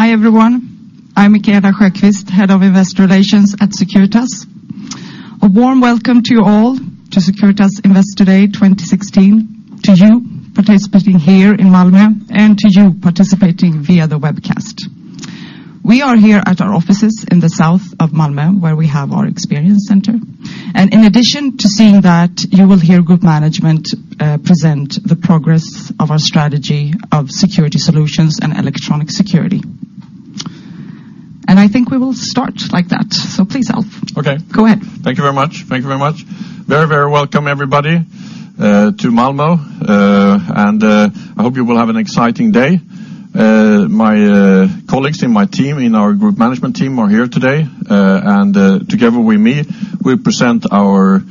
Hi, everyone. I'm Micaela Sjökvist, Head of Investor Relations at Securitas. A warm welcome to you all to Securitas Investor Day 2016, to you participating here in Malmö, and to you participating via the webcast. We are here at our offices in the south of Malmö, where we have our Experience Center, and in addition to seeing that, you will hear group management present the progress of our strategy of Security Solutions and Electronic Security. I think we will start like that. Please, Alf. Okay. Go ahead. Thank you very much. Thank you very much. Very, very welcome, everybody, to Malmö, and I hope you will have an exciting day. My colleagues in my team, in our group management team are here today, and together with me, we present our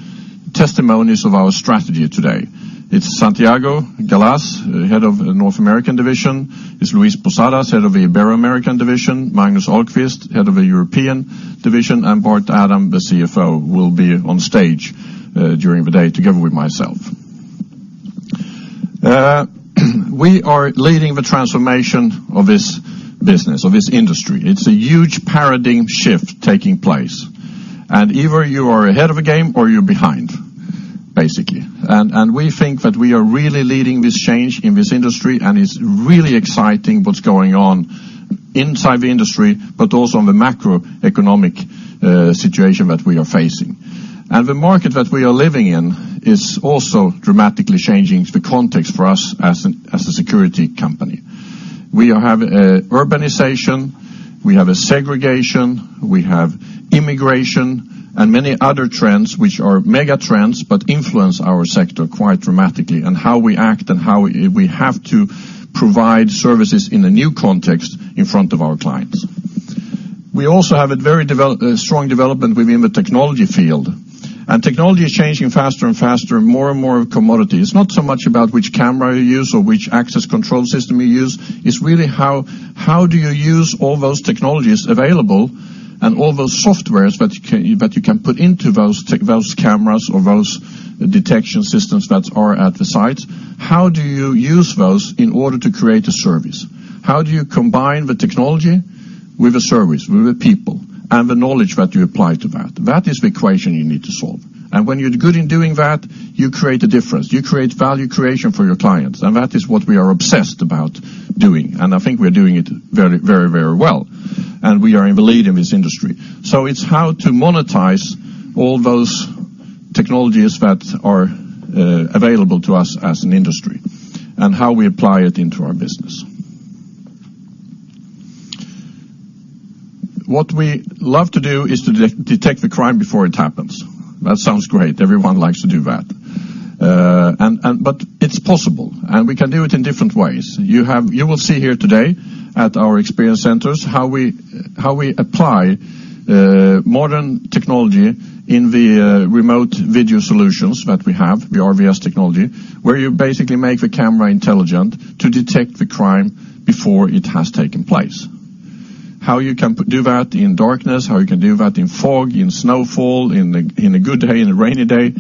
testimonies of our strategy today. It's Santiago Galaz, Head of North American Division, it's Luis Posadas, Head of the Ibero-American Division, Magnus Ahlqvist, Head of the European Division, and Bart Adam, the CFO, will be on stage, during the day together with myself. We are leading the transformation of this business, of this industry. It's a huge paradigm shift taking place, and either you are ahead of the game or you're behind, basically. We think that we are really leading this change in this industry, and it's really exciting what's going on inside the industry, but also on the macroeconomic situation that we are facing. The market that we are living in is also dramatically changing the context for us as a security company. We have a urbanization, we have a segregation, we have immigration, and many other trends which are mega trends, but influence our sector quite dramatically, and how we act and how we have to provide services in a new context in front of our clients. We also have a very strong development within the technology field, and technology is changing faster and faster, and more and more a commodity. It's not so much about which camera you use or which access control system you use, it's really how, how do you use all those technologies available and all those softwares that you can, that you can put into those tech- those cameras or those detection systems that are at the site? How do you use those in order to create a service? How do you combine the technology with the service, with the people, and the knowledge that you apply to that? That is the equation you need to solve. And when you're good in doing that, you create a difference. You create value creation for your clients, and that is what we are obsessed about doing, and I think we're doing it very, very, very well. And we are in the lead in this industry. So it's how to monetize all those technologies that are available to us as an industry and how we apply it into our business. What we love to do is to detect the crime before it happens. That sounds great. Everyone likes to do that. But it's possible, and we can do it in different ways. You will see here today at our Experience Centers how we apply modern technology in the Remote Video Solutions that we have, the RVS technology, where you basically make the camera intelligent to detect the crime before it has taken place. How you can do that in darkness, how you can do that in fog, in snowfall, in a good day, in a rainy day,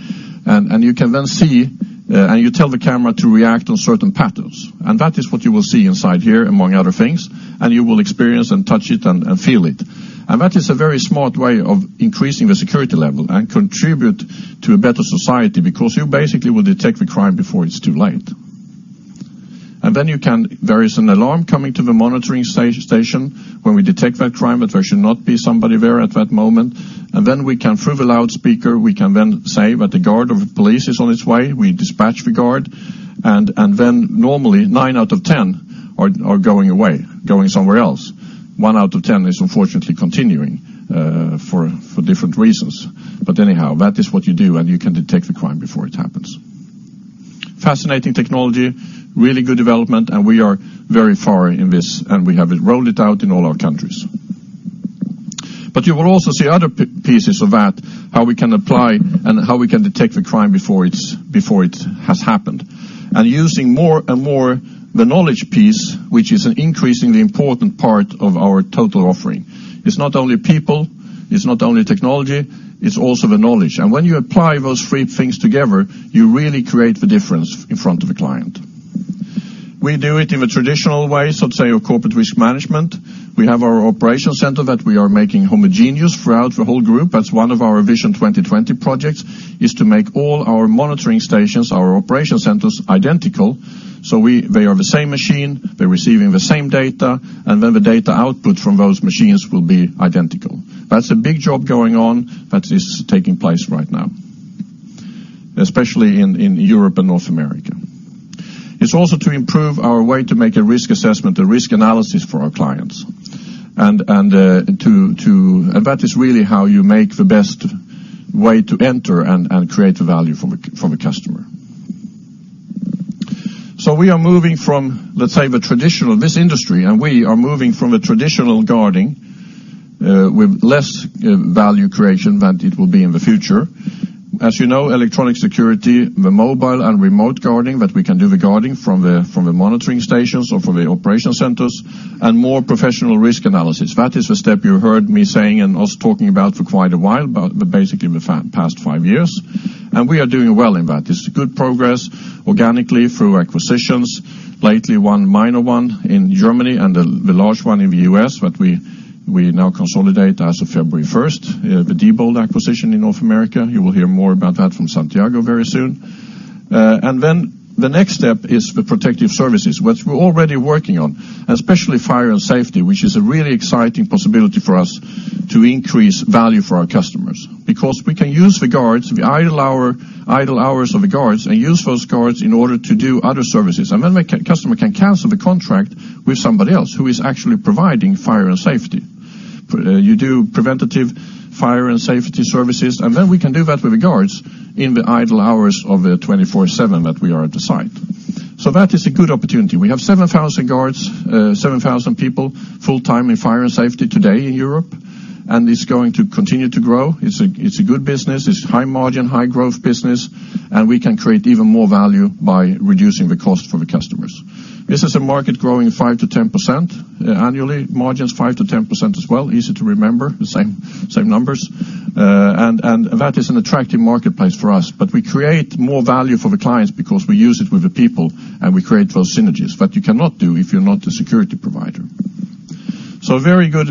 and you can then see, and you tell the camera to react on certain patterns. And that is what you will see inside here, among other things, and you will experience and touch it and feel it. And that is a very smart way of increasing the security level and contribute to a better society, because you basically will detect the crime before it's too late. And then you can... There is an alarm coming to the monitoring station when we detect that crime, that there should not be somebody there at that moment. And then we can, through the loudspeaker, we can then say that the guard or police is on its way. We dispatch the guard, and then normally, nine out of ten are going away, going somewhere else. One out of ten is unfortunately continuing for different reasons. But anyhow, that is what you do, and you can detect the crime before it happens. Fascinating technology, really good development, and we are very far in this, and we have rolled it out in all our countries. But you will also see other pieces of that, how we can apply and how we can detect the crime before it has happened. And using more and more the knowledge piece, which is an increasingly important part of our total offering. It's not only people, it's not only technology, it's also the knowledge. And when you apply those three things together, you really create the difference in front of the client. We do it in the traditional way, so let's say, of corporate risk management. We have our operation center that we are making homogeneous throughout the whole group. That's one of our Vision 2020 projects, is to make all our monitoring stations, our operation centers, identical. So they are the same machine, they're receiving the same data, and then the data output from those machines will be identical. That's a big job going on, that is taking place right now, especially in Europe and North America. It's also to improve our way to make a risk assessment, a risk analysis for our clients. And that is really how you make the best way to enter and create the value from a customer. So we are moving from, let's say, the traditional... This industry, and we are moving from a traditional guarding with less value creation than it will be in the future. As you know, Electronic Security, the mobile and remote guarding, that we can do the guarding from the monitoring stations or from the operation centers, and more professional risk analysis. That is the step you heard me saying and us talking about for quite a while, but basically the past five years, and we are doing well in that. It's a good progress organically through acquisitions. Lately, one minor one in Germany and the large one in the U.S., that we now consolidate as of February 1st, the Diebold acquisition in North America. You will hear more about that from Santiago very soon. And then the next step is the Protective Services, which we're already working on, especially fire and safety, which is a really exciting possibility for us to increase value for our customers. Because we can use the guards, the idle hour, idle hours of the guards, and use those guards in order to do other services. And then the customer can cancel the contract with somebody else who is actually providing fire and safety. You do preventative fire and safety services, and then we can do that with the guards in the idle hours of the 24/7 that we are at the site. So that is a good opportunity. We have 7,000 guards, 7,000 people full-time in fire and safety today in Europe, and it's going to continue to grow. It's a good business. It's high margin, high growth business, and we can create even more value by reducing the cost for the customers. This is a market growing 5%-10% annually, margins 5%-10% as well. Easy to remember, the same, same numbers. And that is an attractive marketplace for us. But we create more value for the clients because we use it with the people, and we create those synergies that you cannot do if you're not a security provider. So very good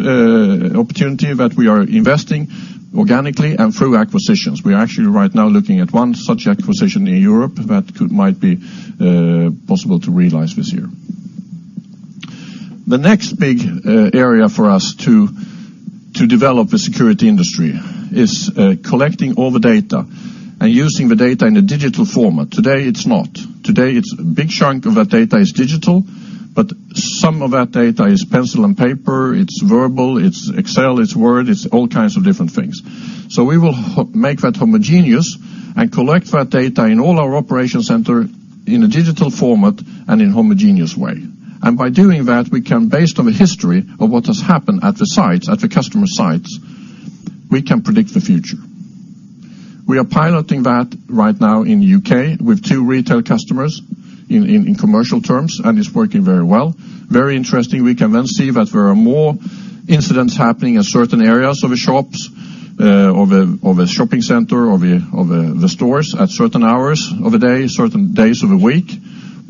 opportunity that we are investing organically and through acquisitions. We are actually right now looking at one such acquisition in Europe that might be possible to realize this year. The next big area for us to develop the security industry is collecting all the data and using the data in a digital format. Today, it's not. Today, it's a big chunk of that data is digital, but some of that data is pencil and paper, it's verbal, it's Excel, it's Word, it's all kinds of different things. So we will make that homogeneous and collect that data in all our operation center in a digital format and in homogeneous way. And by doing that, we can, based on the history of what has happened at the sites, at the customer sites, we can predict the future. We are piloting that right now in the UK with two retail customers in commercial terms, and it's working very well. Very interesting. We can then see that there are more incidents happening in certain areas of the shops, of a shopping center, of the stores, at certain hours of the day, certain days of the week.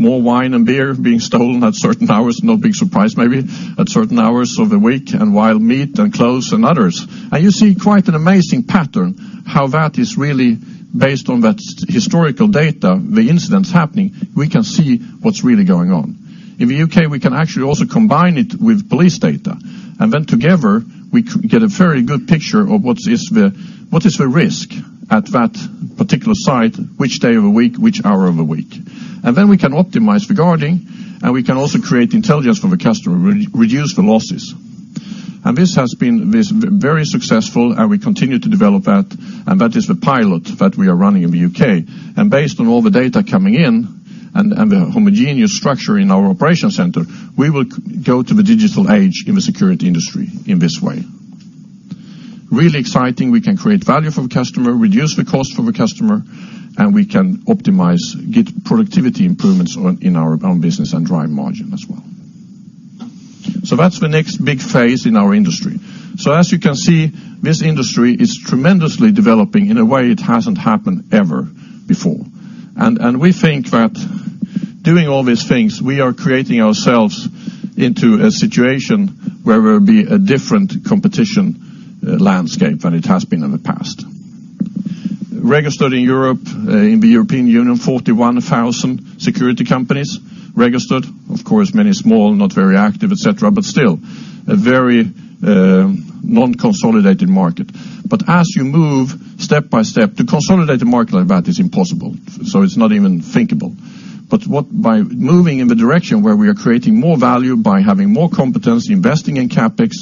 More wine and beer being stolen at certain hours, no big surprise maybe, at certain hours of the week, and while meat and clothes and others. You see quite an amazing pattern, how that is really based on that historical data, the incidents happening, we can see what's really going on. In the U.K., we can actually also combine it with police data, and then together, we get a very good picture of what is the, what is the risk at that particular site, which day of the week, which hour of the week. Then we can optimize the guarding, and we can also create intelligence for the customer, reduce the losses. This has been this very successful, and we continue to develop that, and that is the pilot that we are running in the U.K. And based on all the data coming in and the homogeneous structure in our operation center, we will go to the digital age in the security industry in this way. Really exciting. We can create value for the customer, reduce the cost for the customer, and we can optimize, get productivity improvements on, in our own business and drive margin as well. So that's the next big phase in our industry. So as you can see, this industry is tremendously developing in a way it hasn't happened ever before. And we think that doing all these things, we are creating ourselves into a situation where there will be a different competition landscape than it has been in the past. Registered in Europe, in the European Union, 41,000 security companies registered. Of course, many small, not very active, et cetera, but still a very non-consolidated market. But as you move step by step, to consolidate the market like that is impossible, so it's not even thinkable. But what... by moving in the direction where we are creating more value, by having more competence, investing in CapEx,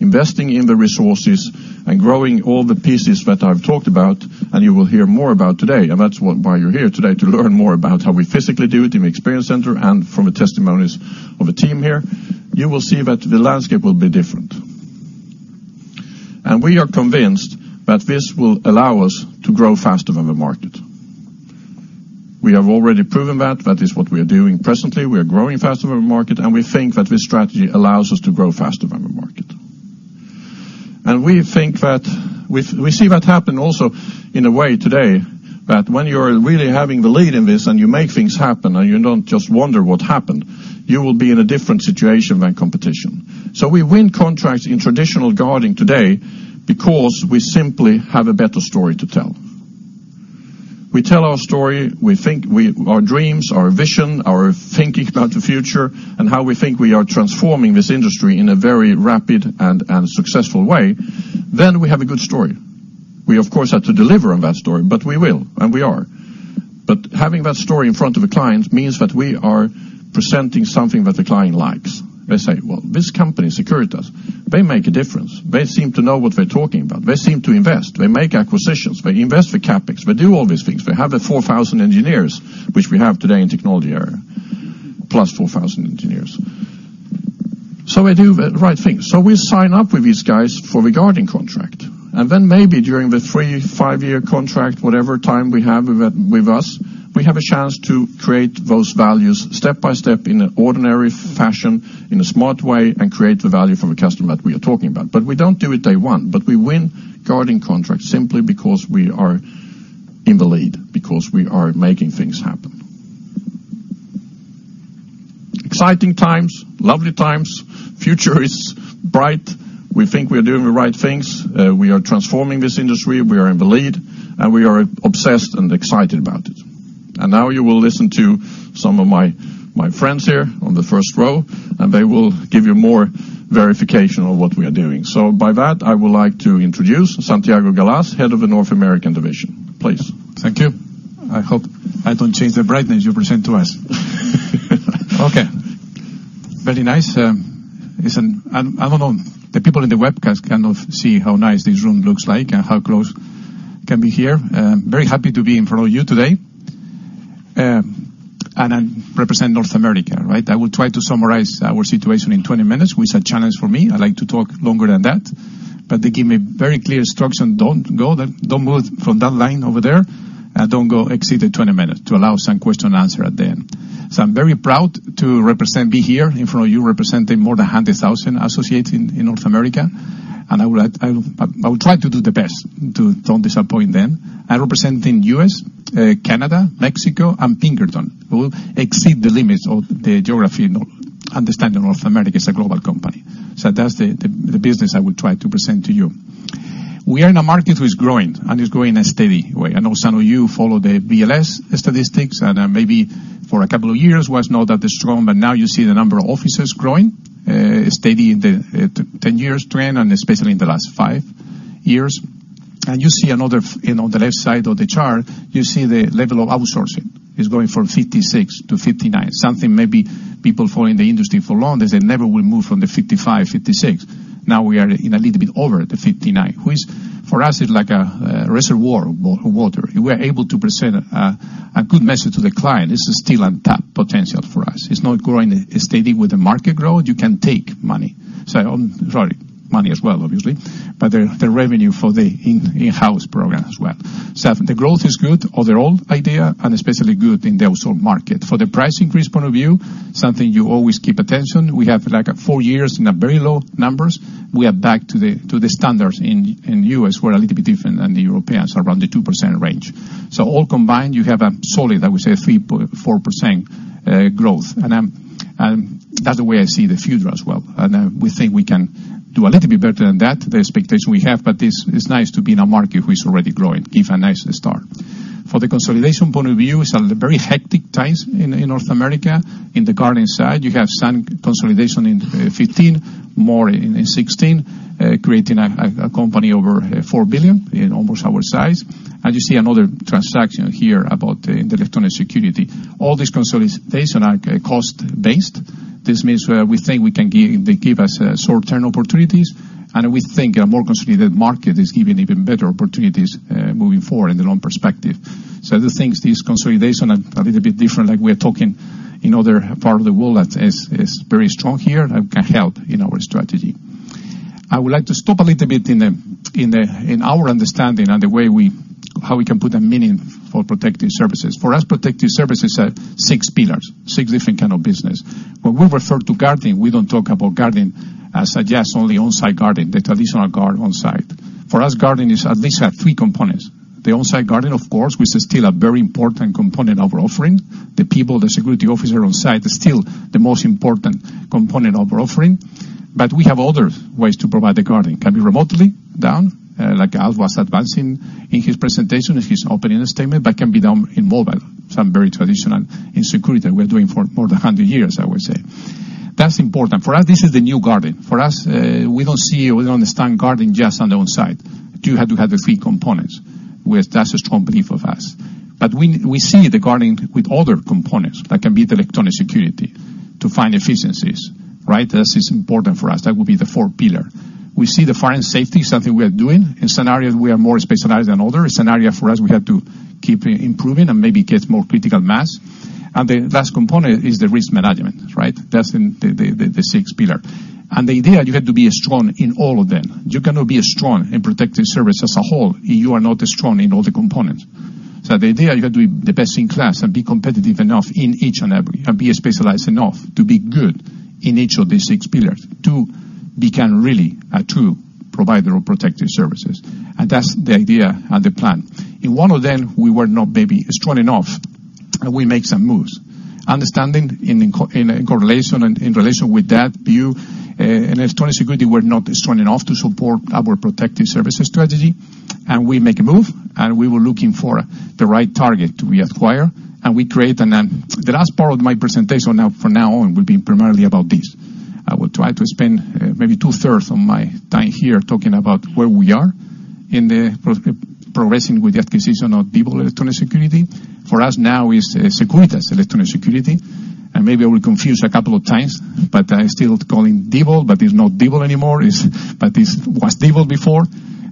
investing in the resources, and growing all the pieces that I've talked about, and you will hear more about today, and that's what, why you're here today, to learn more about how we physically do it in the Experience Center and from the testimonies of the team here, you will see that the landscape will be different. And we are convinced that this will allow us to grow faster than the market. We have already proven that. That is what we are doing presently. We are growing faster than the market, and we think that this strategy allows us to grow faster than the market. We think that we've, we see that happen also in a way today, that when you're really having the lead in this and you make things happen, and you don't just wonder what happened, you will be in a different situation than competition. So we win contracts in traditional guarding today because we simply have a better story to tell. We tell our story, we think, our dreams, our vision, our thinking about the future, and how we think we are transforming this industry in a very rapid and successful way, then we have a good story. We, of course, have to deliver on that story, but we will, and we are. But having that story in front of a client means that we are presenting something that the client likes. They say: "Well, this company, Securitas, they make a difference. They seem to know what they're talking about. They seem to invest. They make acquisitions. They invest for CapEx. They do all these things. They have the 4,000 engineers," which we have today in technology area, plus 4,000 engineers. So we do the right thing. So we sign up with these guys for the guarding contract, and then maybe during the three-five-year contract, whatever time we have with us, we have a chance to create those values step by step in an ordinary fashion, in a smart way, and create the value from the customer that we are talking about. But we don't do it day one, but we win guarding contracts simply because we are in the lead, because we are making things happen. Exciting times, lovely times. Future is bright. We think we are doing the right things. We are transforming this industry. We are in the lead, and we are obsessed and excited about it. And now you will listen to some of my, my friends here on the first row, and they will give you more verification of what we are doing. So by that, I would like to introduce Santiago Galaz, Head of the North American Division. Please. Thank you. I hope I don't change the brightness you present to us. Okay, very nice. Listen, I, I don't know, the people in the webcast cannot see how nice this room looks like and how close can be here. Very happy to be in front of you today. I represent North America, right? I will try to summarize our situation in 20 minutes, which is a challenge for me. I like to talk longer than that, but they give me very clear instruction, "Don't go, don't move from that line over there, and don't go exceed the 20 minutes to allow some question and answer at the end." So I'm very proud to represent, be here in front of you, representing more than 100,000 associates in North America, and I would like, I will try to do the best to don't disappoint them. I represent in U.S., Canada, Mexico, and Pinkerton, who exceed the limits of the geography and understanding North America as a global company. So that's the business I will try to present to you. We are in a market which is growing and is growing in a steady way. I know some of you follow the BLS statistics, and maybe for a couple of years was not that strong, but now you see the number of officers growing steady in the 10-year trend and especially in the last 5 years. You see another, you know, on the left side of the chart, you see the level of outsourcing. It's going from 56 to 59, something maybe people follow in the industry for long, they never will move from the 55, 56. Now we are in a little bit over the 59, which for us is like a reservoir water. We are able to present a good message to the client. This is still untapped potential for us. It's not growing steady with the market growth. You can take money, so, sorry, money as well, obviously, but the revenue for the in-house program as well. So the growth is good overall idea, and especially good in the outsource market. For the price increase point of view, something you always keep attention, we have like four years in a very low numbers. We are back to the standards in U.S., we're a little bit different than the Europeans, around the 2% range. So all combined, you have a solid, I would say, 3.4% growth. And that's the way I see the future as well. And we think we can do a little bit better than that, the expectation we have, but this is nice to be in a market which is already growing, give a nice start. For the consolidation point of view, it's a very hectic times in North America. In the guarding side, you have some consolidation in 2015, more in 2016, creating a company over $4 billion, almost our size. And you see another transaction here about in the Electronic Security. All these consolidation are cost-based. This means, we think we can give, they give us short-term opportunities, and we think a more consolidated market is giving even better opportunities moving forward in the long perspective. So the things, this consolidation are a little bit different, like we are talking in other part of the world, that is very strong here and can help in our strategy. I would like to stop a little bit in our understanding and the way we, how we can put a meaning for Protective Services. For us, Protective Services are six pillars, six different kind of business. When we refer to guarding, we don't talk about guarding as just only on-site guarding, the traditional guard on site. For us, guarding is at least three components. The on-site guarding, of course, which is still a very important component of offering. The people, the security officer on site, is still the most important component of offering. But we have other ways to provide the guarding. Can be remotely done, like Alf was advancing in his presentation, in his opening statement, but can be done in mobile, some very traditional in security. We're doing for more than 100 years, I would say. That's important. For us, this is the new guarding. For us, we don't see, we don't understand guarding just on the on-site. You have to have the three components, where that's a strong belief of us. But we, we see the guarding with other components that can be Electronic Security to find efficiencies, right? This is important for us. That will be the fourth pillar. We see the fire and safety, something we are doing. In scenarios, we are more specialized than other. Scenario for us, we have to keep improving and maybe get more critical mass. And the last component is the risk management, right? That's the sixth pillar. And the idea, you have to be strong in all of them. You cannot be strong in protective service as a whole, if you are not strong in all the components. So the idea, you have to be the best in class and be competitive enough in each and every, and be specialized enough to be good in each of these six pillars, to become really a true provider of Protective Services. And that's the idea and the plan. In one of them, we were not maybe strong enough, and we make some moves. Understanding in correlation and in relation with that view, in Electronic Security, we're not strong enough to support our Protective Services strategy, and we make a move, and we were looking for the right target. We acquire, and we create. And then, the last part of my presentation now, for now on, will be primarily about this. I will try to spend maybe two-thirds of my time here talking about where we are in the progressing with the acquisition of Diebold Electronic Security. For us now, it's Securitas Electronic Security, and maybe I will confuse a couple of times, but I still calling Diebold, but it's not Diebold anymore. But it was Diebold before,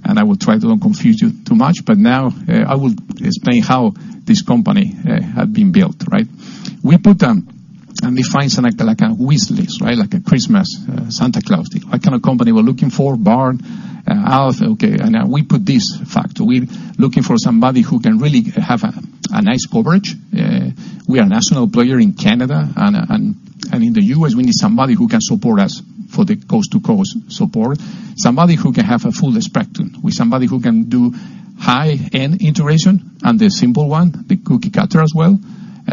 and I will try to unconfuse you too much, but now I will explain how this company have been built, right? We put down and define some, like a wish list, right? Like a Christmas Santa Claus, what kind of company we're looking for, barn, house. Okay, and now we put this factor. We're looking for somebody who can really have a nice coverage. We are a national player in Canada, and in the U.S., we need somebody who can support us for the coast-to-coast support, somebody who can have a full spectrum. Somebody who can do high-end integration and the simple one, the cookie cutter as well.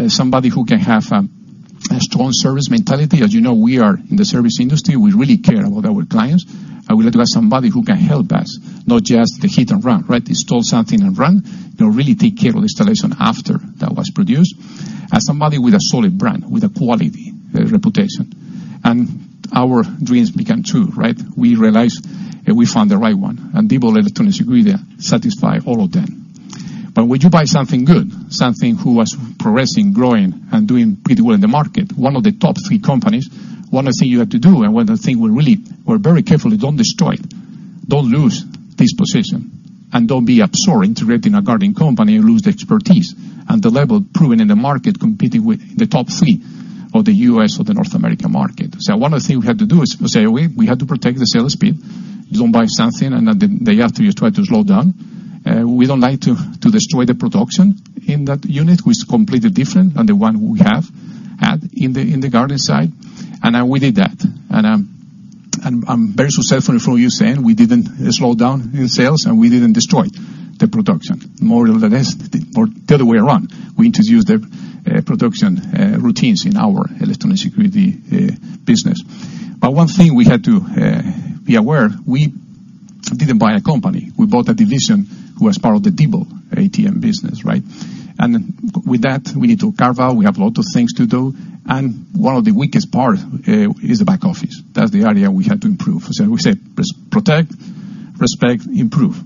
Somebody who can have a strong service mentality. As you know, we are in the service industry. We really care about our clients, and we look at somebody who can help us, not just the hit and run, right? Install something and run, you know, really take care of the installation after that was produced. And somebody with a solid brand, with a quality reputation. And our dreams became true, right? We realized, and we found the right one, and Diebold Electronic Security satisfy all of them. But when you buy something good, something who was progressing, growing, and doing pretty well in the market, one of the top three companies, one of the thing you have to do, and one of the thing we're really, we're very careful, you don't destroy it. Don't lose this position, and don't be absorbed into creating a guarding company and lose the expertise and the level proven in the market, competing with the top three of the U.S. or the North America market. So one of the things we had to do is say, we, we had to protect the sales speed. You don't buy something, and then they have to try to slow down. We don't like to destroy the production in that unit, who is completely different than the one we had in the guarding side. And we did that. I'm very successful in front of you saying we didn't slow down in sales, and we didn't destroy the production. More or less, or the other way around, we introduced the production routines in our Electronic Security business. But one thing we had to be aware, we didn't buy a company. We bought a division who was part of the Diebold ATM business, right? And then with that, we need to carve out, we have a lot of things to do, and one of the weakest part is the back office. That's the area we had to improve. So we said, "Protect, respect, improve."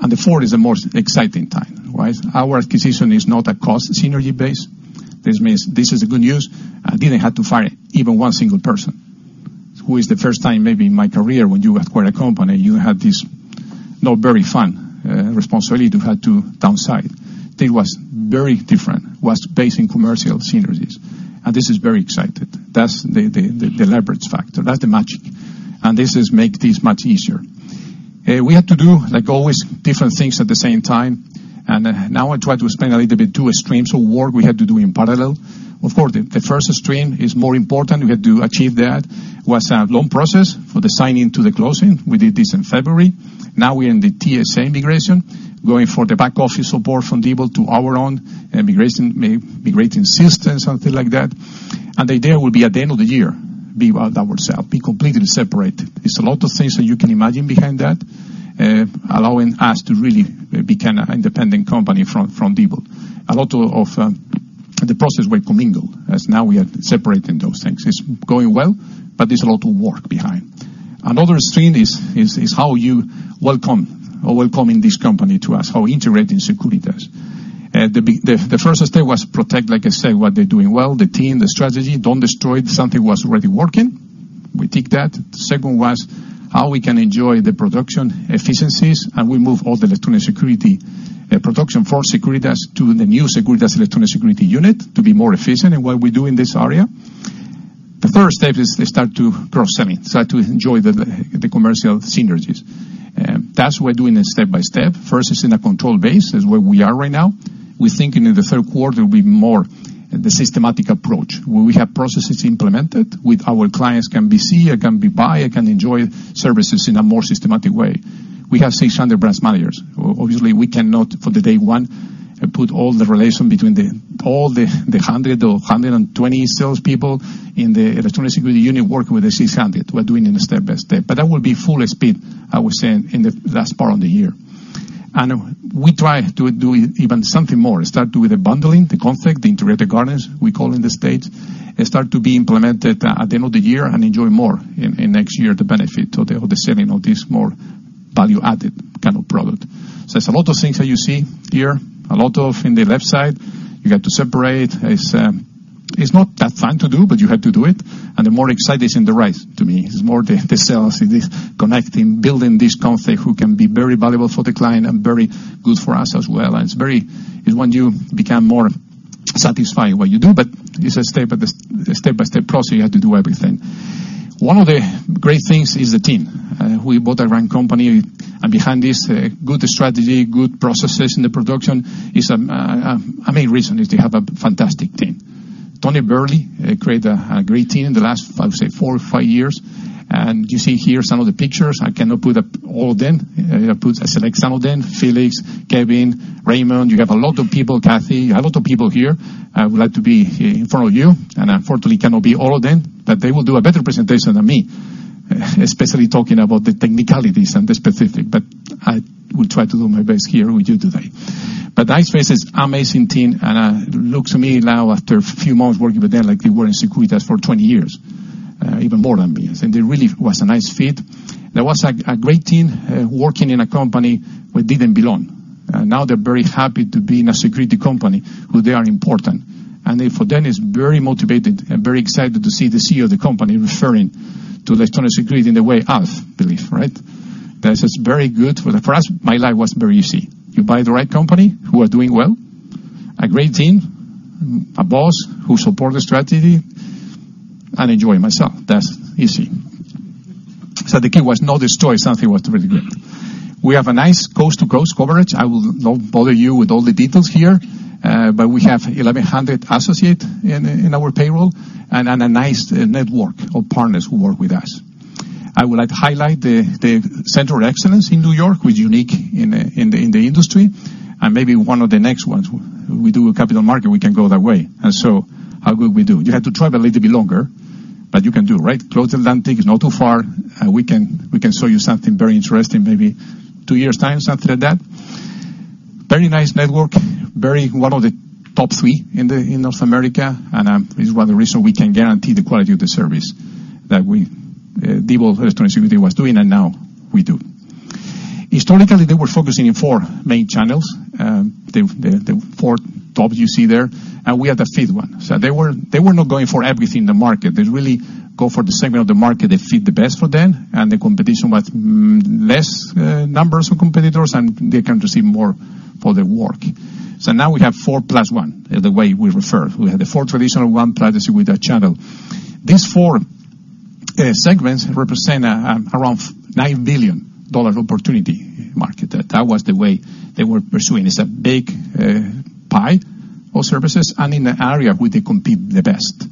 And the fourth is the most exciting time, right? Our acquisition is not a cost synergy base. This means this is the good news. I didn't have to fire even one single person, who is the first time maybe in my career, when you acquire a company, you have this not very fun, responsibility to have to downsize. It was very different. Was based in commercial synergies, and this is very excited. That's the leverage factor. That's the magic, and this is make this much easier. We had to do, like always, different things at the same time, and, now I try to explain a little bit two streams of work we had to do in parallel. Of course, the first stream is more important. We had to achieve that. Was a long process for the signing to the closing. We did this in February. Now we are in the TSA integration, going for the back office support from Diebold to our own, integration, maybe integrating systems, something like that. And the idea will be at the end of the year that we'll be completely separate. It's a lot of things that you can imagine behind that, allowing us to really become an independent company from Diebold. A lot of the processes were commingled, as now we are separating those things. It's going well, but there's a lot of work behind. Another stream is how we're welcoming this company to us, how integrating Securitas. The first step was to protect, like I said, what they're doing well, the team, the strategy. Don't destroy it. Something was already working. We take that. Second was, how we can enjoy the production efficiencies, and we move all the Electronic Security production for Securitas to the new Securitas Electronic Security unit to be more efficient in what we do in this area. The first step is to start to cross-selling, start to enjoy the commercial synergies. That's why we're doing it step by step. First, it's in a controlled base. That's where we are right now. We're thinking in the third quarter, will be more the systematic approach, where we have processes implemented with our clients, can be seen, can be bought, and can enjoy services in a more systematic way. We have 600 branch managers. Obviously, we cannot, for the day one, put all the relation between the all the 100 or 120 salespeople in the Electronic Security unit working with the 600. We're doing it step by step, but that will be full speed, I would say, in the last part of the year. And we try to do even something more. Start with the bundling, the contract, the Integrated Guarding, we call in the States, and start to be implemented at the end of the year and enjoy more in next year, the benefit of the selling of this more value-added kind of product. So there's a lot of things that you see here, a lot of in the left side. You got to separate. It's not that fun to do, but you have to do it. And the more exciting is in the right to me. It's more the sales, it is connecting, building this contract who can be very valuable for the client and very good for us as well. It's when you become more satisfied what you do, but it's a step-by-step process, you have to do everything. One of the great things is the team. We bought the right company, and behind this, good strategy, good processes in the production, is a main reason to have a fantastic team. Tony Byerly create a great team in the last, I would say, four or five years, and you see here some of the pictures. I cannot put up all of them. I put, I select some of them. Felix, Kevin, Raymond, you have a lot of people, Kathy, a lot of people here. I would like to be in front of you, and unfortunately, cannot be all of them, but they will do a better presentation than me, especially talking about the technicalities and the specific, but I will try to do my best here with you today. But I face this amazing team, and it looks to me now after a few months working with them, like they were in Securitas for 20 years, even more than me. And it really was a nice fit. There was a great team working in a company which didn't belong. Now they're very happy to be in a security company, where they are important. And they, for them, is very motivated and very excited to see the CEO of the company referring to Electronic Security in the way I believe, right? That is very good for the first, my life was very easy. You buy the right company, who are doing well, a great team, a boss who support the strategy, and enjoy myself. That's easy. So the key was not destroy something what was really good. We have a nice coast-to-coast coverage. I will not bother you with all the details here, but we have 1,100 associate in our payroll and a nice network of partners who work with us. I would like to highlight the Center of Excellence in New York, which is unique in the industry, and maybe one of the next ones. We do a capital market, we can go that way. And so how good we do? You have to travel a little bit longer, but you can do, right? Close Atlantic is not too far, and we can show you something very interesting, maybe two years' time, something like that. Very nice network, one of the top three in North America, and is one of the reasons we can guarantee the quality of the service that Diebold Electronic Security was doing, and now we do. Historically, they were focusing in four main channels, the four tops you see there, and we had a fifth one. So they were not going for everything in the market. They really go for the segment of the market that fit the best for them, and the competition was less, numbers of competitors, and they can receive more for their work. So now we have four plus one, the way we refer. We have the four traditional, one strategy with that channel. These four segments represent around $9 billion opportunity market. That was the way they were pursuing. It's a big pie of services, and in the area where they compete the best.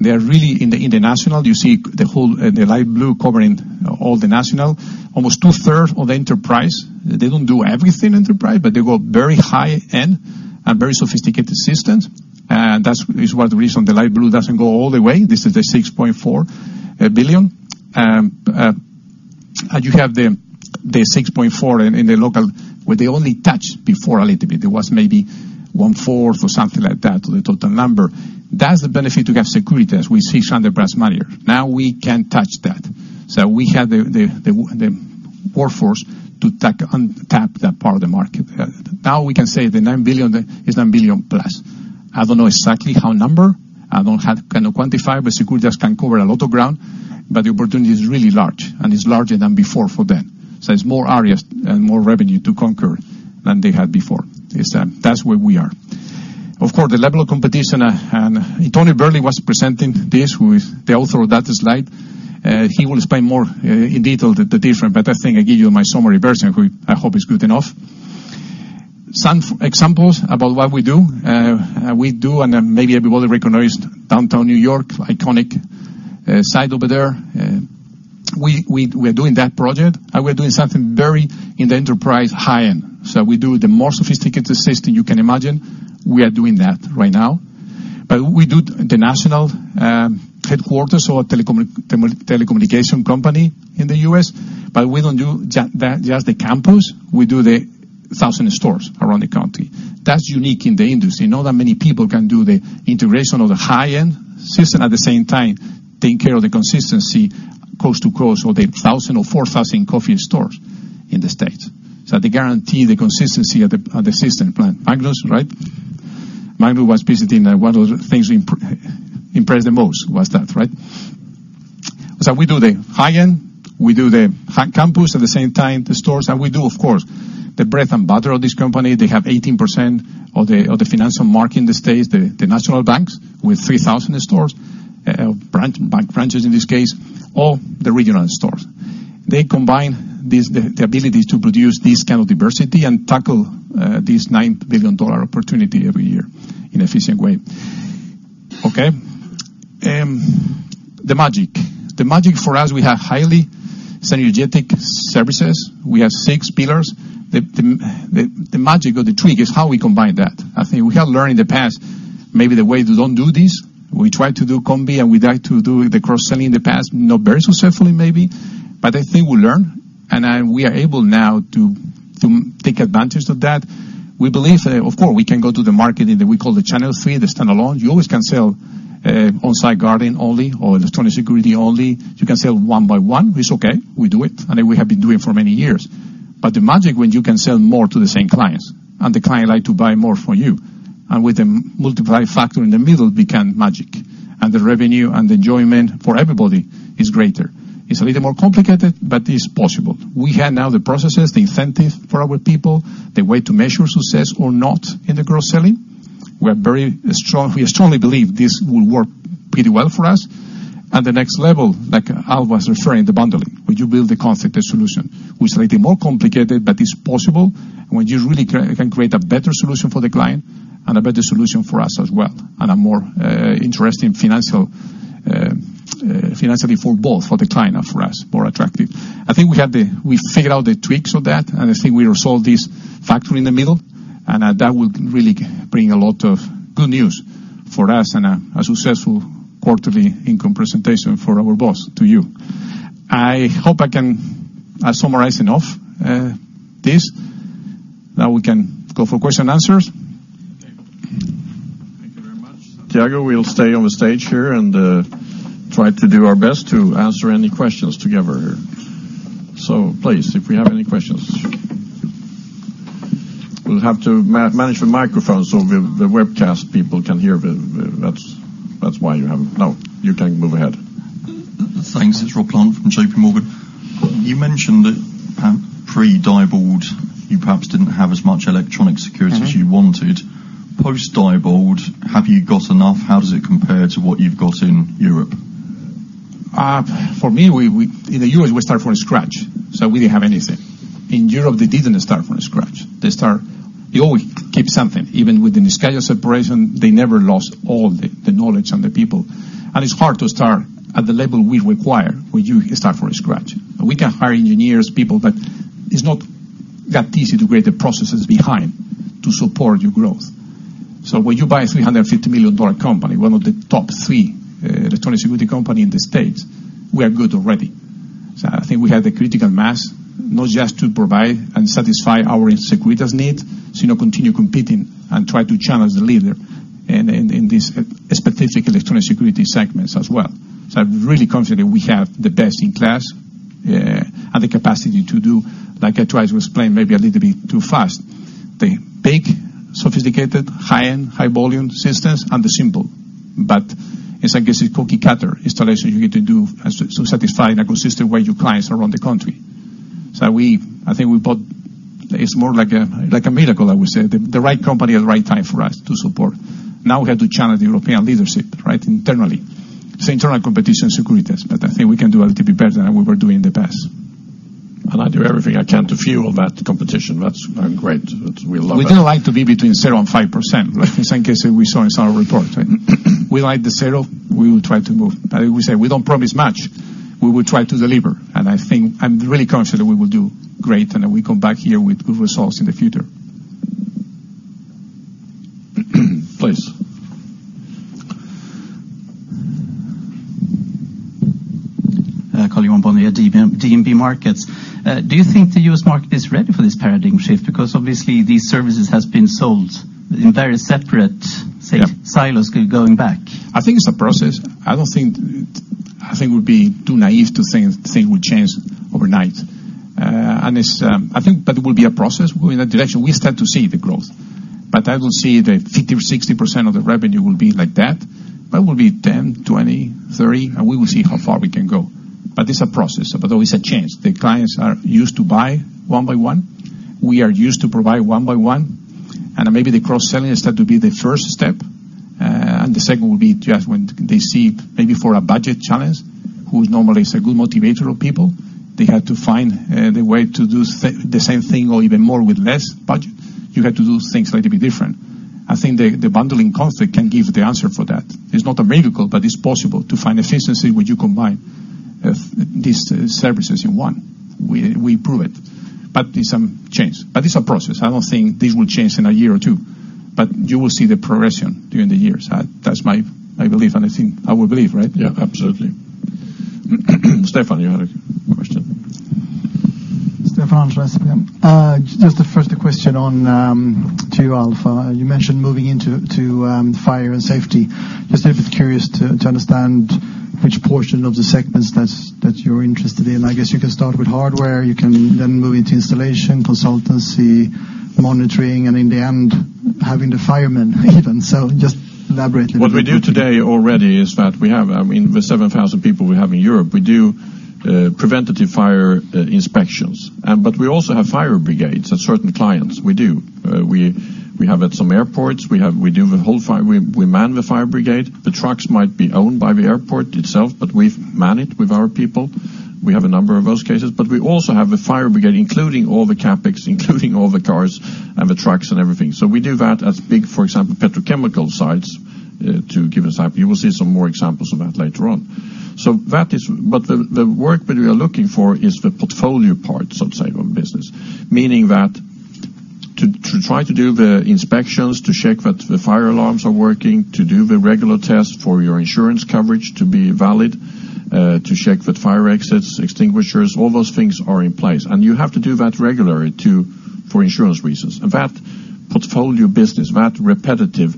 They are really in the international. You see the whole, the light blue covering all the national. Almost two-thirds of the enterprise. They don't do everything enterprise, but they go very high-end and very sophisticated systems, and that's is one of the reason the light blue doesn't go all the way. This is the $6.4 billion. And you have the $6.4 billion in the local, where they only touched before a little bit. It was maybe one-fourth or something like that, the total number. That's the benefit to have Securitas. We see SMBs. Now we can touch that. So we have the workforce to tap untapped that part of the market. Now we can say the $9 billion is $9 billion+. I don't know exactly the number, I cannot quantify, but Securitas can cover a lot of ground, but the opportunity is really large, and it's larger than before for them. So it's more areas and more revenue to conquer than they had before. It's, that's where we are. Of course, the level of competition, and Tony Byerly was presenting this with the author of that slide. He will explain more in detail the different, but I think I give you my summary version. I hope it's good enough. Some examples about what we do. We do, and then maybe everybody recognize downtown New York, iconic site over there. We're doing that project, and we're doing something very in the enterprise high-end. So we do the more sophisticated system you can imagine, we are doing that right now. But we do the national headquarters or telecommunication company in the US, but we don't do that, just the campus, we do the 1,000 stores around the country. That's unique in the industry. Not that many people can do the integration of the high-end system, at the same time, taking care of the consistency, coast to coast, or the 1,000 or 4,000 coffee stores in the States. So they guarantee the consistency of the system plan. Magnus, right? Magnus was visiting, what are the things impressed the most was that, right? So we do the high-end, we do the high campus, at the same time, the stores, and we do, of course, the bread and butter of this company. They have 18% of the financial market in the States, the national banks, with 3,000 stores, branch, bank branches, in this case, or the regional stores. They combine these, the abilities to produce this kind of diversity and tackle this $9 billion opportunity every year in an efficient way. Okay? The magic. The magic for us, we have highly synergetic services. We have six pillars. The magic or the trick is how we combine that. I think we have learned in the past, maybe the way to don't do this. We try to do combi, and we like to do the cross-selling in the past, not very successfully, maybe, but I think we learn, and we are able now to take advantage of that. We believe that, of course, we can go to the market in the, we call the channel three, the standalone. You always can sell on-site guarding only or Electronic Security only. You can sell one by one, it's okay. We do it, and we have been doing for many years. But the magic when you can sell more to the same clients, and the client like to buy more from you, and with a multiply factor in the middle, become magic, and the revenue and the enjoyment for everybody is greater. It's a little more complicated, but it's possible. We have now the processes, the incentive for our people, the way to measure success or not in the cross-selling. We're very strong. We strongly believe this will work pretty well for us. The next level, like Alf was referring, the bundling, where you build the concept, the solution, which is likely more complicated, but it's possible. When you really can create a better solution for the client and a better solution for us as well, and a more, interesting financial, financially for both, for the client and for us, more attractive. I think we have the. We figured out the tricks of that, and I think we resolved this factor in the middle, and, that will really bring a lot of good news for us and a successful quarterly income presentation for our boss, to you. I hope I can summarize enough this. Now we can go for question and answers? Thiago, we'll stay on the stage here, and try to do our best to answer any questions together here. So please, if we have any questions? We'll have to manage the microphone so the webcast people can hear, that's why you have... No, you can move ahead. Thanks. It's Rob Plant from J.P. Morgan. You mentioned that, pre-Diebold, you perhaps didn't have as much Electronic Security- Mm-hmm. As you wanted. Post-Diebold, have you got enough? How does it compare to what you've got in Europe? For me, we in the U.S. start from scratch, so we didn't have anything. In Europe, they didn't start from scratch. They start. They always keep something. Even with the scale of separation, they never lost all the knowledge and the people. And it's hard to start at the level we require, when you start from scratch. We can hire engineers, people, but it's not that easy to create the processes behind to support your growth. So when you buy a $350 million company, one of the top three Electronic Security company in the States, we are good already. So I think we have the critical mass, not just to provide and satisfy our Securitas needs, so you know, continue competing and try to challenge the leader in this specific Electronic Security segments as well. So I'm really confident we have the best-in-class and the capacity to do, like I tried to explain maybe a little bit too fast, the big, sophisticated, high-end, high-volume systems and the simple. But it's, I guess, a cookie-cutter installation you need to do so, so satisfy in a consistent way your clients around the country. So we, I think we bought... It's more like a, like a miracle, I would say. The, the right company at the right time for us to support. Now we have to challenge the European leadership, right, internally. It's internal competition Securitas, but I think we can do a little bit better than we were doing in the past. I'll do everything I can to fuel that competition. That's great. We love that. We didn't like to be between 0% and 5%, the same case that we saw in our report, right? We like the 0, we will try to move. I would say, we don't promise much, we will try to deliver, and I think I'm really confident we will do great, and then we come back here with good results in the future. Please. Karl-Johan Bonnevier, DNB Markets. Do you think the U.S. market is ready for this paradigm shift? Because obviously, these services has been sold in very separate, say- Yeah silos going back. I think it's a process. I don't think it would be too naive to think it would change overnight. And it's, I think but it will be a process. We're in a direction. We start to see the growth, but I will see the 50% or 60% of the revenue will be like that, but will be 10, 20, 30, and we will see how far we can go. But it's a process, but there is a change. The clients are used to buy one by one. We are used to provide one by one, and maybe the cross-selling start to be the first step. And the second will be just when they see, maybe for a budget challenge, who is normally is a good motivator of people, they have to find the way to do the same thing or even more with less budget. You have to do things slightly different. I think the bundling concept can give the answer for that. It's not a miracle, but it's possible to find efficiency when you combine these services in one. We prove it. But it's some change, but it's a process. I don't think this will change in a year or two, but you will see the progression during the years. That's my belief, and I think our belief, right? Yeah, absolutely. Stefan, you had a question. Stefan Andersson. Just the first question on to you, Alf. You mentioned moving into to fire and safety. Just curious to understand which portion of the segments that's that you're interested in. I guess you can start with hardware, you can then move into installation, consultancy, monitoring, and in the end, having the firemen even. So just elaborate a little bit. What we do today already is that we have, I mean, the 7,000 people we have in Europe, we do preventative fire inspections. But we also have fire brigades at certain clients. We do. We have at some airports, we have, we do the whole fire, we man the fire brigade. The trucks might be owned by the airport itself, but we've managed with our people. We have a number of those cases, but we also have a fire brigade, including all the CapEx, including all the cars and the trucks and everything. So we do that as big, for example, petrochemical sites, to give us up. You will see some more examples of that later on. So that is. But the work that we are looking for is the portfolio parts of side of business. Meaning that, to try to do the inspections, to check that the fire alarms are working, to do the regular tests for your insurance coverage to be valid, to check that fire exits, extinguishers, all those things are in place. And you have to do that regularly, for insurance reasons. And that portfolio business, that repetitive,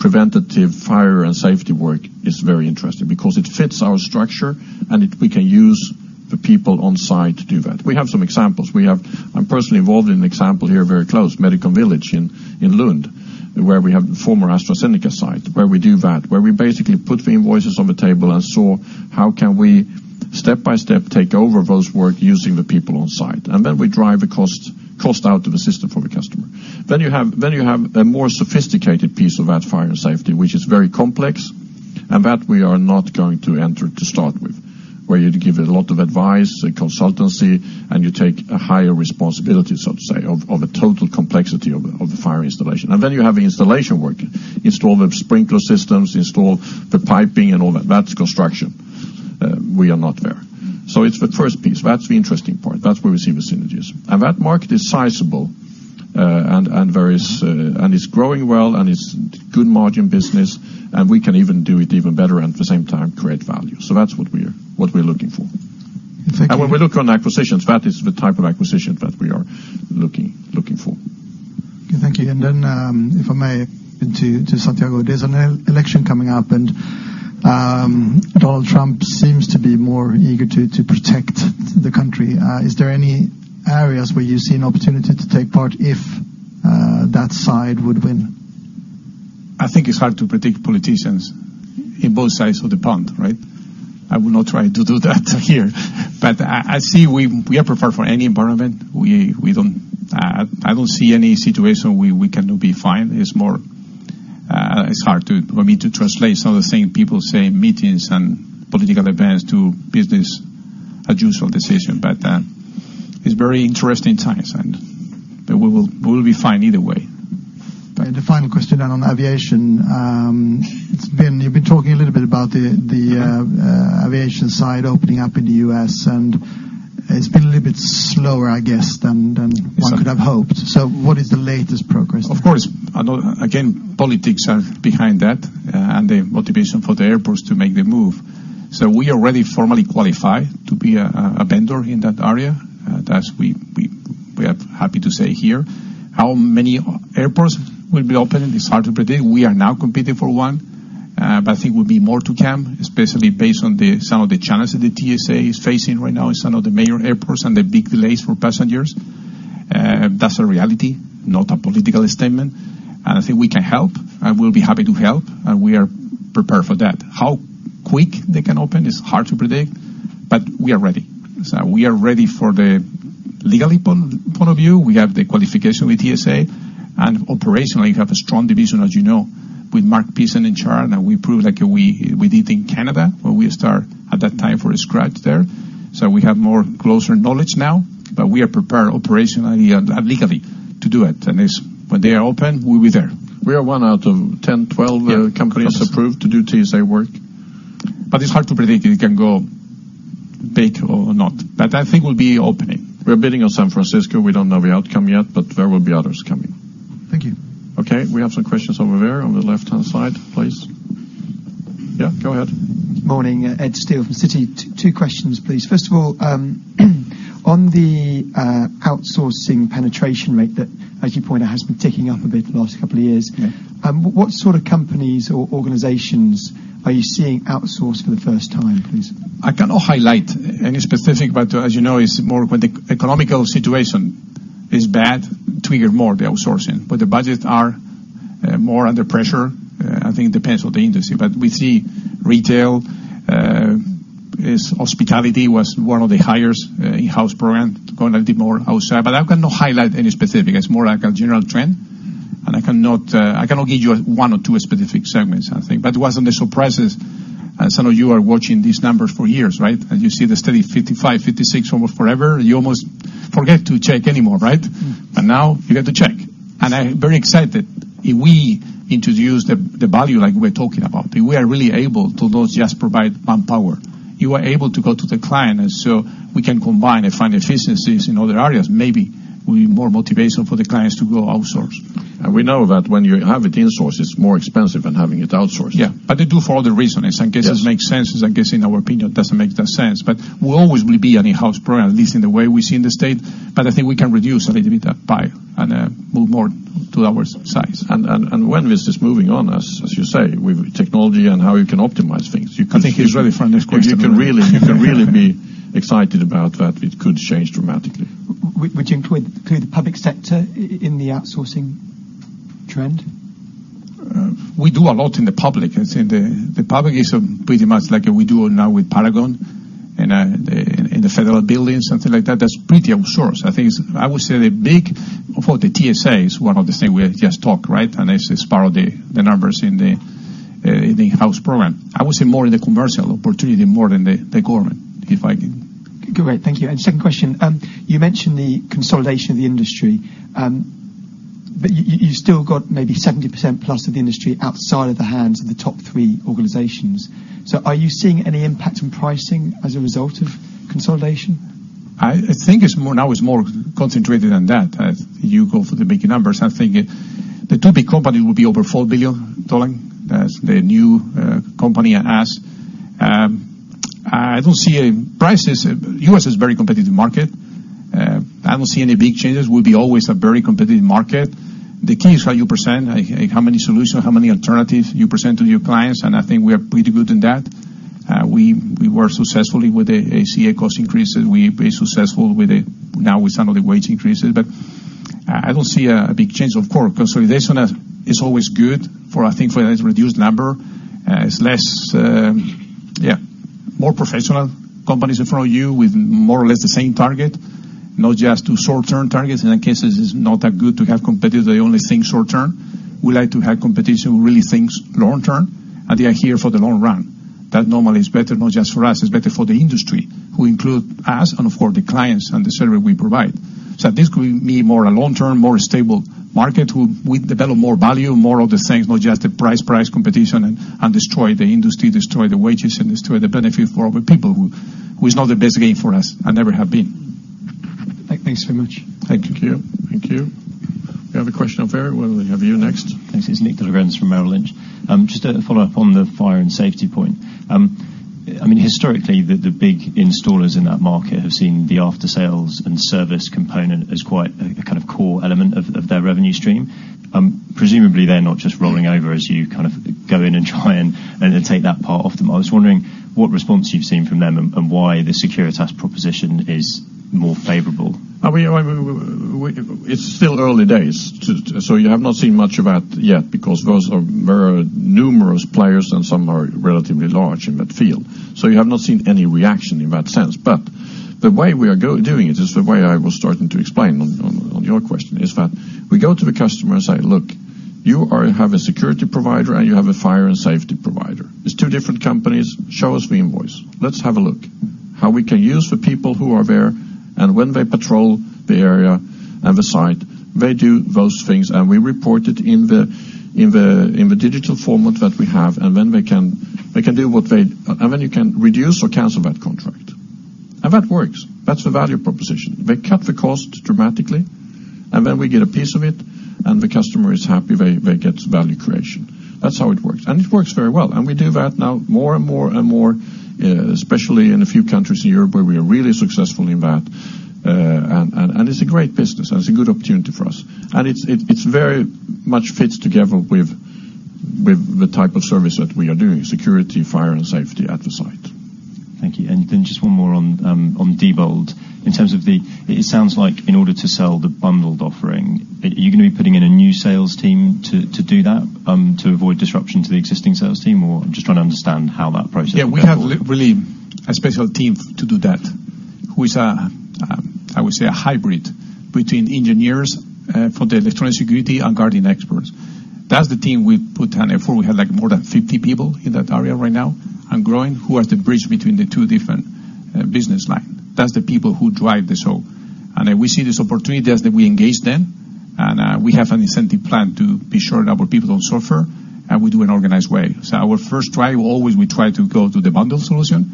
preventative, fire, and safety work is very interesting because it fits our structure, and we can use the people on site to do that. We have some examples. We have... I'm personally involved in an example here, very close, Medicon Village in Lund, where we have the former AstraZeneca site, where we do that, where we basically put the invoices on the table and saw how can we, step by step, take over those work using the people on site, and then we drive the cost out of the system for the customer. Then you have a more sophisticated piece of that fire safety, which is very complex, and that we are not going to enter to start with, where you'd give a lot of advice and consultancy, and you take a higher responsibility, so to say, of the total complexity of the fire installation. And then you have the installation work, install the sprinkler systems, install the piping and all that. That's construction. We are not there. So it's the first piece. That's the interesting part. That's where we see the synergies. That market is sizable, and various. It's growing well, and it's good margin business, and we can even do it even better and at the same time create value. So that's what we're looking for. When we look on acquisitions, that is the type of acquisition that we are looking for. Okay, thank you. And then, if I may, to Santiago, there's an election coming up, and Donald Trump seems to be more eager to protect the country. Is there any areas where you see an opportunity to take part if that side would win? I think it's hard to predict politicians on both sides of the pond, right? I will not try to do that here. But I see we are prepared for any environment. We don't. I don't see any situation we cannot be fine. It's more. It's hard for me to translate some of the things people say in meetings and political events to business, a useful decision. But it's very interesting times, but we will be fine either way. The final question on aviation. It's been... You've been talking a little bit about the Yeah... aviation side opening up in the U.S., and it's been a little bit slower, I guess, than, than- Yes one could have hoped. So what is the latest progress? Of course, I know, again, politics are behind that, and the motivation for the airports to make the move. So we already formally qualify to be a vendor in that area. That we are happy to say here. How many airports will be open? It's hard to predict. We are now competing for one, but I think there will be more to come, especially based on some of the challenges that the TSA is facing right now in some of the major airports and the big delays for passengers. That's a reality, not a political statement. And I think we can help, and we'll be happy to help, and we are prepared for that. How quick they can open is hard to predict, but we are ready. So we are ready for the legal point of view. We have the qualification with TSA, and operationally, we have a strong division, as you know, with Mark Pearson in charge. We proved, like we did in Canada, where we start at that time from scratch there. So we have more closer knowledge now, but we are prepared operationally and legally to do it. It's, when they are open, we'll be there. We are 1 out of 10, 12- Yeah companies approved to do TSA work. It's hard to predict if it can go big or not. I think we'll be opening. We're bidding on San Francisco. We don't know the outcome yet, but there will be others coming. Thank you. Okay, we have some questions over there, on the left-hand side, please. Yeah, go ahead. Morning. Ed Steele from Citi. Two questions, please. First of all, on the outsourcing penetration rate that, as you point out, has been ticking up a bit the last couple of years- Yeah... what sort of companies or organizations are you seeing outsource for the first time, please? I cannot highlight any specific, but as you know, it's more when the economic situation is bad, trigger more the outsourcing. But the budgets are, more under pressure. I think it depends on the industry. But we see retail, is, hospitality was one of the highest, in-house program going a little bit more outside. But I cannot highlight any specific. It's more like a general trend, and I cannot, I cannot give you one or two specific segments, I think. But it wasn't a surprise, as some of you are watching these numbers for years, right? And you see the steady 55, 56 almost forever. You almost forget to check anymore, right? Mm. But now you have to check. Yes. I'm very excited. If we introduce the value like we're talking about, we are really able to not just provide manpower. You are able to go to the client, and so we can combine and find efficiencies in other areas. Maybe will be more motivation for the clients to go outsource. We know that when you have it insourced, it's more expensive than having it outsourced. Yeah, but they do it for other reasons. Yes. Some cases it makes sense, and some cases, in our opinion, it doesn't make that sense. But we always will be an in-house brand, at least in the way we see in the state. But I think we can reduce a little bit of pie and move more to our size. And when this is moving on, as you say, with technology and how you can optimize things, you can- I think he's really friendly, of course. You can really, you can really be excited about that. It could change dramatically. Would you include the public sector in the outsourcing trend? We do a lot in the public, as in the public is pretty much like we do now with Paragon and in the federal buildings, something like that. That's pretty outsourced. I think it's, I would say the big, for the TSA is one of the things we have just talked, right? And this is part of the numbers in the in-house program. I would say more in the commercial opportunity more than the government, if I can. Great, thank you. And second question. You mentioned the consolidation of the industry, but you've still got maybe 70% plus of the industry outside of the hands of the top three organizations. So are you seeing any impact on pricing as a result of consolidation? I think it's more, now it's more concentrated than that. As you go through the big numbers, I think the two big company will be over $4 billion. That's the new company and us. I don't see a prices, U.S. is very competitive market. I don't see any big changes. Will be always a very competitive market. The key is how you present, like, like how many solutions, how many alternatives you present to your clients, and I think we are pretty good in that. We were successful with the ACA cost increases. We are pretty successful with the, now with some of the wage increases. But I don't see a big change. Of course, consolidation is always good for, I think, for a reduced number. It's less, more professional companies in front of you with more or less the same target, not just short-term targets. In that case, it is not that good to have competitors that only think short term. We like to have competition who really thinks long term, and they are here for the long run. That normally is better, not just for us, it's better for the industry, who include us and, of course, the clients and the service we provide. So this could be more a long term, more stable market, who we develop more value, more of the things, not just the price, price competition and destroy the industry, destroy the wages, and destroy the benefit for our people, who is not the best game for us and never have been. Thanks very much. Thank you. Thank you. Thank you. We have a question up there. We'll have you next. Thanks. It's Nicholas de la Grense from Merrill Lynch. Just a follow-up on the Fire and Safety point. I mean, historically, the big installers in that market have seen the after-sales and service component as quite a kind of core element of their revenue stream. Presumably, they're not just rolling over as you kind of go in and try and take that part off them. I was wondering what response you've seen from them and why the Securitas proposition is more favorable? It's still early days to, so you have not seen much of that yet, because those are very numerous players, and some are relatively large in that field. So you have not seen any reaction in that sense. But the way we are doing it is the way I was starting to explain on your question, is that we go to the customer and say: Look, you have a security provider, and you have a fire and safety provider. It's two different companies. Show us the invoice. Let's have a look how we can use the people who are there, and when they patrol the area and the site, they do those things, and we report it in the digital format that we have, and then they can do what they... And then you can reduce or cancel that contract. And that works. That's the value proposition. They cut the cost dramatically, and then we get a piece of it, and the customer is happy they get value creation. That's how it works, and it works very well. And we do that now more and more and more, especially in a few countries in Europe, where we are really successful in that. And it's a great business, and it's a good opportunity for us. And it very much fits together with the type of service that we are doing, security, fire, and safety at the site. Thank you. And then just one more on, on Diebold. In terms of the... It sounds like in order to sell the bundled offering, are you gonna be putting in a new sales team to, to do that, to avoid disruption to the existing sales team, or? I'm just trying to understand how that process- Yeah, we have really a special team to do that, who is a, I would say, a hybrid between engineers for the Electronic Security and guarding experts. That's the team we put down. Therefore, we have, like, more than 50 people in that area right now, and growing, who are the bridge between the two different business line. That's the people who drive this whole. And then we see this opportunity as we engage them, and we have an incentive plan to be sure that our people don't suffer, and we do an organized way. So our first try, always, we try to go to the bundle solution,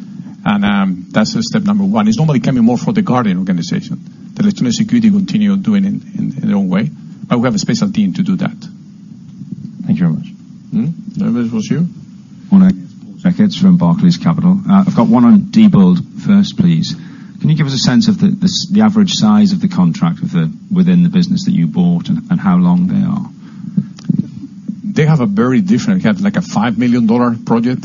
and that's the step number one. It's normally coming more for the guarding organization. The Electronic Security continue doing it in their own way, but we have a special team to do that. Thank you very much. Mm-hmm. That was you? Paul Checketts from Barclays Capital. I've got one on Diebold first, please. Can you give us a sense of the average size of the contract within the business that you bought and how long they are? They have a very different, they have, like, a $5 million project.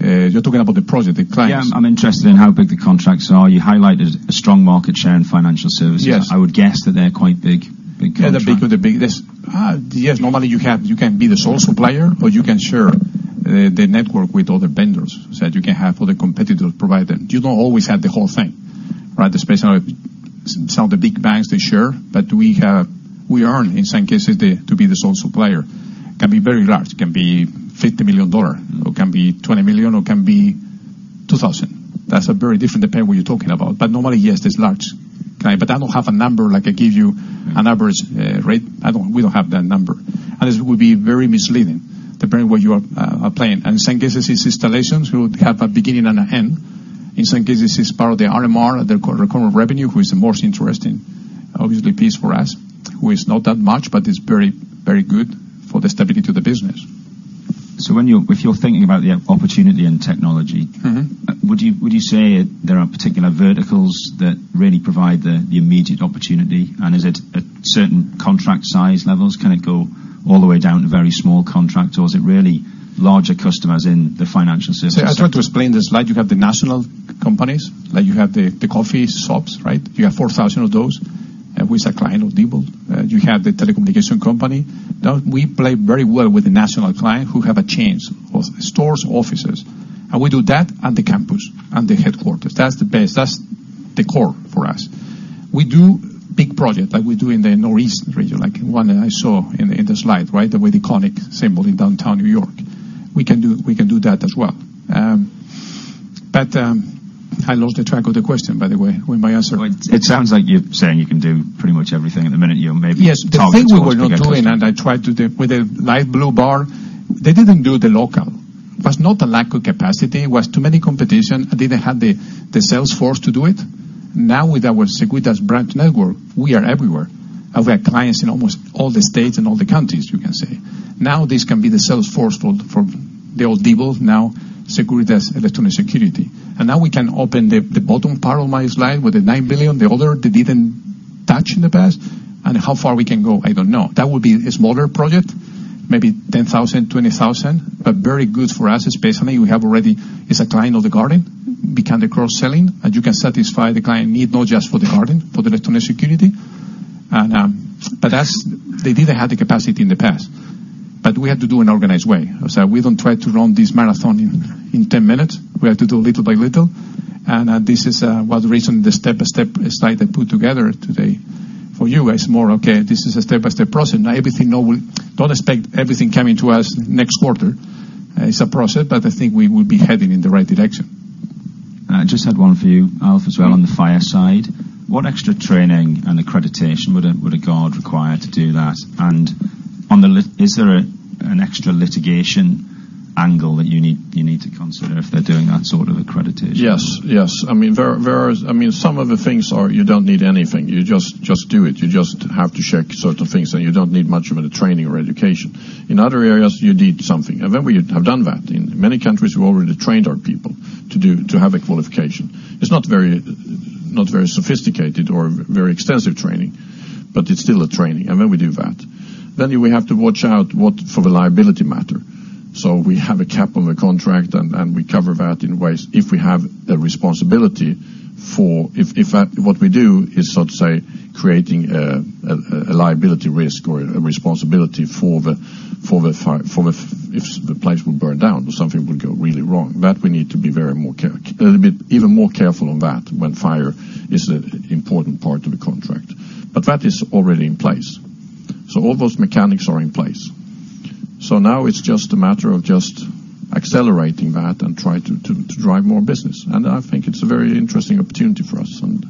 You're talking about the project, the clients? Yeah, I'm interested in how big the contracts are. You highlighted a strong market share in financial services. Yes. I would guess that they're quite big, big contracts. Yeah, the big, there's... Yes, normally you have, you can be the sole supplier, or you can share the network with other vendors. So that you can have other competitor provider. You don't always have the whole thing, right? Especially some of the big banks, they share, but we have, we earn, in some cases, the, to be the sole supplier. Can be very large, can be $50 million, or can be $20 million, or can be $2,000. That's a very different, depending what you're talking about. But normally, yes, it's large. Okay, but I don't have a number, like I give you an average rate. I don't, we don't have that number, and it would be very misleading, depending what you are playing. And some cases, it's installations, we would have a beginning and an end. In some cases, it's part of the RMR, the recurring revenue, who is the most interesting, obviously, piece for us, who is not that much, but it's very, very good for the stability to the business. If you're thinking about the opportunity and technology- Mm-hmm. Would you say there are particular verticals that really provide the immediate opportunity? And is it at certain contract size levels? Can it go all the way down to very small contract, or is it really larger customers in the financial services? So I tried to explain the slide. You have the national companies, like you have the coffee shops, right? You have 4,000 of those with a client of Diebold. You have the telecommunication company. Now, we play very well with the national client who have a chance of stores, offices, and we do that, and the campus, and the headquarters. That's the base, that's the core for us. We do big project, like we do in the Northeast region, like one I saw in the slide, right? The with iconic symbol in downtown New York. We can do, we can do that as well. But I lost the track of the question, by the way, with my answer. It sounds like you're saying you can do pretty much everything at the minute. You may be- Yes. Targeting towards- The thing we were not doing, and I tried to do with a light blue bar, they didn't do the local. Was not a lack of capacity, it was too many competition, and they didn't have the, the sales force to do it. Now, with our Securitas branch network, we are everywhere, and we have clients in almost all the states and all the countries, you can say. Now, this can be the sales force for, from the old Diebold, now Securitas Electronic Security. And now we can open the, the bottom part of my slide, with the 9 billion, the other, they didn't touch in the past. And how far we can go? I don't know. That would be a smaller project, maybe 10,000, 20,000, but very good for us, especially we have already, is a client of the guarding, become the cross-selling, and you can satisfy the client need, not just for the guarding, for the Electronic Security. And, but that's, they didn't have the capacity in the past. But we had to do an organized way. So we don't try to run this marathon in 10 minutes. We have to do little by little, and, this is, well, the reason the step-by-step slide I put together today for you is more, okay, this is a step-by-step process. Not everything, no, we'll. Don't expect everything coming to us next quarter. It's a process, but I think we will be heading in the right direction. I just had one for you, Alf, as well, on the fire side. What extra training and accreditation would a guard require to do that? On the liability, is there an extra litigation angle that you need to consider if they're doing that sort of accreditation? Yes, yes. I mean, there is—I mean, some of the things are you don't need anything. You just do it. You just have to check certain things, and you don't need much of a training or education. In other areas, you need something, and then we have done that. In many countries, we've already trained our people to have a qualification. It's not very sophisticated or very extensive training, but it's still a training, and then we do that. Then we have to watch out for the liability matter. So we have a cap on the contract, and we cover that in ways if we have a responsibility for... If what we do is sort of, say, creating a liability risk or a responsibility for the fire, if the place will burn down, or something will go really wrong, that we need to be a little bit even more careful on that when fire is an important part of the contract. But that is already in place. So all those mechanics are in place. So now it's just a matter of just accelerating that and try to drive more business. And I think it's a very interesting opportunity for us, and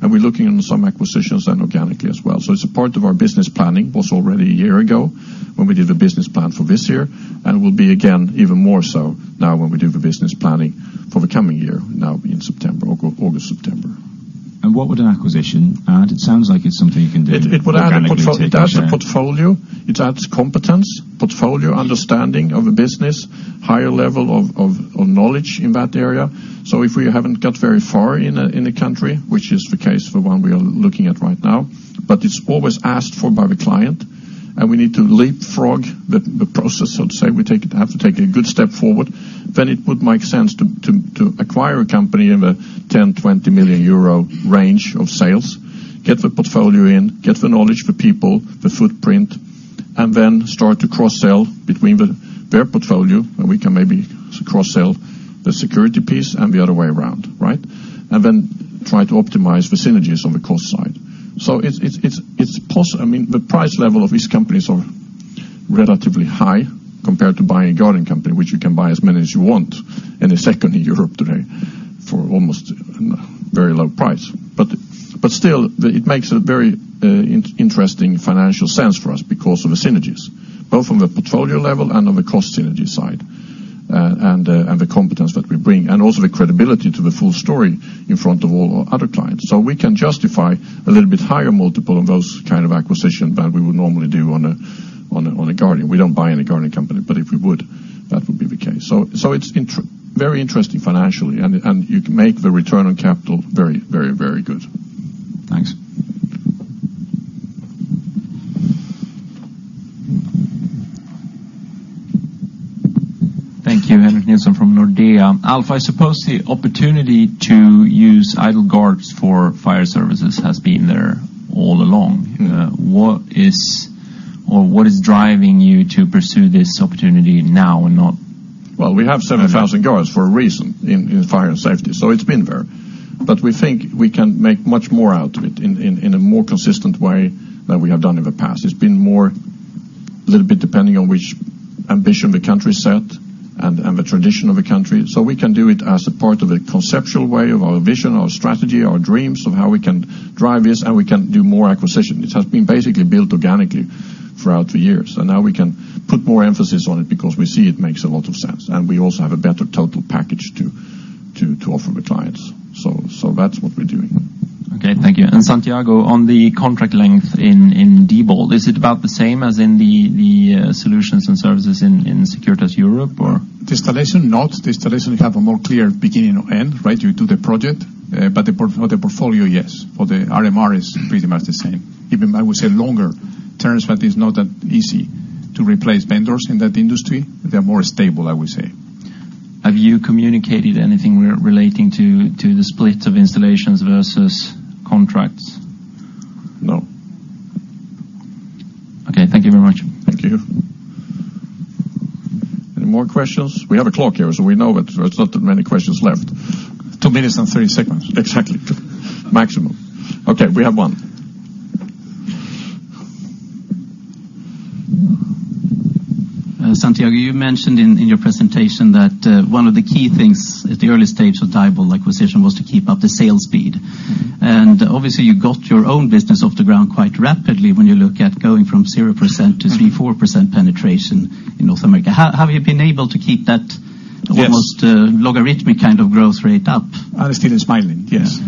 we're looking into some acquisitions and organically as well. It's a part of our business planning, was already a year ago when we did the business plan for this year, and will be again even more so now when we do the business planning for the coming year, now in September, August, September. What would an acquisition add? It sounds like it's something you can do organically. It would add a portfolio; it adds competence, portfolio, understanding of a business, higher level of knowledge in that area. So if we haven't got very far in a country, which is the case for one we are looking at right now, but it's always asked for by the client, and we need to leapfrog the process. So say we take it, have to take a good step forward, then it would make sense to acquire a company in the 10-20 million euro range of sales, get the portfolio in, get the knowledge, the people, the footprint, and then start to cross-sell between their portfolio, and we can maybe cross-sell the security piece and the other way around, right? And then try to optimize the synergies on the cost side. So it's possible, I mean, the price level of these companies are relatively high compared to buying a guarding company, which you can buy as many as you want in a second in Europe today for almost very low price. But still, it makes a very interesting financial sense for us because of the synergies, both from the portfolio level and on the cost synergy side, and the competence that we bring, and also the credibility to the full story in front of all our other clients. So we can justify a little bit higher multiple on those kind of acquisition than we would normally do on a guarding. We don't buy any guarding company, but if we would, that would be the case. It's very interesting financially, and you can make the return on capital very, very, very good. Thanks. Thank you. Henrik Nilsson from Nordea. Alf, I suppose the opportunity to use idle guards for fire services has been there all along. Mm-hmm. What is driving you to pursue this opportunity now and not- Well, we have 7,000 guards for a reason in Fire and Safety, so it's been there. But we think we can make much more out of it in a more consistent way than we have done in the past. It's been a little bit more depending on which ambition the country set and the tradition of the country. So we can do it as a part of a conceptual way, of our vision, our strategy, our dreams, of how we can drive this, and we can do more acquisitions. It has been basically built organically throughout the years, and now we can put more emphasis on it because we see it makes a lot of sense, and we also have a better total package to offer the clients. So that's what we're doing. Okay, thank you. And Santiago, on the contract length in Diebold, is it about the same as in the solutions and services in Securitas Europe or? The installation, not. The installation have a more clear beginning or end, right? You do the project, but the portfolio, yes, for the RMR is pretty much the same. Even I would say longer terms, but it's not that easy to replace vendors in that industry. They're more stable, I would say. Have you communicated anything relating to the split of installations versus contracts? No. Okay. Thank you very much. Thank you. Any more questions? We have a clock here, so we know that there's not that many questions left. 2 minutes and 3 seconds. Exactly. Maximum. Okay, we have one. Santiago, you mentioned in your presentation that one of the key things at the early stage of the Diebold acquisition was to keep up the sales speed. Obviously, you got your own business off the ground quite rapidly when you look at going from 0% to 3%-4% penetration in North America. Have you been able to keep that- Yes... almost, logarithmic kind of growth rate up? I'm still smiling, yes.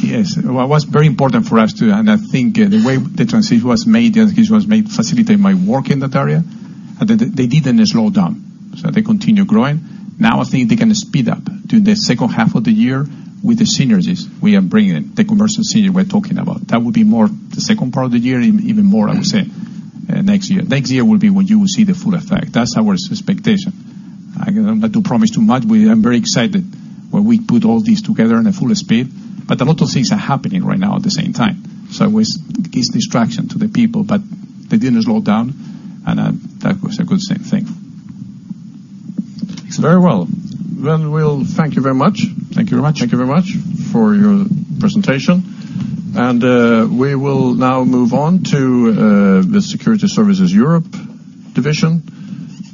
Yes. Well, what's very important for us to, and I think the way the transition was made facilitate my work in that area, they, they didn't slow down, so they continue growing. Now, I think they're going to speed up during the second half of the year with the synergies we are bringing, the commercial synergy we're talking about. That will be more the second part of the year, even more, I would say, next year. Next year will be when you will see the full effect. That's our expectation. I don't like to promise too much. I'm very excited when we put all this together in a fuller speed, but a lot of things are happening right now at the same time. So it was. It's distraction to the people, but they didn't slow down, and that was a good same thing. Very well. Then we'll thank you very much. Thank you very much. Thank you very much for your presentation. We will now move on to the Security Services Europe division,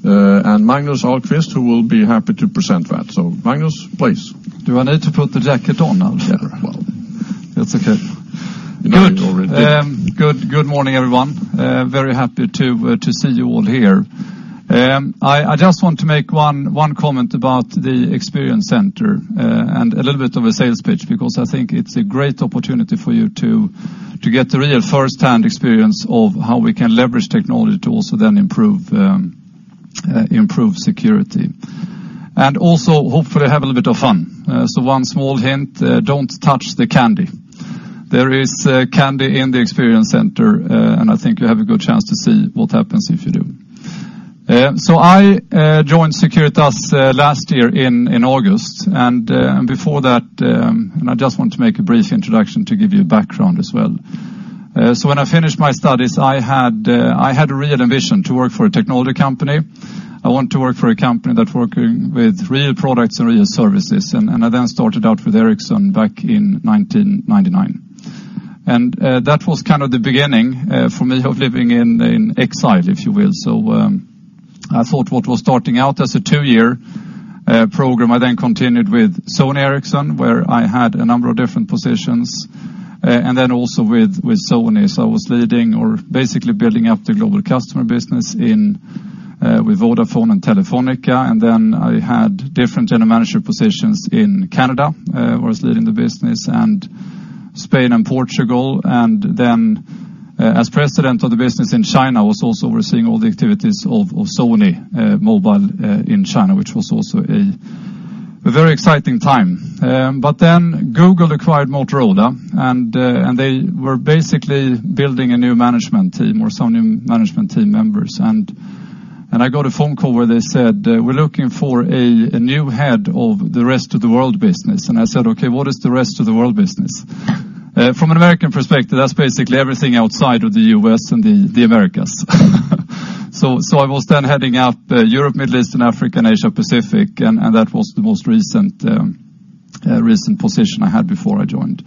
and Magnus Ahlqvist, who will be happy to present that. So Magnus, please. Do I need to put the jacket on now? Yeah, well. That's okay. Good morning, everyone. Very happy to see you all here. I just want to make one comment about the Experience Center and a little bit of a sales pitch, because I think it's a great opportunity for you to get a real first-hand experience of how we can leverage technology to also then improve security, and also hopefully have a little bit of fun. So one small hint, don't touch the candy. There is candy in the Experience Center, and I think you have a good chance to see what happens if you do. So I joined Securitas last year in August, and before that, I just want to make a brief introduction to give you background as well. So when I finished my studies, I had a real ambition to work for a technology company. I want to work for a company that working with real products and real services, and I then started out with Ericsson back in 1999. That was kind of the beginning for me of living in exile, if you will. What was starting out as a two-year program, I then continued with Sony Ericsson, where I had a number of different positions, and then also with Sony. So I was leading or basically building up the global customer business in with Vodafone and Telefonica, and then I had different general manager positions in Canada, I was leading the business, and Spain and Portugal. And then, as president of the business in China, I was also overseeing all the activities of Sony Mobile in China, which was also a very exciting time. But then Google acquired Motorola, and they were basically building a new management team or some new management team members. And I got a phone call where they said: "We're looking for a new head of the rest of the world business." And I said, "Okay, what is the rest of the world business?" From an American perspective, that's basically everything outside of the U.S. and the Americas. So I was then heading up Europe, Middle East and Africa, and Asia Pacific, and that was the most recent position I had before I joined.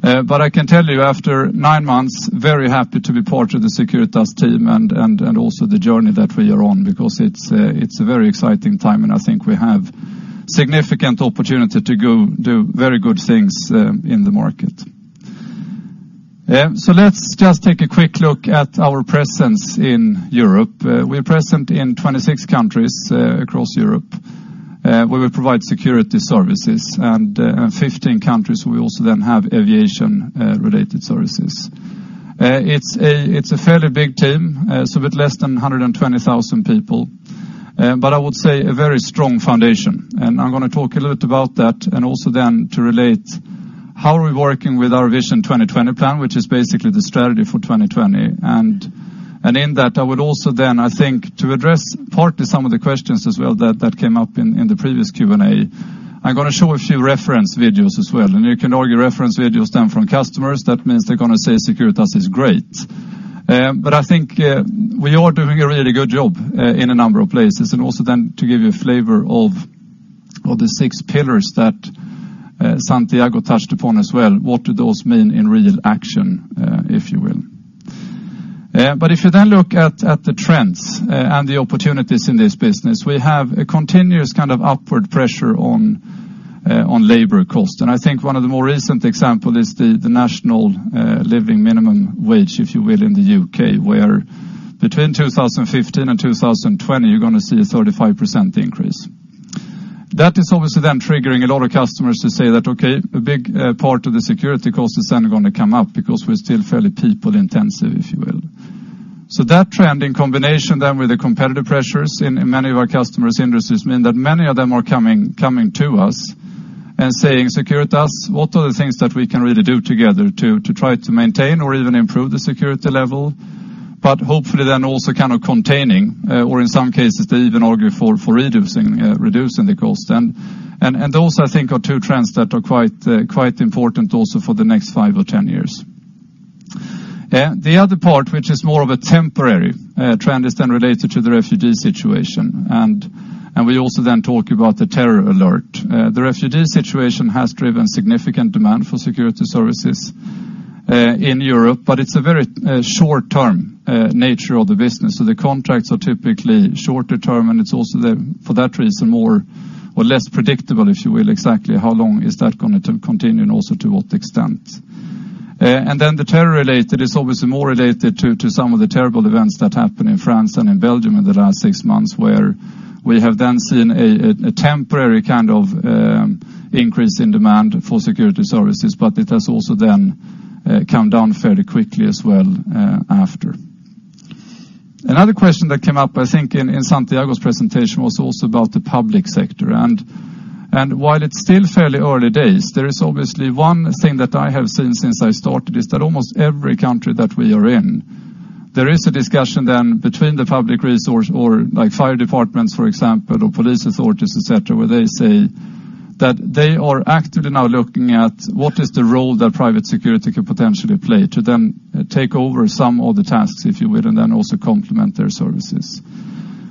But I can tell you after nine months, very happy to be part of the Securitas team and also the journey that we are on, because it's a very exciting time, and I think we have significant opportunity to go do very good things, in the market. So let's just take a quick look at our presence in Europe. We're present in 26 countries, across Europe, where we provide security services, and, in 15 countries, we also then have aviation related services. It's a fairly big team, so a bit less than 120,000 people, but I would say a very strong foundation. I'm gonna talk a little about that, and also then to relate how we are working with our Vision 2020 plan, which is basically the strategy for 2020. In that, I would also then, I think, to address partly some of the questions as well that came up in the previous Q&A, I'm gonna show a few reference videos as well. You can argue reference videos stem from customers, that means they're gonna say Securitas is great. But I think we are doing a really good job in a number of places, and also then to give you a flavor of the six pillars that Santiago touched upon as well, what do those mean in real action, if you will? But if you then look at the trends and the opportunities in this business, we have a continuous kind of upward pressure on labor cost. And I think one of the more recent example is the national living minimum wage, if you will, in the UK, where between 2015 and 2020, you're gonna see a 35% increase. That is obviously then triggering a lot of customers to say that, okay, a big part of the security cost is then gonna come up because we're still fairly people intensive, if you will. So that trend in combination then with the competitive pressures in many of our customers' industries mean that many of them are coming to us and saying: "Securitas, what are the things that we can really do together to try to maintain or even improve the security level?" But hopefully then also kind of containing or in some cases, they even argue for reducing the cost. And those I think are two trends that are quite important also for the next five or 10 years. The other part, which is more of a temporary trend, is then related to the refugee situation. And we also then talk about the terror alert. The refugee situation has driven significant demand for security services in Europe, but it's a very short-term nature of the business, so the contracts are typically shorter term, and it's also for that reason, more or less predictable, if you will, exactly how long is that gonna to continue, and also to what extent. And then the terror-related is obviously more related to some of the terrible events that happened in France and in Belgium in the last six months, where we have then seen a temporary kind of increase in demand for security services, but it has also then come down fairly quickly as well after. Another question that came up, I think, in Santiago's presentation, was also about the public sector. While it's still fairly early days, there is obviously one thing that I have seen since I started is that almost every country that we are in, there is a discussion then between the public resource or, like, fire departments, for example, or police authorities, et cetera, where they say that they are actively now looking at what is the role that private security could potentially play to then take over some of the tasks, if you will, and then also complement their services.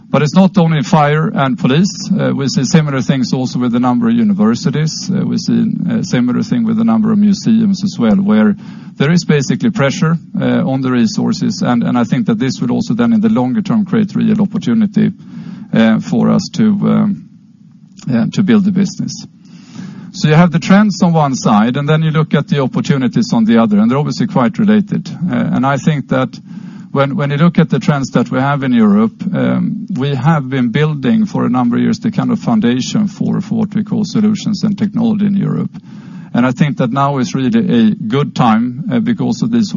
But it's not only fire and police. We see similar things also with a number of universities. We see a similar thing with a number of museums as well, where there is basically pressure on the resources, and I think that this would also then, in the longer term, create real opportunity for us to... Yeah, to build the business. So you have the trends on one side, and then you look at the opportunities on the other, and they're obviously quite related. And I think that when you look at the trends that we have in Europe, we have been building for a number of years, the kind of foundation for what we call solutions and technology in Europe. And I think that now is really a good time, because of this,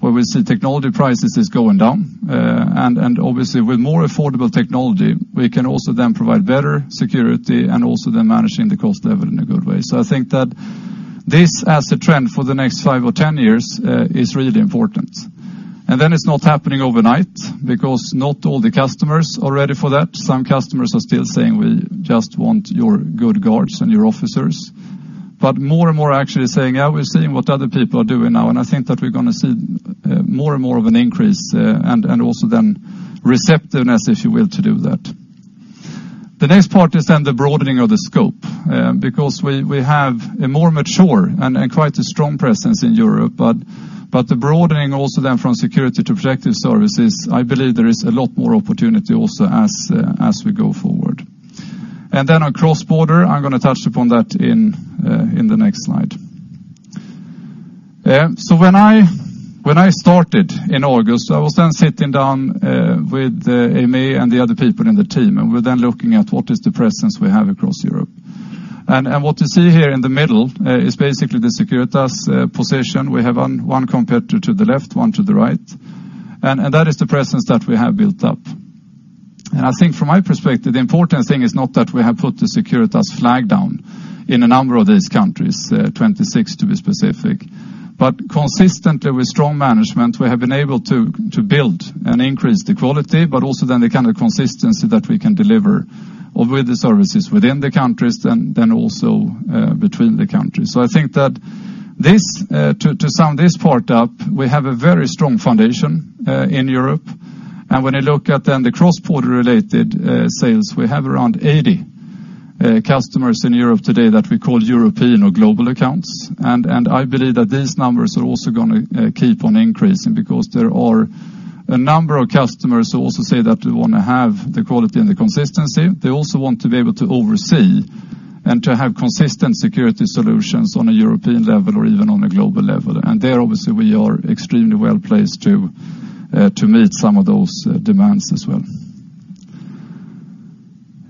where we see technology prices is going down, and obviously, with more affordable technology, we can also then provide better security and also then managing the cost level in a good way. So I think that this as a trend for the next five or 10 years is really important. And then it's not happening overnight because not all the customers are ready for that. Some customers are still saying, "We just want your good guards and your officers." But more and more are actually saying, "Yeah, we're seeing what other people are doing now," and I think that we're gonna see more and more of an increase, and also then receptiveness, if you will, to do that. The next part is then the broadening of the scope because we have a more mature and quite a strong presence in Europe, but the broadening also then from security to Protective Services. I believe there is a lot more opportunity also as we go forward. And then on cross-border, I'm gonna touch upon that in the next slide. So when I, when I started in August, I was then sitting down with Aimé and the other people in the team, and we're then looking at what is the presence we have across Europe. And, and what you see here in the middle is basically the Securitas position. We have one competitor to the left, one to the right, and that is the presence that we have built up. And I think from my perspective, the important thing is not that we have put the Securitas flag down in a number of these countries, 26, to be specific. But consistently, with strong management, we have been able to build and increase the quality, but also then the kind of consistency that we can deliver with the services within the countries and then also between the countries. So I think that this, to sum this part up, we have a very strong foundation in Europe. And when you look at then the cross-border related sales, we have around 80 customers in Europe today that we call European or global accounts. And I believe that these numbers are also gonna keep on increasing because there are a number of customers who also say that we wanna have the quality and the consistency. They also want to be able to oversee and to have consistent Security Solutions on a European level or even on a global level, and there, obviously, we are extremely well placed to meet some of those demands as well.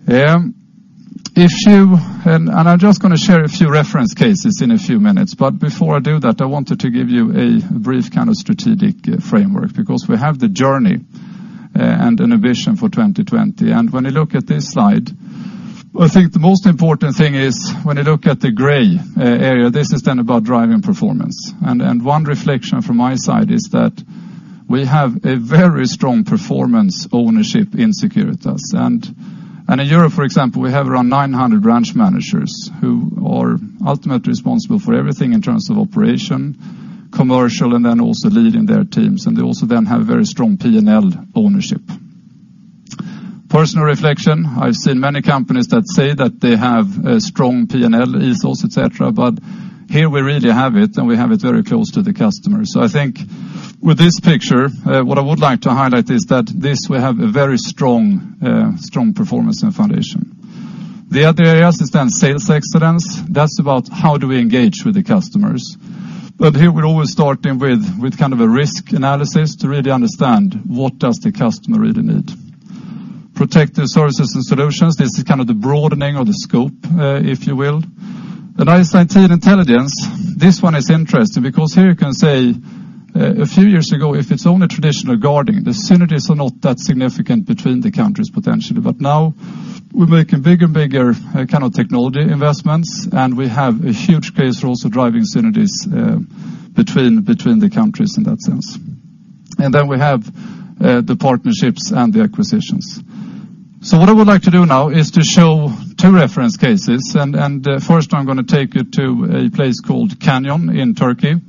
If you... I'm just gonna share a few reference cases in a few minutes, but before I do that, I wanted to give you a brief kind of strategic framework because we have the journey and an ambition for 2020. And when you look at this slide, I think the most important thing is when you look at the gray area, this is then about driving performance. And one reflection from my side is that we have a very strong performance ownership in Securitas. And in Europe, for example, we have around 900 branch managers who are ultimately responsible for everything in terms of operation, commercial, and then also leading their teams, and they also then have very strong P&L ownership. Personal reflection, I've seen many companies that say that they have a strong P&L, ESOS, et cetera, but here we really have it, and we have it very close to the customer. So I think with this picture, what I would like to highlight is that this will have a very strong, strong performance and foundation. The other areas is then sales excellence. That's about how do we engage with the customers. But here, we're always starting with kind of a risk analysis to really understand what does the customer really need. Protective Services and solutions, this is kind of the broadening of the scope, if you will. And IT and intelligence, this one is interesting because here you can say, a few years ago, if it's only traditional guarding, the synergies are not that significant between the countries, potentially. Now we're making bigger and bigger kind of technology investments, and we have a huge case for also driving synergies between the countries in that sense. Then we have the partnerships and the acquisitions. What I would like to do now is to show two reference cases, and first I'm gonna take you to a place called Kanyon in Turkey,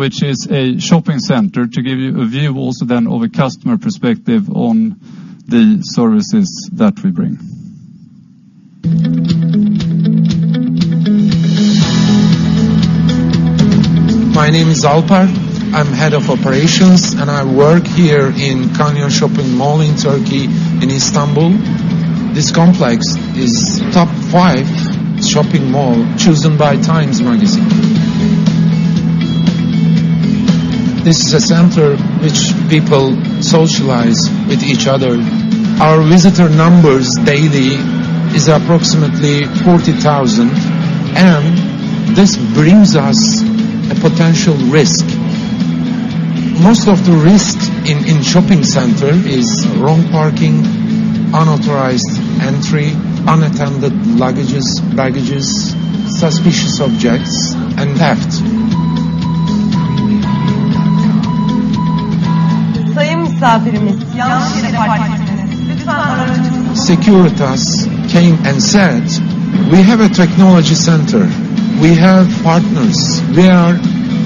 which is a shopping center, to give you a view also then of a customer perspective on the services that we bring. My name is Alpar. I'm head of operations, and I work here in Kanyon Shopping Mall in Turkey, in Istanbul. This complex is top five shopping mall chosen by TIME Magazine. This is a center which people socialize with each other. Our visitor numbers daily is approximately 40,000, and this brings us a potential risk. Most of the risk in shopping center is wrong parking, unauthorized entry, unattended luggages, baggages, suspicious objects, and theft. Securitas came and said, "We have a technology center. We have partners. We are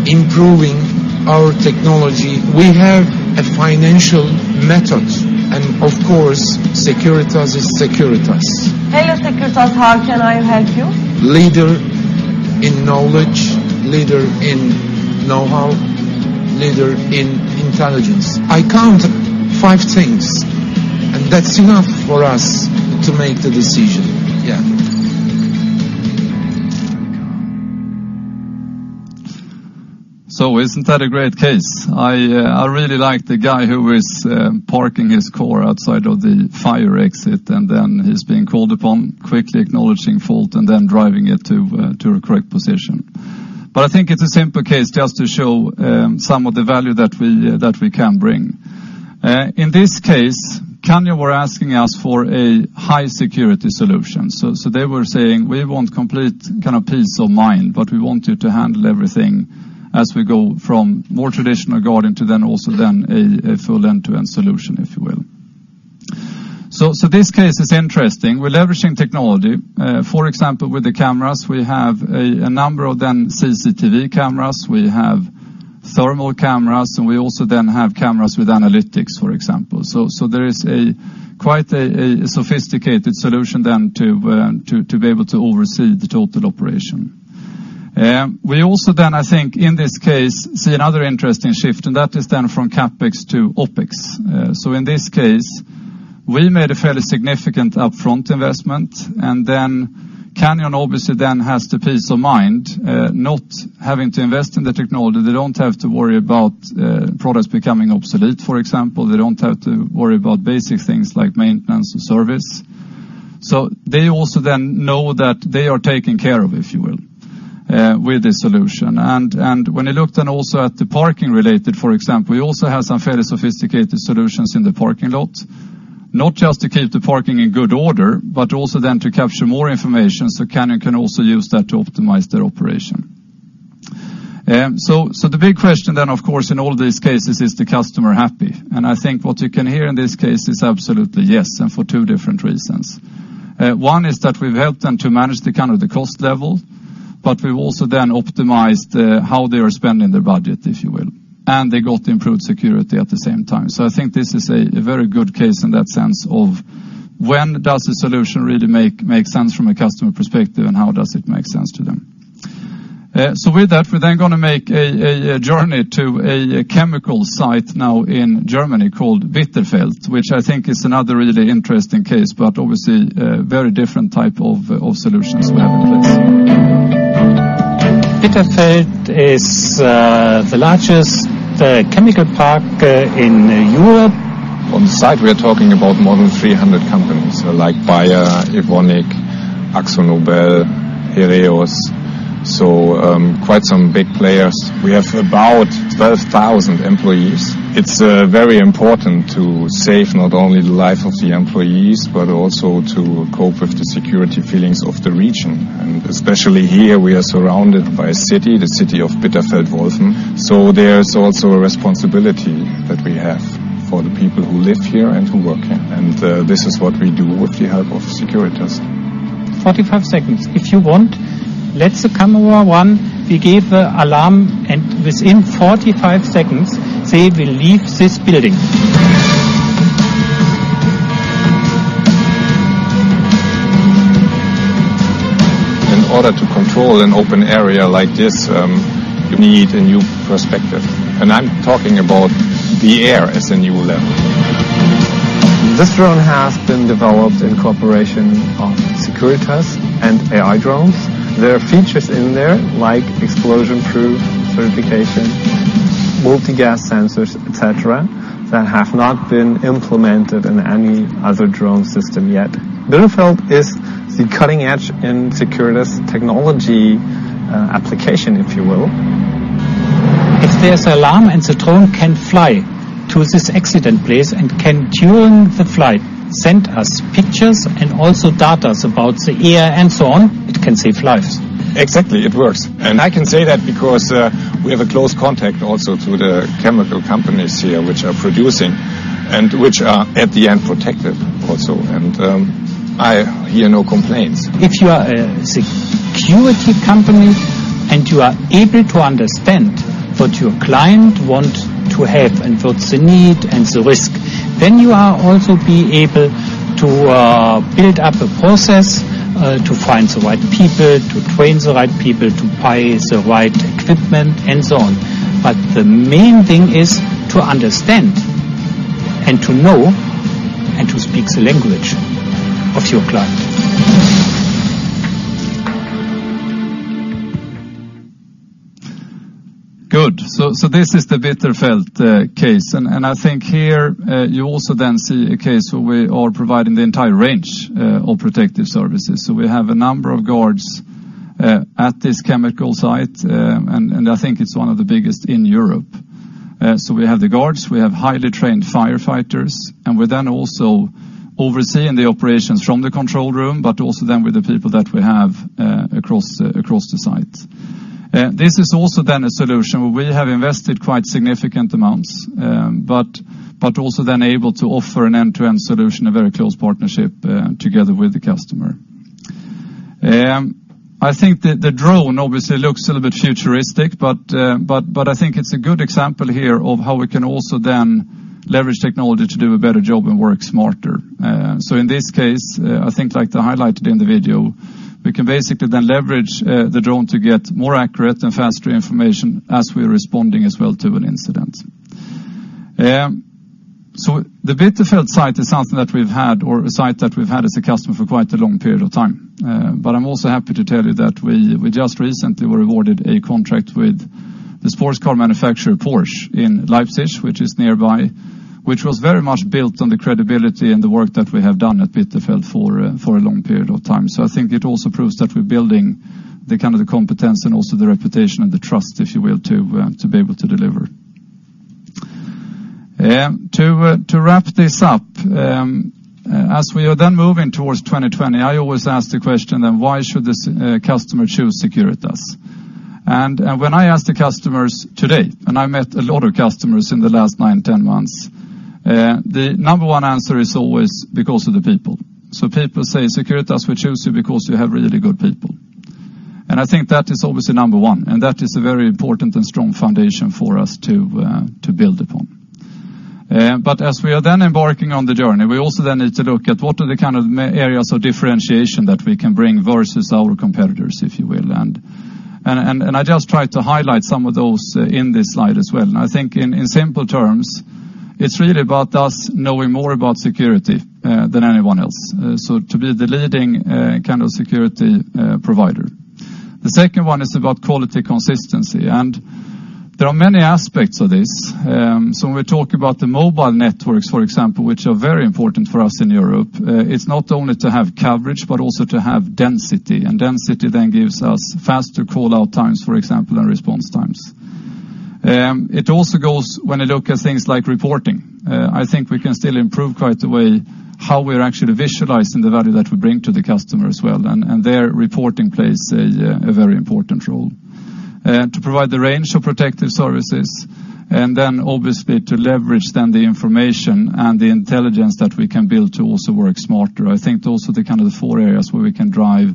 improving our technology. We have a financial method," and of course, Securitas is Securitas. Hello, Securitas, how can I help you? Leader in knowledge, leader in know-how.... leader in intelligence. I count five things, and that's enough for us to make the decision. Yeah. So isn't that a great case? I, I really like the guy who is parking his car outside of the fire exit, and then he's being called upon, quickly acknowledging fault, and then driving it to a correct position. But I think it's a simple case just to show some of the value that we, that we can bring. In this case, Kanyon were asking us for a high-security solution. So, so they were saying: We want complete kind of peace of mind, but we want you to handle everything as we go from more traditional guard into then also then a, a full end-to-end solution, if you will. So, so this case is interesting. We're leveraging technology. For example, with the cameras, we have a number of then CCTV cameras, we have thermal cameras, and we also then have cameras with analytics, for example. So there is a quite a sophisticated solution then to be able to oversee the total operation. We also then, I think, in this case, see another interesting shift, and that is then from CapEx to OpEx. So in this case, we made a fairly significant upfront investment, and then Kanyon obviously then has the peace of mind, not having to invest in the technology. They don't have to worry about products becoming obsolete, for example. They don't have to worry about basic things like maintenance and service. So they also then know that they are taken care of, if you will, with this solution. When you look then also at the parking related, for example, we also have some fairly sophisticated solutions in the parking lot, not just to keep the parking in good order, but also then to capture more information, so Kanyon can also use that to optimize their operation. So, so the big question then, of course, in all these cases, is the customer happy? And I think what you can hear in this case is absolutely yes, and for two different reasons. One is that we've helped them to manage the kind of the cost level, but we've also then optimized how they are spending their budget, if you will, and they got improved security at the same time. So I think this is a very good case in that sense of when does the solution really make sense from a customer perspective and how does it make sense to them? So with that, we're then gonna make a journey to a chemical site now in Germany called Bitterfeld, which I think is another really interesting case, but obviously, a very different type of solutions we have in place. Bitterfeld is the largest chemical park in Europe. On the site, we are talking about more than 300 companies, like Bayer, Evonik, AkzoNobel, Heraeus, so, quite some big players. We have about 12,000 employees. It's very important to save not only the life of the employees, but also to cope with the security feelings of the region. And especially here, we are surrounded by a city, the city of Bitterfeld-Wolfen, so there is also a responsibility that we have for the people who live here and who work here, and this is what we do with the help of Securitas. 45 seconds. If you want, let the camera run, we give an alarm, and within 45 seconds, they will leave this building. In order to control an open area like this, you need a new perspective, and I'm talking about the air as a new level. This drone has been developed in cooperation of Securitas and AiDrones. There are features in there, like explosion-proof certification, multi-gas sensors, et cetera, that have not been implemented in any other drone system yet. Bitterfeld is the cutting edge in Securitas technology, application, if you will. If there's an alarm and the drone can fly to this accident place and can, during the flight, send us pictures and also data about the air and so on, it can save lives. Exactly. It works. I can say that because we have a close contact also to the chemical companies here, which are producing and which are, at the end, protected also, and I hear no complaints. If you are a security company, and you are able to understand what your client want to have and what's the need and the risk, then you are also be able to build up a process to find the right people, to train the right people, to buy the right equipment, and so on. But the main thing is to understand and to know and to speak the language of your client. Good. So, so this is the Bitterfeld case. And, and I think here you also then see a case where we are providing the entire range of Protective Services. So we have a number of guards at this chemical site, and, and I think it's one of the biggest in Europe. So we have the guards, we have highly trained firefighters, and we're then also overseeing the operations from the control room, but also then with the people that we have across the site. This is also then a solution where we have invested quite significant amounts, but, but also then able to offer an end-to-end solution, a very close partnership together with the customer. I think the drone obviously looks a little bit futuristic, but I think it's a good example here of how we can also then leverage technology to do a better job and work smarter. So in this case, I think, like they highlighted in the video, we can basically then leverage the drone to get more accurate and faster information as we're responding as well to an incident. So the Bitterfeld site is something that we've had or a site that we've had as a customer for quite a long period of time. But I'm also happy to tell you that we just recently were awarded a contract with the sports car manufacturer Porsche in Leipzig, which is nearby, which was very much built on the credibility and the work that we have done at Bitterfeld for a long period of time. So I think it also proves that we're building the kind of the competence and also the reputation and the trust, if you will, to be able to deliver. To wrap this up, as we are then moving towards 2020, I always ask the question, then why should this customer choose Securitas? And when I ask the customers today, and I met a lot of customers in the last 9-10 months, the number one answer is always because of the people. So people say: Securitas, we choose you because you have really good people. And I think that is obviously number one, and that is a very important and strong foundation for us to build upon. But as we are then embarking on the journey, we also then need to look at what are the kind of areas of differentiation that we can bring versus our competitors, if you will, and, and, and I just tried to highlight some of those in this slide as well. And I think in simple terms, it's really about us knowing more about security than anyone else, so to be the leading kind of security provider. The second one is about quality consistency, and there are many aspects of this. So when we talk about the mobile networks, for example, which are very important for us in Europe, it's not only to have coverage, but also to have density. Density then gives us faster call-out times, for example, and response times. It also goes when you look at things like reporting. I think we can still improve quite a way how we're actually visualizing the value that we bring to the customer as well, and, and there, reporting plays a, a very important role. To provide the range of Protective Services and then obviously to leverage then the information and the intelligence that we can build to also work smarter. I think those are the kind of the four areas where we can drive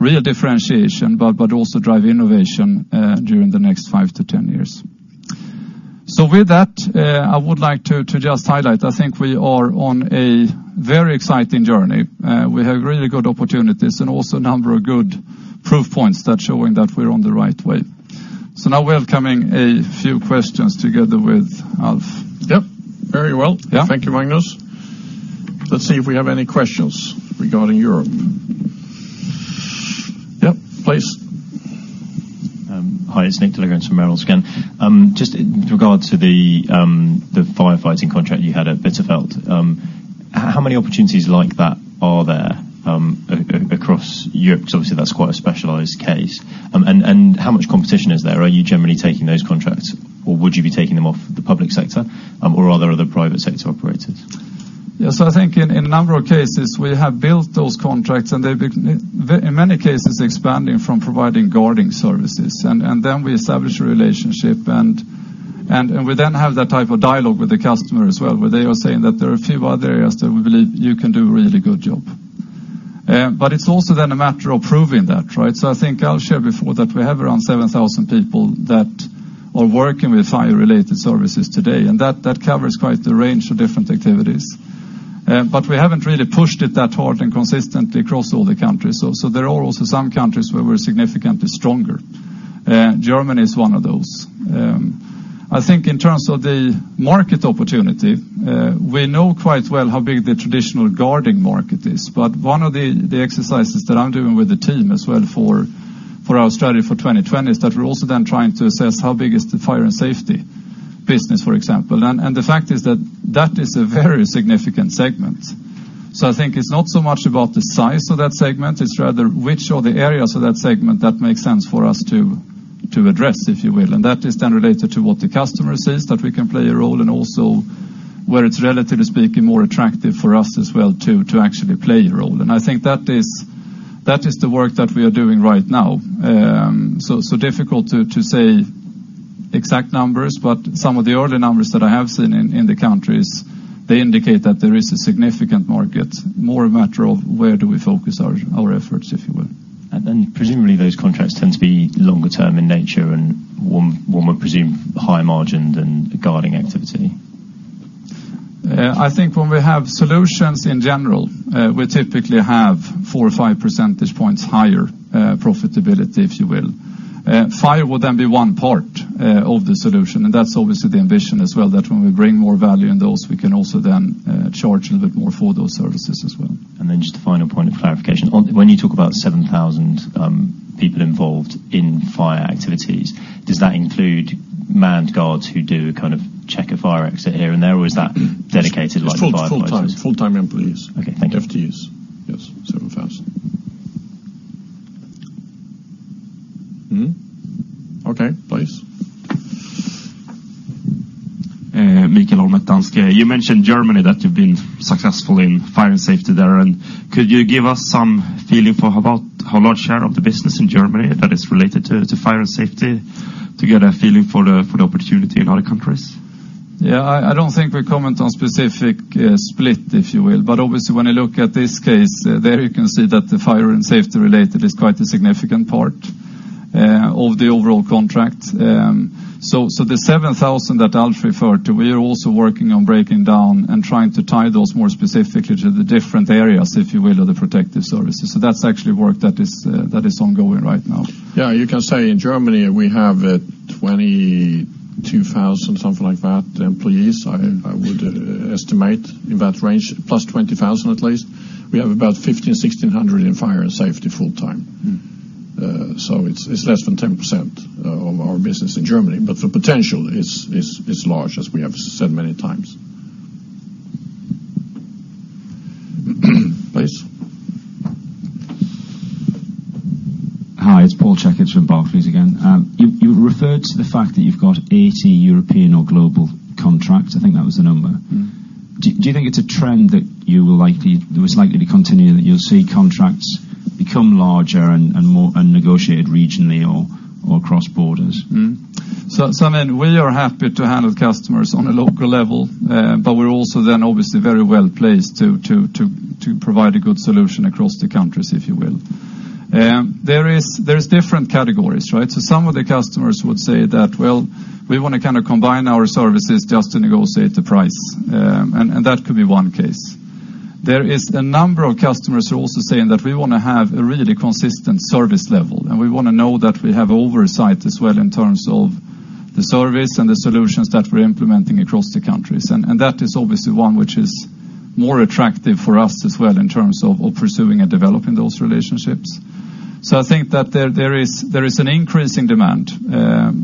real differentiation, but, but also drive innovation, during the next five to 10 years. So with that, I would like to, to just highlight, I think we are on a very exciting journey. We have really good opportunities and also a number of good proof points that's showing that we're on the right way. So now welcoming a few questions together with Alf. Yep, very well. Yeah. Thank you, Magnus. Let's see if we have any questions regarding Europe. Yep, please. Hi, it's Nicholas de la Grense from Merrill Lynch. Just in regard to the firefighting contract you had at Bitterfeld, how many opportunities like that are there across Europe? Obviously, that's quite a specialized case. How much competition is there? Are you generally taking those contracts, or would you be taking them off the public sector, or are there other private sector operators? Yes, I think in a number of cases, we have built those contracts, and they've been, in many cases, expanding from providing guarding services. And then we establish a relationship, and we then have that type of dialogue with the customer as well, where they are saying that there are a few other areas that we believe you can do a really good job. But it's also then a matter of proving that, right? So I think I'll share before that we have around 7,000 people that are working with fire-related services today, and that covers quite the range of different activities. But we haven't really pushed it that hard and consistently across all the countries. So there are also some countries where we're significantly stronger. Germany is one of those. I think in terms of the market opportunity, we know quite well how big the traditional guarding market is, but one of the exercises that I'm doing with the team as well for our strategy for 2020, is that we're also then trying to assess how big is the fire and safety business, for example. And the fact is that that is a very significant segment. So I think it's not so much about the size of that segment, it's rather which are the areas of that segment that makes sense for us to address, if you will, and that is then related to what the customer says, that we can play a role in also where it's, relatively speaking, more attractive for us as well to actually play a role. I think that is the work that we are doing right now. So difficult to say exact numbers, but some of the early numbers that I have seen in the countries, they indicate that there is a significant market, more a matter of where do we focus our efforts, if you will. And then presumably, those contracts tend to be longer term in nature and one would presume, higher margined than guarding activity. I think when we have solutions in general, we typically have four or five percentage points higher profitability, if you will. Fire would then be one part of the solution, and that's obviously the ambition as well, that when we bring more value in those, we can also then charge a little bit more for those services as well. And then just a final point of clarification. When you talk about 7,000 people involved in fire activities, does that include manned guards who do a kind of check a fire exit here and there? Or is that dedicated like firefighters? It's full-time, full-time employees. Okay, thank you. FTs, yes, 7,000. Mm-hmm. Okay, please. Mikael Holm from Danske. You mentioned Germany, that you've been successful in Fire and Safety there, and could you give us some feeling for about how large share of the business in Germany that is related to fire and safety, to get a feeling for the opportunity in other countries? Yeah, I don't think we comment on specific split, if you will, but obviously, when you look at this case, there you can see that the fire and safety related is quite a significant part of the overall contract. So the 7,000 that Alf referred to, we are also working on breaking down and trying to tie those more specifically to the different areas, if you will, of the Protective Services. So that's actually work that is ongoing right now. Yeah, you can say in Germany, we have 20...... 2,000, something like that, employees. I would estimate in that range, plus 20,000 at least. We have about 1,500-1,600 in Fire and Safety full-time. Mm. It's less than 10% of our business in Germany, but the potential is large, as we have said many times. Please. Hi, it's Paul Checketts from Barclays again. You referred to the fact that you've got 80 European or global contracts. I think that was the number. Mm. Do you think it's a trend that's likely to continue, that you'll see contracts become larger and more negotiated regionally or across borders? So, I mean, we are happy to handle customers on a local level, but we're also then obviously very well placed to provide a good solution across the countries, if you will. There's different categories, right? So some of the customers would say that, "Well, we wanna kind of combine our services just to negotiate the price," and that could be one case. There is a number of customers who are also saying that we wanna have a really consistent service level, and we wanna know that we have oversight as well in terms of the service and the solutions that we're implementing across the countries. And that is obviously one which is more attractive for us as well in terms of pursuing and developing those relationships. So I think that there is an increasing demand,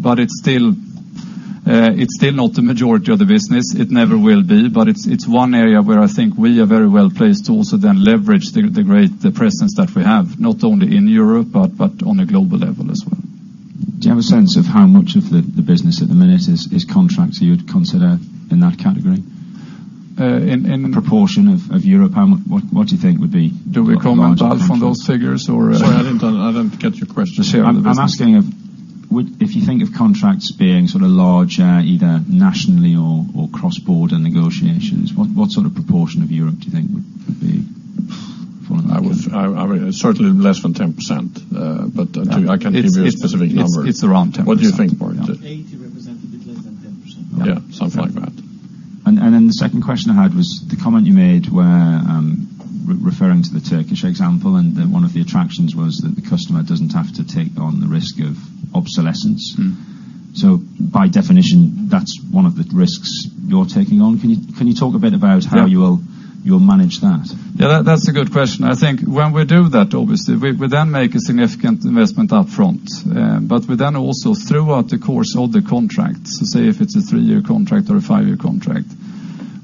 but it's still not the majority of the business. It never will be, but it's one area where I think we are very well placed to also then leverage the great presence that we have, not only in Europe, but on a global level as well. Do you have a sense of how much of the business at the minute is contracts you would consider in that category? In A proportion of Europe, how much... What do you think would be- Do we comment on those figures or- Sorry, I didn't, I don't get your question. If you think of contracts being sort of larger, either nationally or cross-border negotiations, what sort of proportion of Europe do you think would be? I would certainly less than 10%, but I can't give you a specific number. It's around 10%. What do you think, Bart? 80 represent a bit less than 10%. Yeah, something like that. Then the second question I had was the comment you made where, referring to the Turkish example, and that one of the attractions was that the customer doesn't have to take on the risk of obsolescence. Mm. So by definition, that's one of the risks you're taking on. Can you, can you talk a bit about- Yeah... how you will, you'll manage that? Yeah, that, that's a good question. I think when we do that, obviously, we then make a significant investment up front. But we then also, throughout the course of the contract, so say if it's a 3-year contract or a 5-year contract,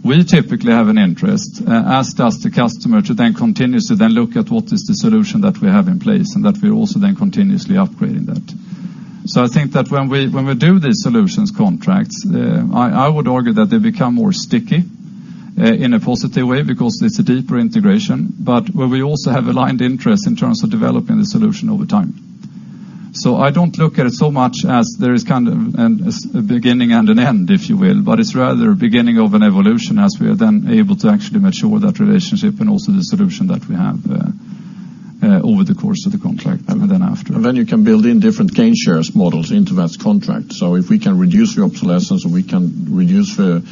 we typically have an interest, as does the customer, to continue to look at what is the solution that we have in place and that we're also then continuously upgrading that. So I think that when we do the solutions contracts, I would argue that they become more sticky, in a positive way because it's a deeper integration, but where we also have aligned interests in terms of developing the solution over time. So I don't look at it so much as there is kind of a beginning and an end, if you will, but it's rather a beginning of an evolution as we are then able to actually mature that relationship and also the solution that we have over the course of the contract and then after. And then you can build in different gain-share models into that contract. So if we can reduce the obsolescence, or we can reduce the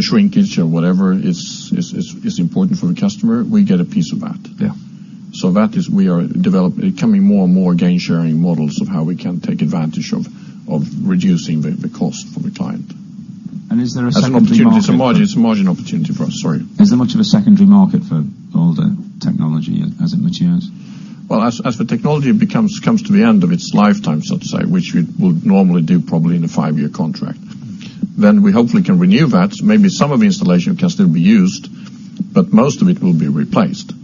shrinkage or whatever is important for the customer, we get a piece of that. Yeah. It can be more and more gain-sharing models of how we can take advantage of reducing the cost for the client. Is there a secondary market? It's a margin. It's a margin opportunity for us, sorry. Is there much of a secondary market for older technology as it matures? Well, as the technology comes to the end of its lifetime, so to say, which it would normally do probably in a five-year contract, then we hopefully can renew that. Maybe some of the installation can still be used, but most of it will be replaced.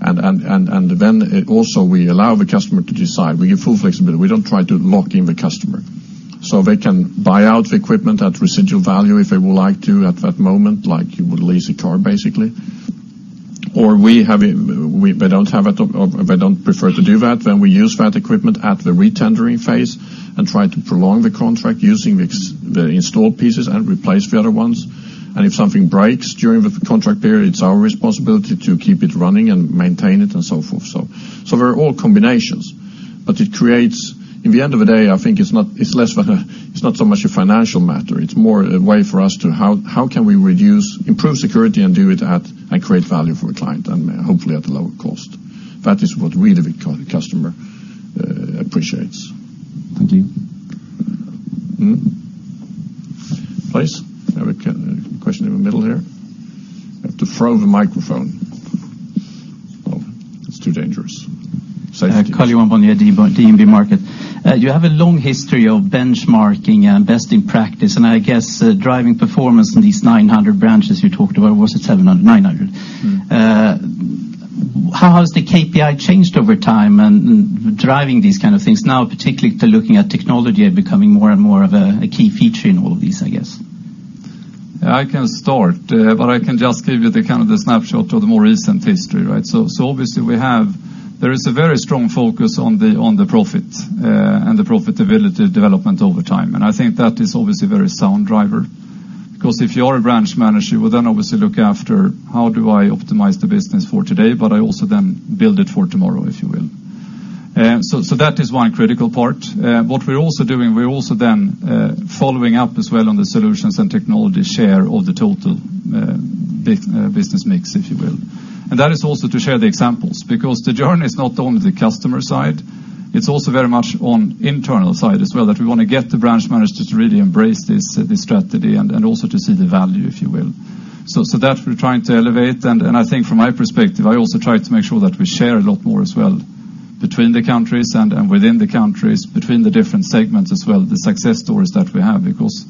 Then, we also allow the customer to decide. We give full flexibility. We don't try to lock in the customer. So they can buy out the equipment at residual value if they would like to at that moment, like you would lease a car, basically. Or we have it, they don't have it, or if they don't prefer to do that, then we use that equipment at the retendering phase and try to prolong the contract using the installed pieces and replace the other ones. If something breaks during the contract period, it's our responsibility to keep it running and maintain it and so forth. So, there are all combinations, but it creates... In the end of the day, I think it's not. It's less than—it's not so much a financial matter. It's more a way for us to how we can reduce, improve security and do it, and create value for a client, and hopefully at a lower cost? That is what we, the customer, appreciates. Thank you. Mm-hmm. Please. Have a question in the middle here. I have to throw the microphone. Oh, it's too dangerous. Safety. Karl-Johan Bonnevier, DNB Markets. You have a long history of benchmarking and best in practice, and I guess driving performance in these 900 branches you talked about. Was it 700? 900. Mm. How has the KPI changed over time and driving these kind of things? Now, particularly looking at technology and becoming more and more of a key feature in all of these, I guess. I can start, but I can just give you the kind of the snapshot of the more recent history, right? So, obviously, we have. There is a very strong focus on the profit and the profitability development over time, and I think that is obviously a very sound driver. Because if you are a branch manager, you will then obviously look after how do I optimize the business for today, but I also then build it for tomorrow, if you will. So, that is one critical part. What we're also doing, we're also then following up as well on the solutions and technology share of the total business mix, if you will. And that is also to share the examples, because the journey is not only the customer side.... It's also very much on internal side as well, that we want to get the branch managers to really embrace this, this strategy and, and also to see the value, if you will. So, so that we're trying to elevate, and, and I think from my perspective, I also try to make sure that we share a lot more as well between the countries and, and within the countries, between the different segments as well, the success stories that we have. Because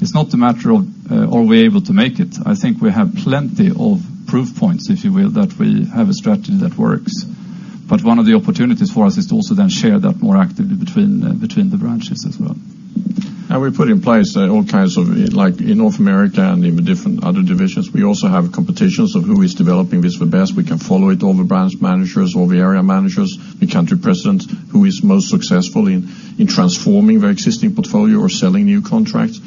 it's not a matter of, are we able to make it? I think we have plenty of proof points, if you will, that we have a strategy that works. But one of the opportunities for us is to also then share that more actively between, between the branches as well. And we put in place all kinds of—like in North America and in the different other divisions, we also have competitions of who is developing this the best. We can follow it, all the branch managers, all the area managers, the country presidents, who is most successful in transforming their existing portfolio or selling new contracts.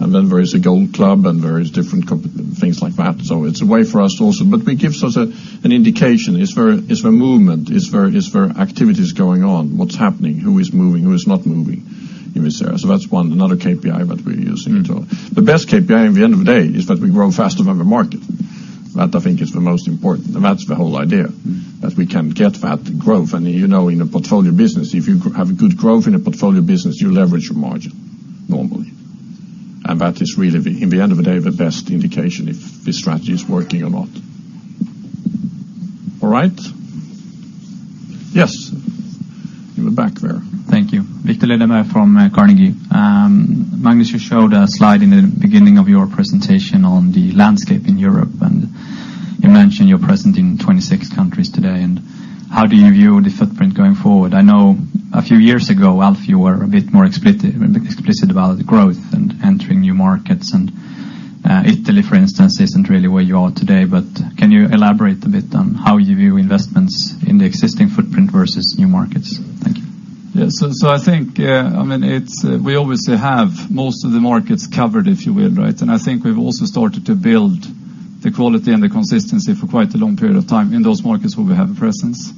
And then there is a Gold Club, and there is different things like that. So it's a way for us also. But it gives us an indication. It's where, it's where movement, it's where, it's where activity is going on, what's happening, who is moving, who is not moving, you will see. So that's one, another KPI that we're using. Mm-hmm. The best KPI in the end of the day is that we grow faster than the market. That I think is the most important, and that's the whole idea- Mm-hmm. That we can get that growth. And, you know, in a portfolio business, if you have a good growth in a portfolio business, you leverage your margin, normally. And that is really the... In the end of the day, the best indication if this strategy is working or not. All right? Yes. In the back there. Thank you. Viktor Högberg from Carnegie. Magnus, you showed a slide in the beginning of your presentation on the landscape in Europe, and you mentioned you're present in 26 countries today. And how do you view the footprint going forward? I know a few years ago, Alf, you were a bit more explicit about growth and entering new markets. And, Italy, for instance, isn't really where you are today, but can you elaborate a bit on how you view investments in the existing footprint versus new markets? Thank you. Yes. So, I think, I mean, it's, we obviously have most of the markets covered, if you will, right? And I think we've also started to build the quality and the consistency for quite a long period of time in those markets where we have a presence.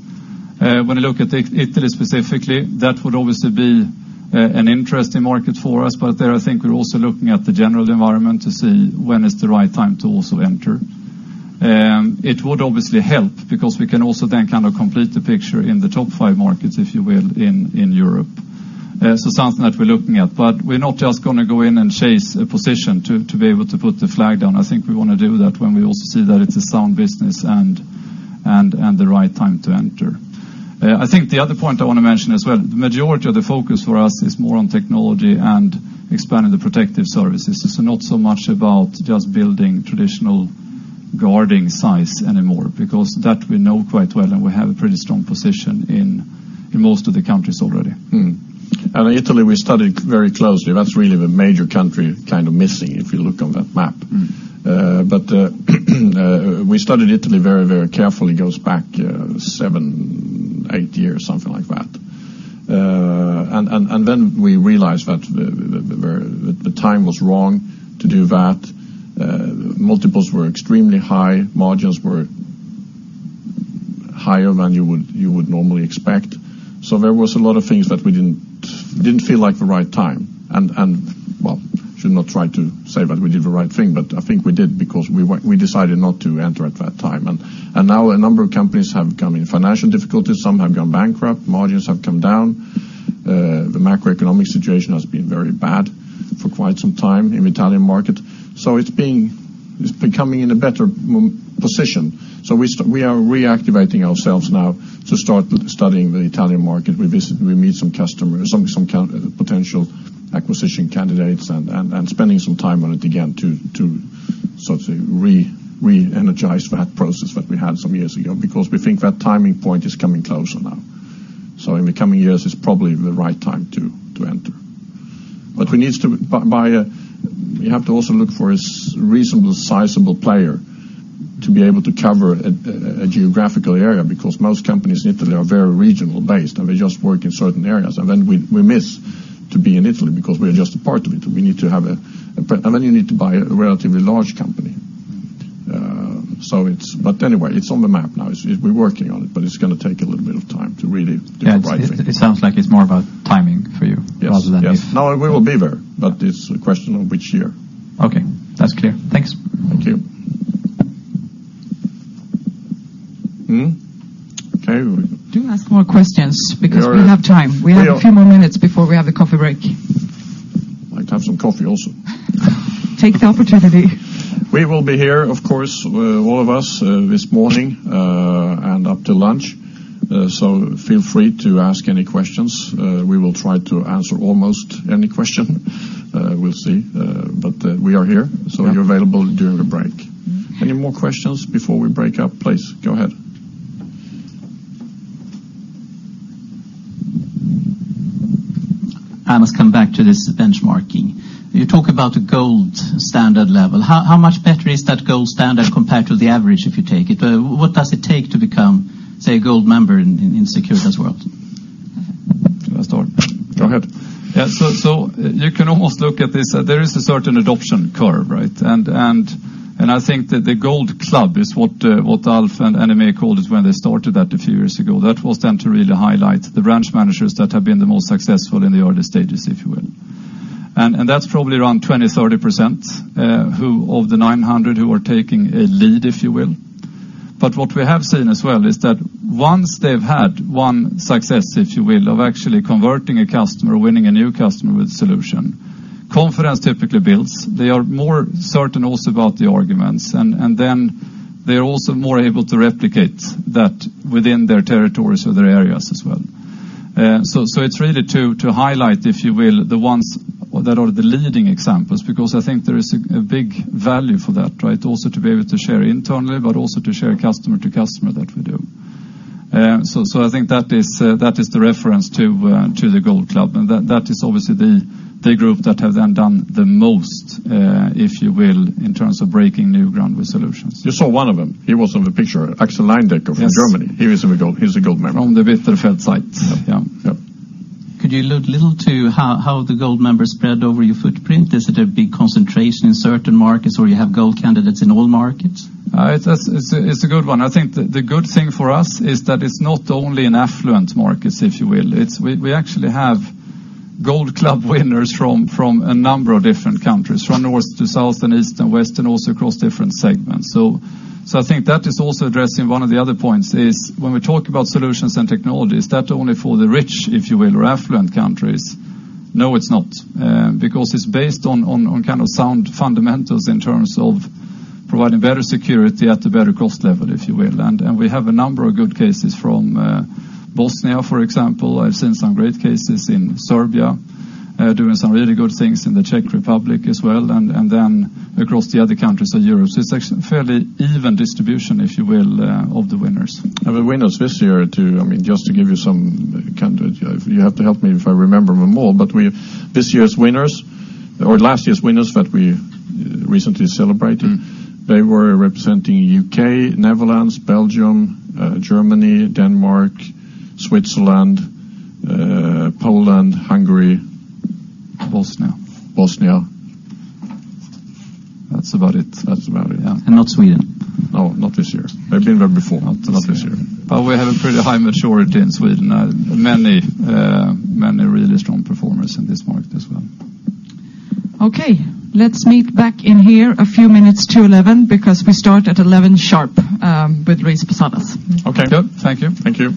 When you look at Italy specifically, that would obviously be an interesting market for us, but there, I think we're also looking at the general environment to see when is the right time to also enter. It would obviously help because we can also then kind of complete the picture in the top five markets, if you will, in Europe. So something that we're looking at. But we're not just gonna go in and chase a position to be able to put the flag down. I think we want to do that when we also see that it's a sound business and the right time to enter. I think the other point I want to mention as well, the majority of the focus for us is more on technology and expanding the Protective Services. It's not so much about just building traditional guarding size anymore, because that we know quite well, and we have a pretty strong position in most of the countries already. Mm-hmm. Italy, we studied very closely. That's really the major country kind of missing, if you look on that map. Mm-hmm. But we studied Italy very, very carefully. It goes back seven, eight years, something like that. And then we realized that the time was wrong to do that. Multiples were extremely high, margins were higher than you would normally expect. So there was a lot of things that we didn't feel like the right time. Well, I should not try to say that we did the right thing, but I think we did, because we decided not to enter at that time. And now a number of companies have come in financial difficulties, some have gone bankrupt, margins have come down. The macroeconomic situation has been very bad for quite some time in the Italian market. So it's becoming in a better position. So we are reactivating ourselves now to start studying the Italian market. We visit, we meet some customers, some potential acquisition candidates and spending some time on it again to sort of re-energize that process that we had some years ago, because we think that timing point is coming closer now. So in the coming years, it's probably the right time to enter. But we need to buy a reasonable, sizable player to be able to cover a geographical area, because most companies in Italy are very regional based, and they just work in certain areas. And then we miss to be in Italy because we are just a part of it. We need to have a presence and then you need to buy a relatively large company. So it's... but anyway, it's on the map now. It's, we're working on it, but it's gonna take a little bit of time to really do the right thing. Yeah, it sounds like it's more about timing for you- Yes. rather than just Yes. No, we will be there, but it's a question of which year. Okay, that's clear. Thanks. Thank you. Mm-hmm. Okay. Do ask more questions because we have time. We are- We have a few more minutes before we have the coffee break. I'd like to have some coffee also. Take the opportunity. We will be here, of course, all of us, this morning, and up to lunch, so feel free to ask any questions. We will try to answer almost any question. We'll see, but, we are here, so we're available during the break. Any more questions before we break up? Please, go ahead. I must come back to this benchmarking. You talk about a gold standard level. How much better is that gold standard compared to the average, if you take it? What does it take to become, say, a gold member in Securitas World? Can I start? Go ahead. Yeah, so you can almost look at this, there is a certain adoption curve, right? And I think that the Gold Club is what Alf and Aimé called us when they started that a few years ago. That was then to really highlight the branch managers that have been the most successful in the early stages, if you will. And that's probably around 20%-30%, who of the 900 who are taking a lead, if you will. But what we have seen as well is that once they've had one success, if you will, of actually converting a customer or winning a new customer with solution, confidence typically builds. They are more certain also about the arguments, and then they are also more able to replicate that within their territories or their areas as well. So it's really to highlight, if you will, the ones that are the leading examples, because I think there is a big value for that, right? Also to be able to share internally, but also to share customer to customer that we do. So I think that is the reference to the Gold Club, and that is obviously the group that have then done the most, if you will, in terms of breaking new ground with solutions. You saw one of them. He was on the picture, Axel Leindecker from Germany. Yes. He is a gold. He's a Gold Member. From the Bitterfeld site. Yep, yep. Could you allude a little to how the Gold Members spread over your footprint? Is it a big concentration in certain markets, or you have gold candidates in all markets? It's a good one. I think the good thing for us is that it's not only in affluent markets, if you will. It's we actually have Gold Club winners from a number of different countries, from north to south and east and west, and also across different segments. So I think that is also addressing one of the other points, is when we talk about solutions and technologies, is that only for the rich, if you will, or affluent countries? No, it's not, because it's based on kind of sound fundamentals in terms of providing better security at a better cost level, if you will. And we have a number of good cases from Bosnia, for example. I've seen some great cases in Serbia, doing some really good things in the Czech Republic as well, and then across the other countries of Europe. So it's actually fairly even distribution, if you will, of the winners. The winners this year, too. I mean, just to give you some kind... You have to help me if I remember them all, but this year's winners or last year's winners that we recently celebrated- Mm-hmm. They were representing UK, Netherlands, Belgium, Germany, Denmark, Switzerland, Poland, Hungary. Bosnia. Bosnia. That's about it. That's about it, yeah. And not Sweden? No, not this year. They've been there before, but not this year. But we have a pretty high maturity in Sweden. Many, many really strong performers in this market as well. Okay, let's meet back in here a few minutes to eleven, because we start at eleven sharp, with Luis Posadas. Okay. Good. Thank you. Thank you.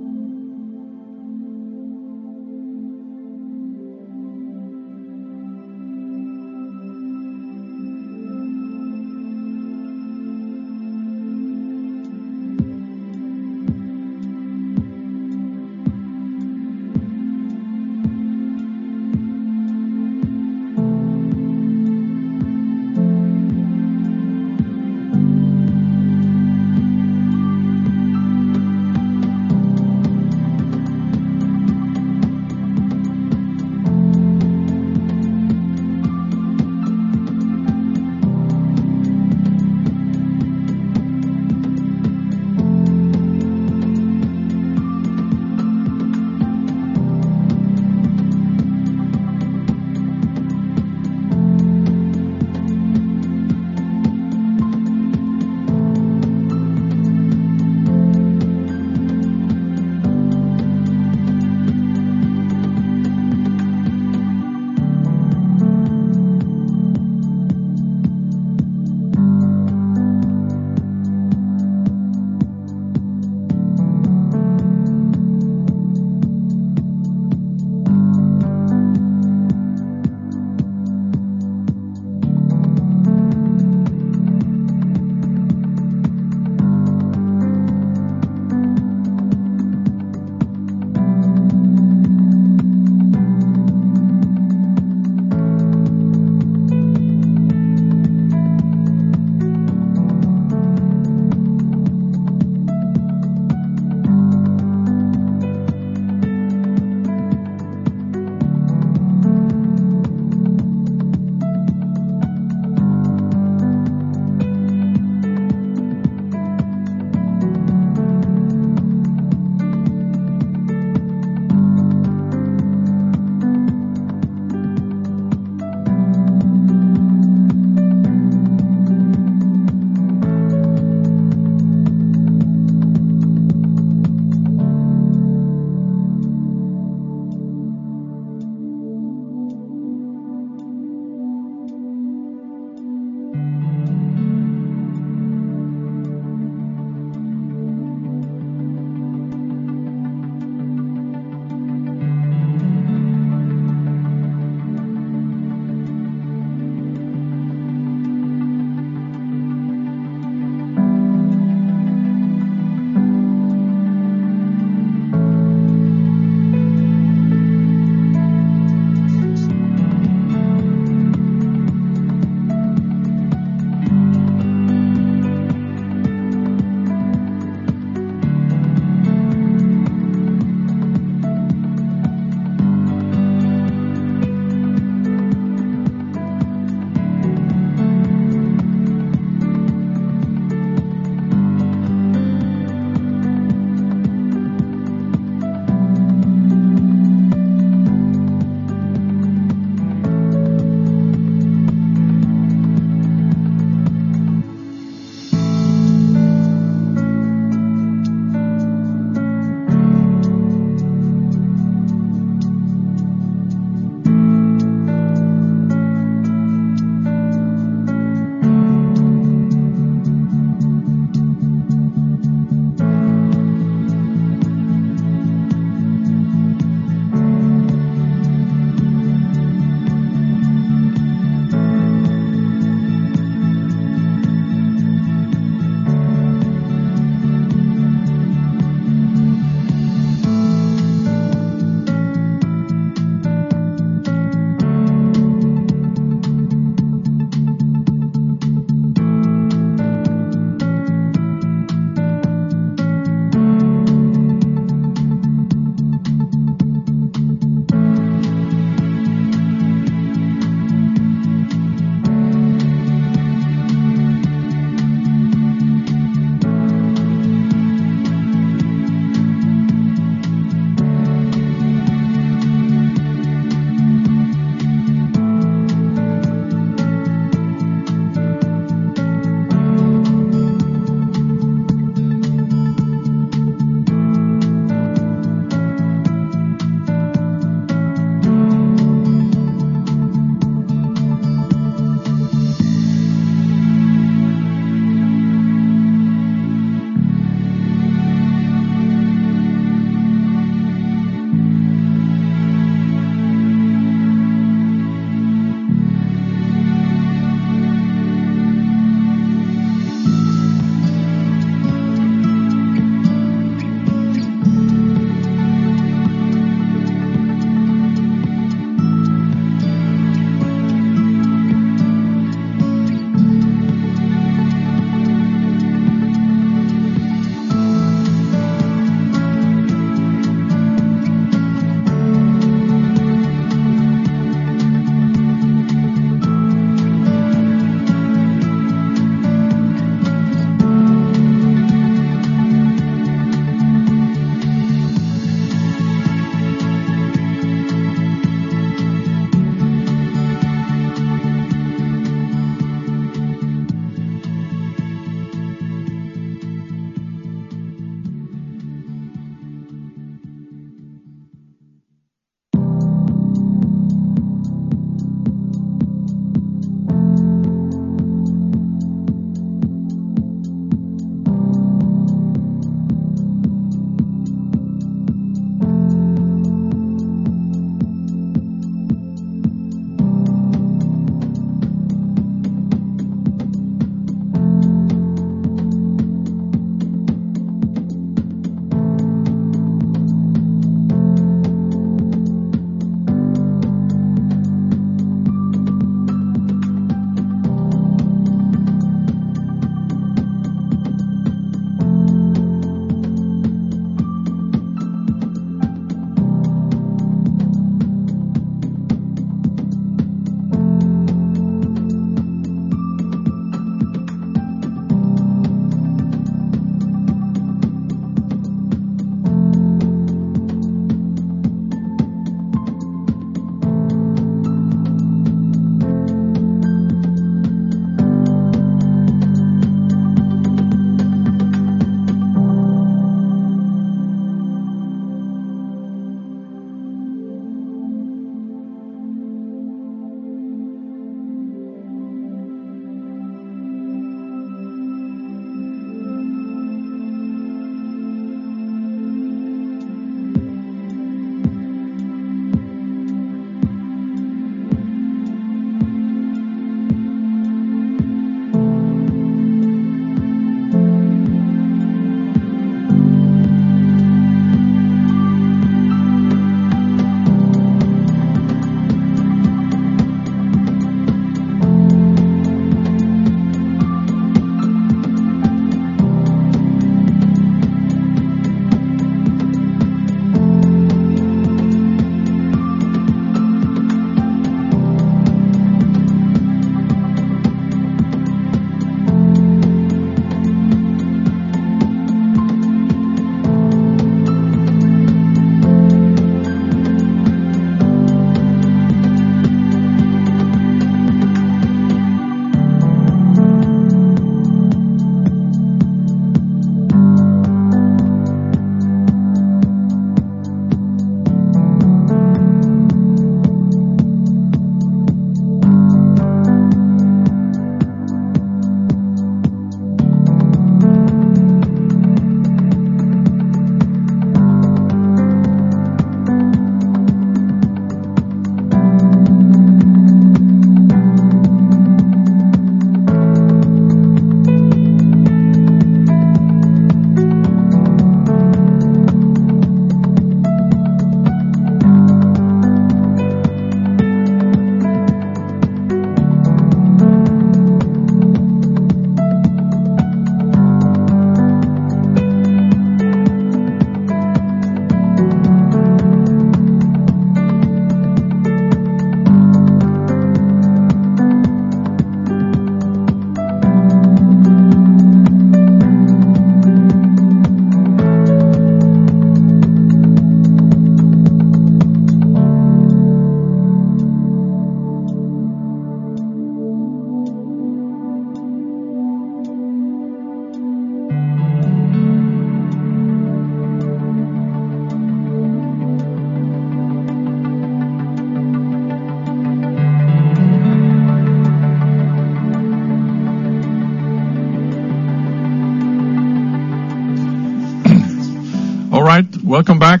All right, welcome back.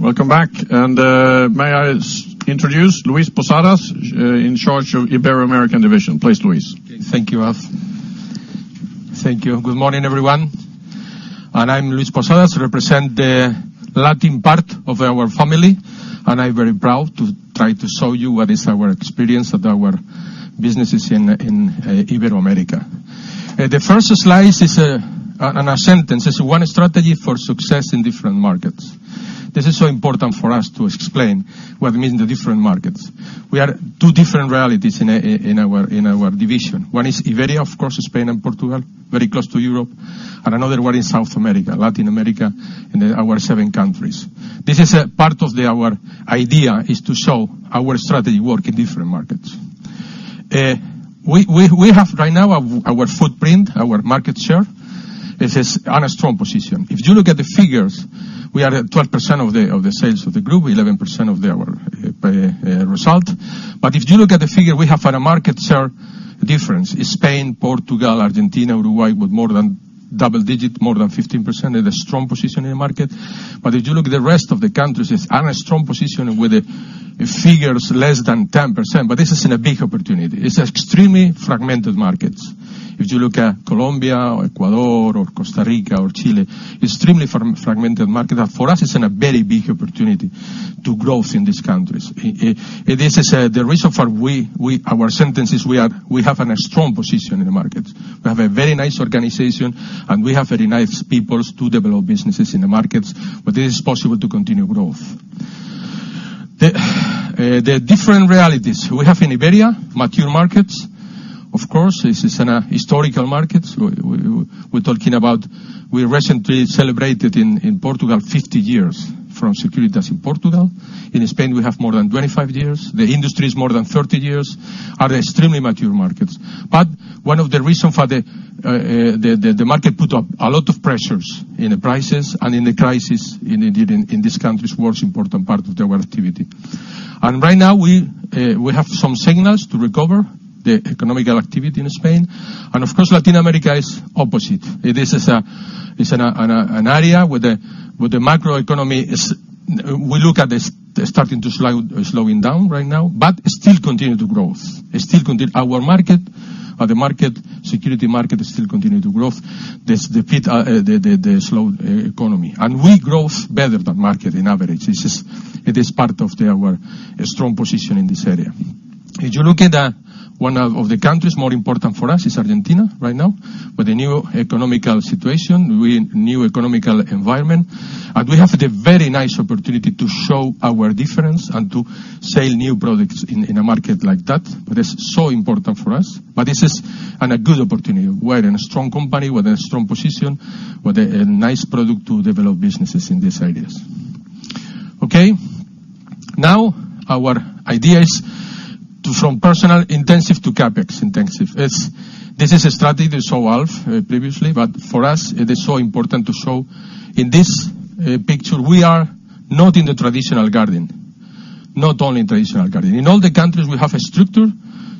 Welcome back, and, may I introduce Luis Posadas, in charge of Ibero-American Division. Please, Luis. Thank you, Alf. Thank you. Good morning, everyone. I'm Luis Posadas, represent the Latin part of our family, and I'm very proud to try to show you what is our experience of our businesses in, in, Ibero-America. The first slide is, in a sentence, is: One strategy for success in different markets. This is so important for us to explain what means the different markets. We are two different realities in our division. One is Iberia, of course, Spain and Portugal, very close to Europe, and another one in South America, Latin America, and then our seven countries. This is part of our idea, is to show our strategy work in different markets. We have right now our footprint, our market share. This is on a strong position. If you look at the figures, we are at 12% of the sales of the group, 11% of our result. But if you look at the figure, we have our market share difference. In Spain, Portugal, Argentina, Uruguay, with more than double-digit, more than 15%, and a strong position in the market. But if you look at the rest of the countries, it's in a strong position with the figures less than 10%, but this is a big opportunity. It's extremely fragmented markets. If you look at Colombia or Ecuador or Costa Rica or Chile, extremely fragmented market, and for us, it's a very big opportunity to grow in these countries. This is the reason we have a strong position in the market. We have a very nice organization, and we have very nice peoples to develop businesses in the markets, but it is possible to continue growth. The different realities we have in Iberia, mature markets. Of course, this is in historical markets. We're talking about... We recently celebrated in Portugal 50 years from Securitas in Portugal. In Spain, we have more than 25 years. The industry is more than 30 years, are extremely mature markets. But one of the reason for the market put up a lot of pressures in the prices and in the crisis. Indeed, in this country's worst important part of their activity. And right now, we have some signals to recover the economic activity in Spain. And of course, Latin America is opposite. It's an area where the macroeconomy is—we look at it—it's starting to slow down right now, but still continues to grow. Our market, or the market, the security market, is still continuing to grow. Despite the slow economy. And we grow better than the market on average. This is part of our strong position in this area. If you look at one of the countries more important for us, it is Argentina right now, with a new economic situation, with a new economic environment. And we have a very nice opportunity to show our difference and to sell new products in a market like that. That is so important for us, but this is... and a good opportunity. We're in a strong company, with a strong position, with a nice product to develop businesses in these areas. Okay, now our idea is to go from personnel intensive to CapEx intensive. This is a strategy that showed off previously, but for us, it is so important to show in this picture, we are not in the traditional guarding, not only in traditional guarding. In all the countries, we have a structure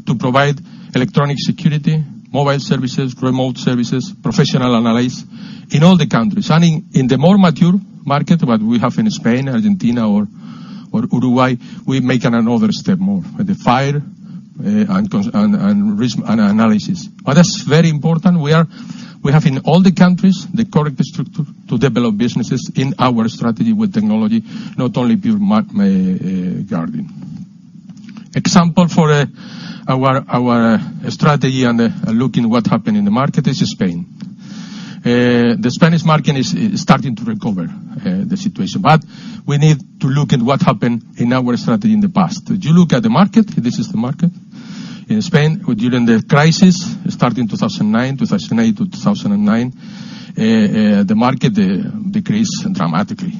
to provide Electronic Security, Mobile Services, Remote Services, Professional Analysis, in all the countries. And in the more mature market, what we have in Spain, Argentina, or Uruguay, we're making another step more, with the fire and consulting and risk and analysis. But that's very important. We are, we have in all the countries, the correct structure to develop businesses in our strategy with technology, not only pure manned guarding. Example for our strategy and looking what happened in the market is Spain. The Spanish market is starting to recover the situation, but we need to look at what happened in our strategy in the past. If you look at the market, this is the market in Spain, where during the crisis, starting in 2009, 2008 to 2009, the market decreased dramatically.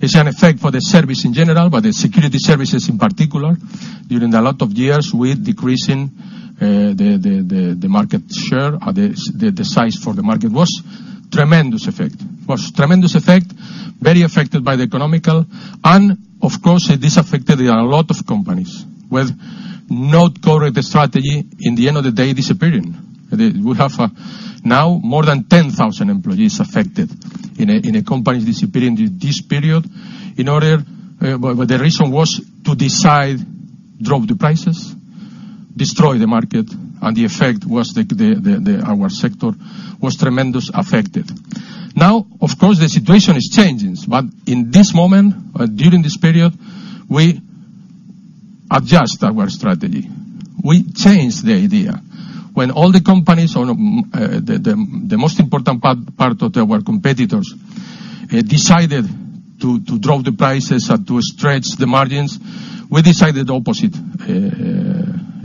It's an effect for the service in general, but the security services in particular, during a lot of years with decreasing the market share, the size for the market was tremendous effect. a tremendous effect, very affected by the economic, and of course, this affected a lot of companies with not correct strategy, in the end of the day, disappearing. We have now more than 10,000 employees affected in companies disappearing in this period. But the reason was to decide, drop the prices, destroy the market, and the effect was our sector was tremendously affected. Now, of course, the situation is changing, but in this moment, during this period, we adjust our strategy. We changed the idea. When all the companies, the most important part of our competitors, decided to drop the prices and to stretch the margins, we decided opposite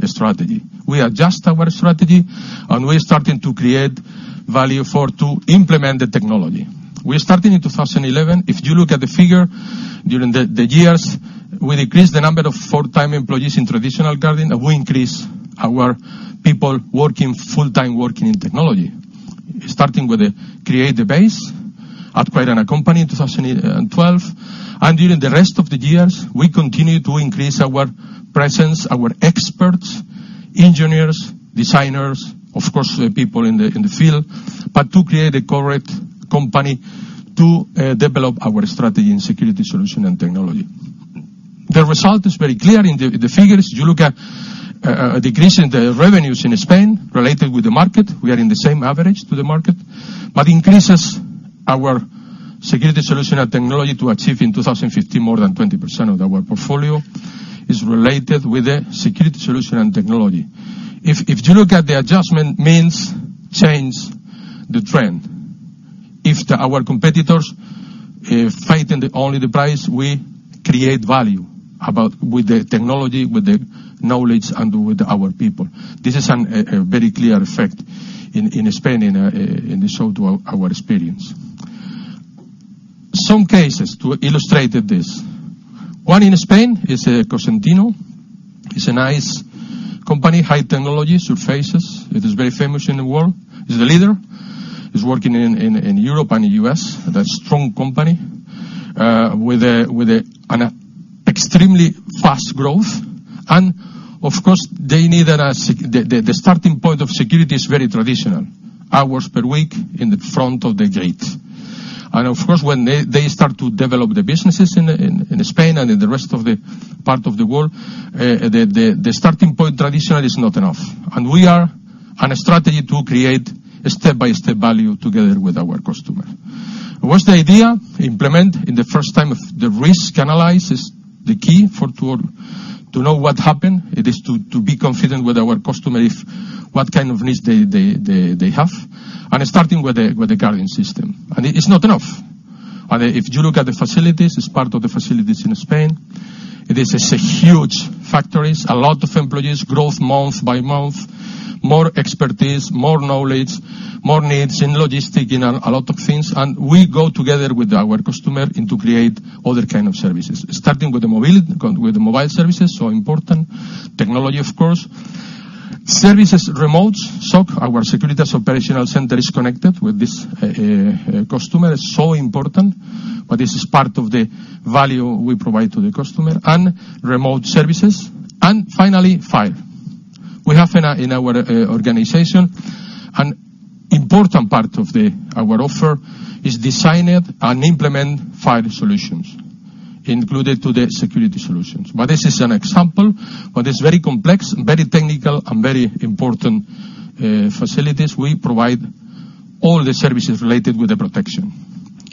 strategy. We adjust our strategy, and we're starting to create value for to implement the technology. We're starting in 2011. If you look at the figure, during the years, we decreased the number of full-time employees in traditional guarding, and we increased our people working, full-time working in technology. Starting with the create the base, acquired a company in 2012, and during the rest of the years, we continued to increase our presence, our experts, engineers, designers, of course, the people in the, in the field, but to create a correct company to, develop our strategy in Security Solutions and Technology. The result is very clear in the figures. You look at, decreasing the revenues in Spain related with the market, we are in the same average to the market, but increases our Security Solutions and Technology to achieve in 2015, more than 20% of our portfolio is related with the Security Solutions and Technology. If you look at the adjustment means change the trend. If our competitors fight only on the price, we create value above with the technology, with the knowledge, and with our people. This is a very clear effect in Spain, and it shows our experience. Some cases to illustrate this: One in Spain is Cosentino. It's a nice company, high technology surfaces. It is very famous in the world. It's the leader. It's working in Europe and U.S. A strong company with an extremely fast growth. And of course, they needed a security, the starting point of security is very traditional, hours per week in the front of the gate. Of course, when they start to develop the businesses in Spain and in the rest of the part of the world, the starting point traditional is not enough. We are on a strategy to create a step-by-step value together with our customer. What's the idea? Implement in the first time of the risk analysis, the key for to know what happened. It is to be confident with our customer if what kind of needs they have, and starting with a guarding system. It's not enough. If you look at the facilities, it's part of the facilities in Spain, it's a huge factories, a lot of employees, growth month by month, more expertise, more knowledge, more needs in logistic, in a lot of things. We go together with our customer to create other kind of services, starting with the Mobile Services, so important, technology, of course. Remote services, SOC, our Securitas Operational Center, is connected with this customer, is so important, but this is part of the value we provide to the customer, and remote services. And finally, fire. We have in our organization, an important part of our offer is design it and implement fire solutions included to the Security Solutions. But this is an example, but it's very complex, very technical, and very important facilities. We provide all the services related with the protection.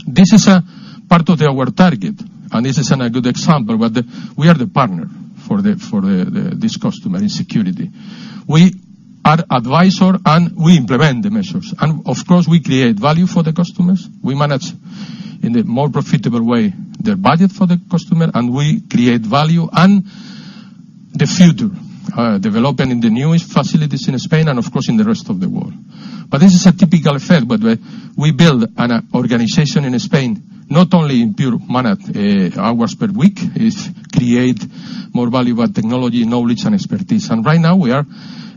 This is a part of our target, and this is a good example, but we are the partner for the this customer in security. We are advisors, and we implement the measures. Of course, we create value for the customers. We manage in a more profitable way the budget for the customer, and we create value and the future development in the newest facilities in Spain and, of course, in the rest of the world. But this is a typical effect, but we build an organization in Spain, not only in pure man-hours per week create more valuable technology, knowledge and expertise. Right now, we are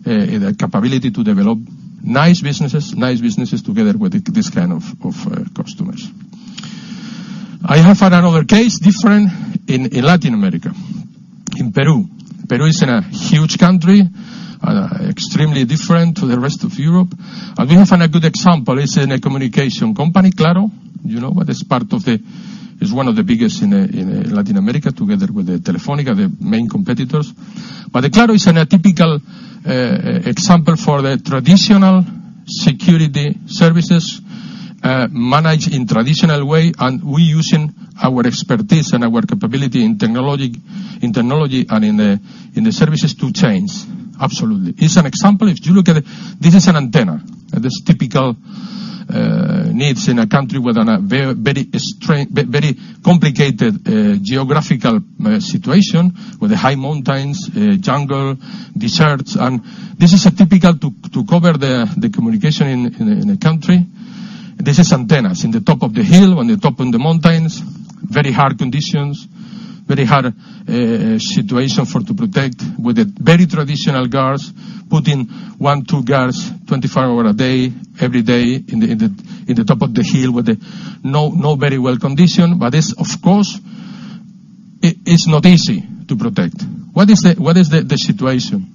in a capability to develop nice businesses, nice businesses together with this kind of customers. I have another case, different, in Latin America, in Peru. Peru is a huge country, extremely different to the rest of Europe, and we have a good example. It's a communications company, Claro. You know, that is part of the— It's one of the biggest in Latin America, together with the Telefónica, the main competitors. But the Claro is in a typical example for the traditional security services, managed in traditional way, and we using our expertise and our capability in technology and in the services to change, absolutely. It's an example, if you look at it, this is an antenna, and there's typical needs in a country with a very complicated geographical situation, with the high mountains, jungle, deserts. And this is a typical to cover the communication in the country. This is antennas in the top of the hill, on the top of the mountains, very hard conditions, very hard, situation for to protect, with the very traditional guards, putting one, two guards, 24 hours a day, every day, in the, in the, in the top of the hill, with the no, no very well condition. But this, of course, it's not easy to protect. What is the situation?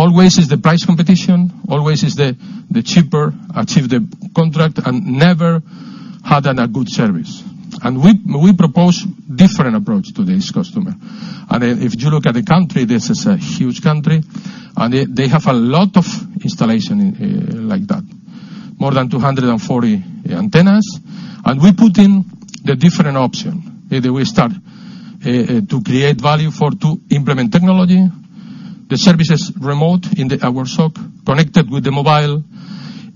Always is the price competition, always is the cheaper achieve the contract and never had a good service. And we propose different approach to this customer. And if you look at the country, this is a huge country, and they have a lot of installation in, like that, more than 240 antennas. And we put in the different option, and we start to create value for to implement technology. The services remote in our SOC, connected with the mobile,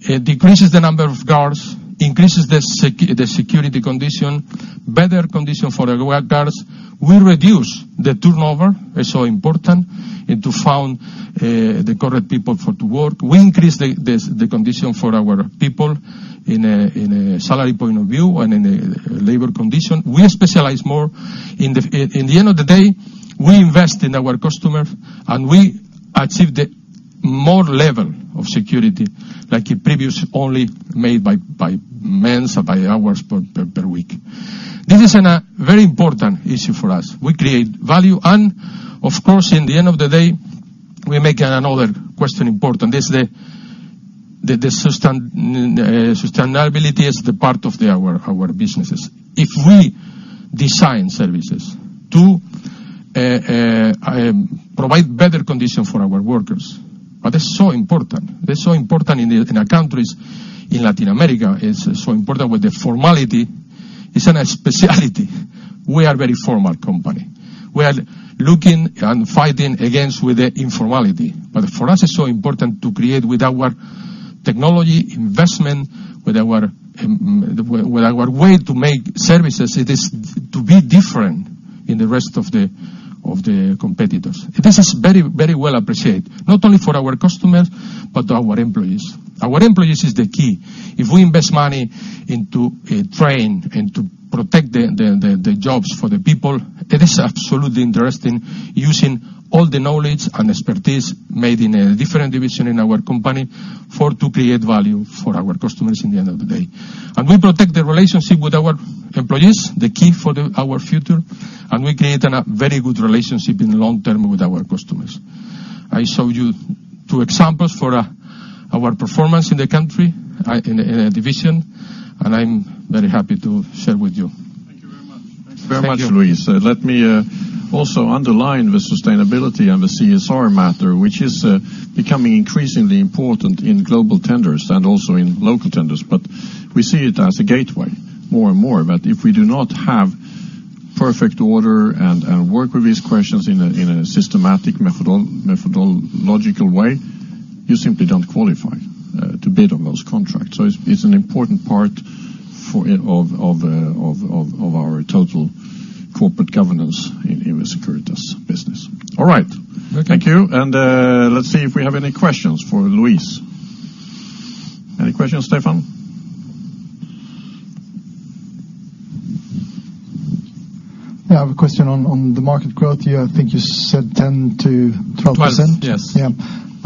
it decreases the number of guards, increases the security condition, better condition for our guards. We reduce the turnover, is so important, and to find the correct people for to work. We increase the condition for our people in a salary point of view and in a labor condition. We specialize more. In the end of the day, we invest in our customer, and we achieve the more level of security, like in previous, only made by men, by hours per week. This is a very important issue for us. We create value, and of course, in the end of the day, we make another question important. This, the sustainability is the part of our businesses. If we design services to provide better conditions for our workers, but it's so important. It's so important in our countries, in Latin America, it's so important with the formality. It's a specialty. We are very formal company. We are looking and fighting against with the informality, but for us, it's so important to create with our technology, investment, with our way to make services, it is to be different in the rest of the competitors. This is very, very well appreciated, not only for our customers, but our employees. Our employees is the key. If we invest money into train and to protect the jobs for the people, it is absolutely interesting using all the knowledge and expertise made in a different division in our company for to create value for our customers in the end of the day. We protect the relationship with our employees, the key for our future, and we create a very good relationship in long term with our customers. I show you two examples for our performance in the country, in a division, and I'm very happy to share with you. Thank you very much. Thank you. Thank you, Luis. Let me also underline the sustainability and the CSR matter, which is becoming increasingly important in global tenders and also in local tenders. But we see it as a gateway, more and more, that if we do not have perfect order and work with these questions in a systematic methodological way, you simply don't qualify to bid on those contracts. So it's an important part of our total corporate governance in the Securitas business. All right. Okay. Thank you, and, let's see if we have any questions for Luis. Any questions, Stefan? Yeah, I have a question on the market growth. You, I think you said 10%-12%? Twelve, yes. Yeah.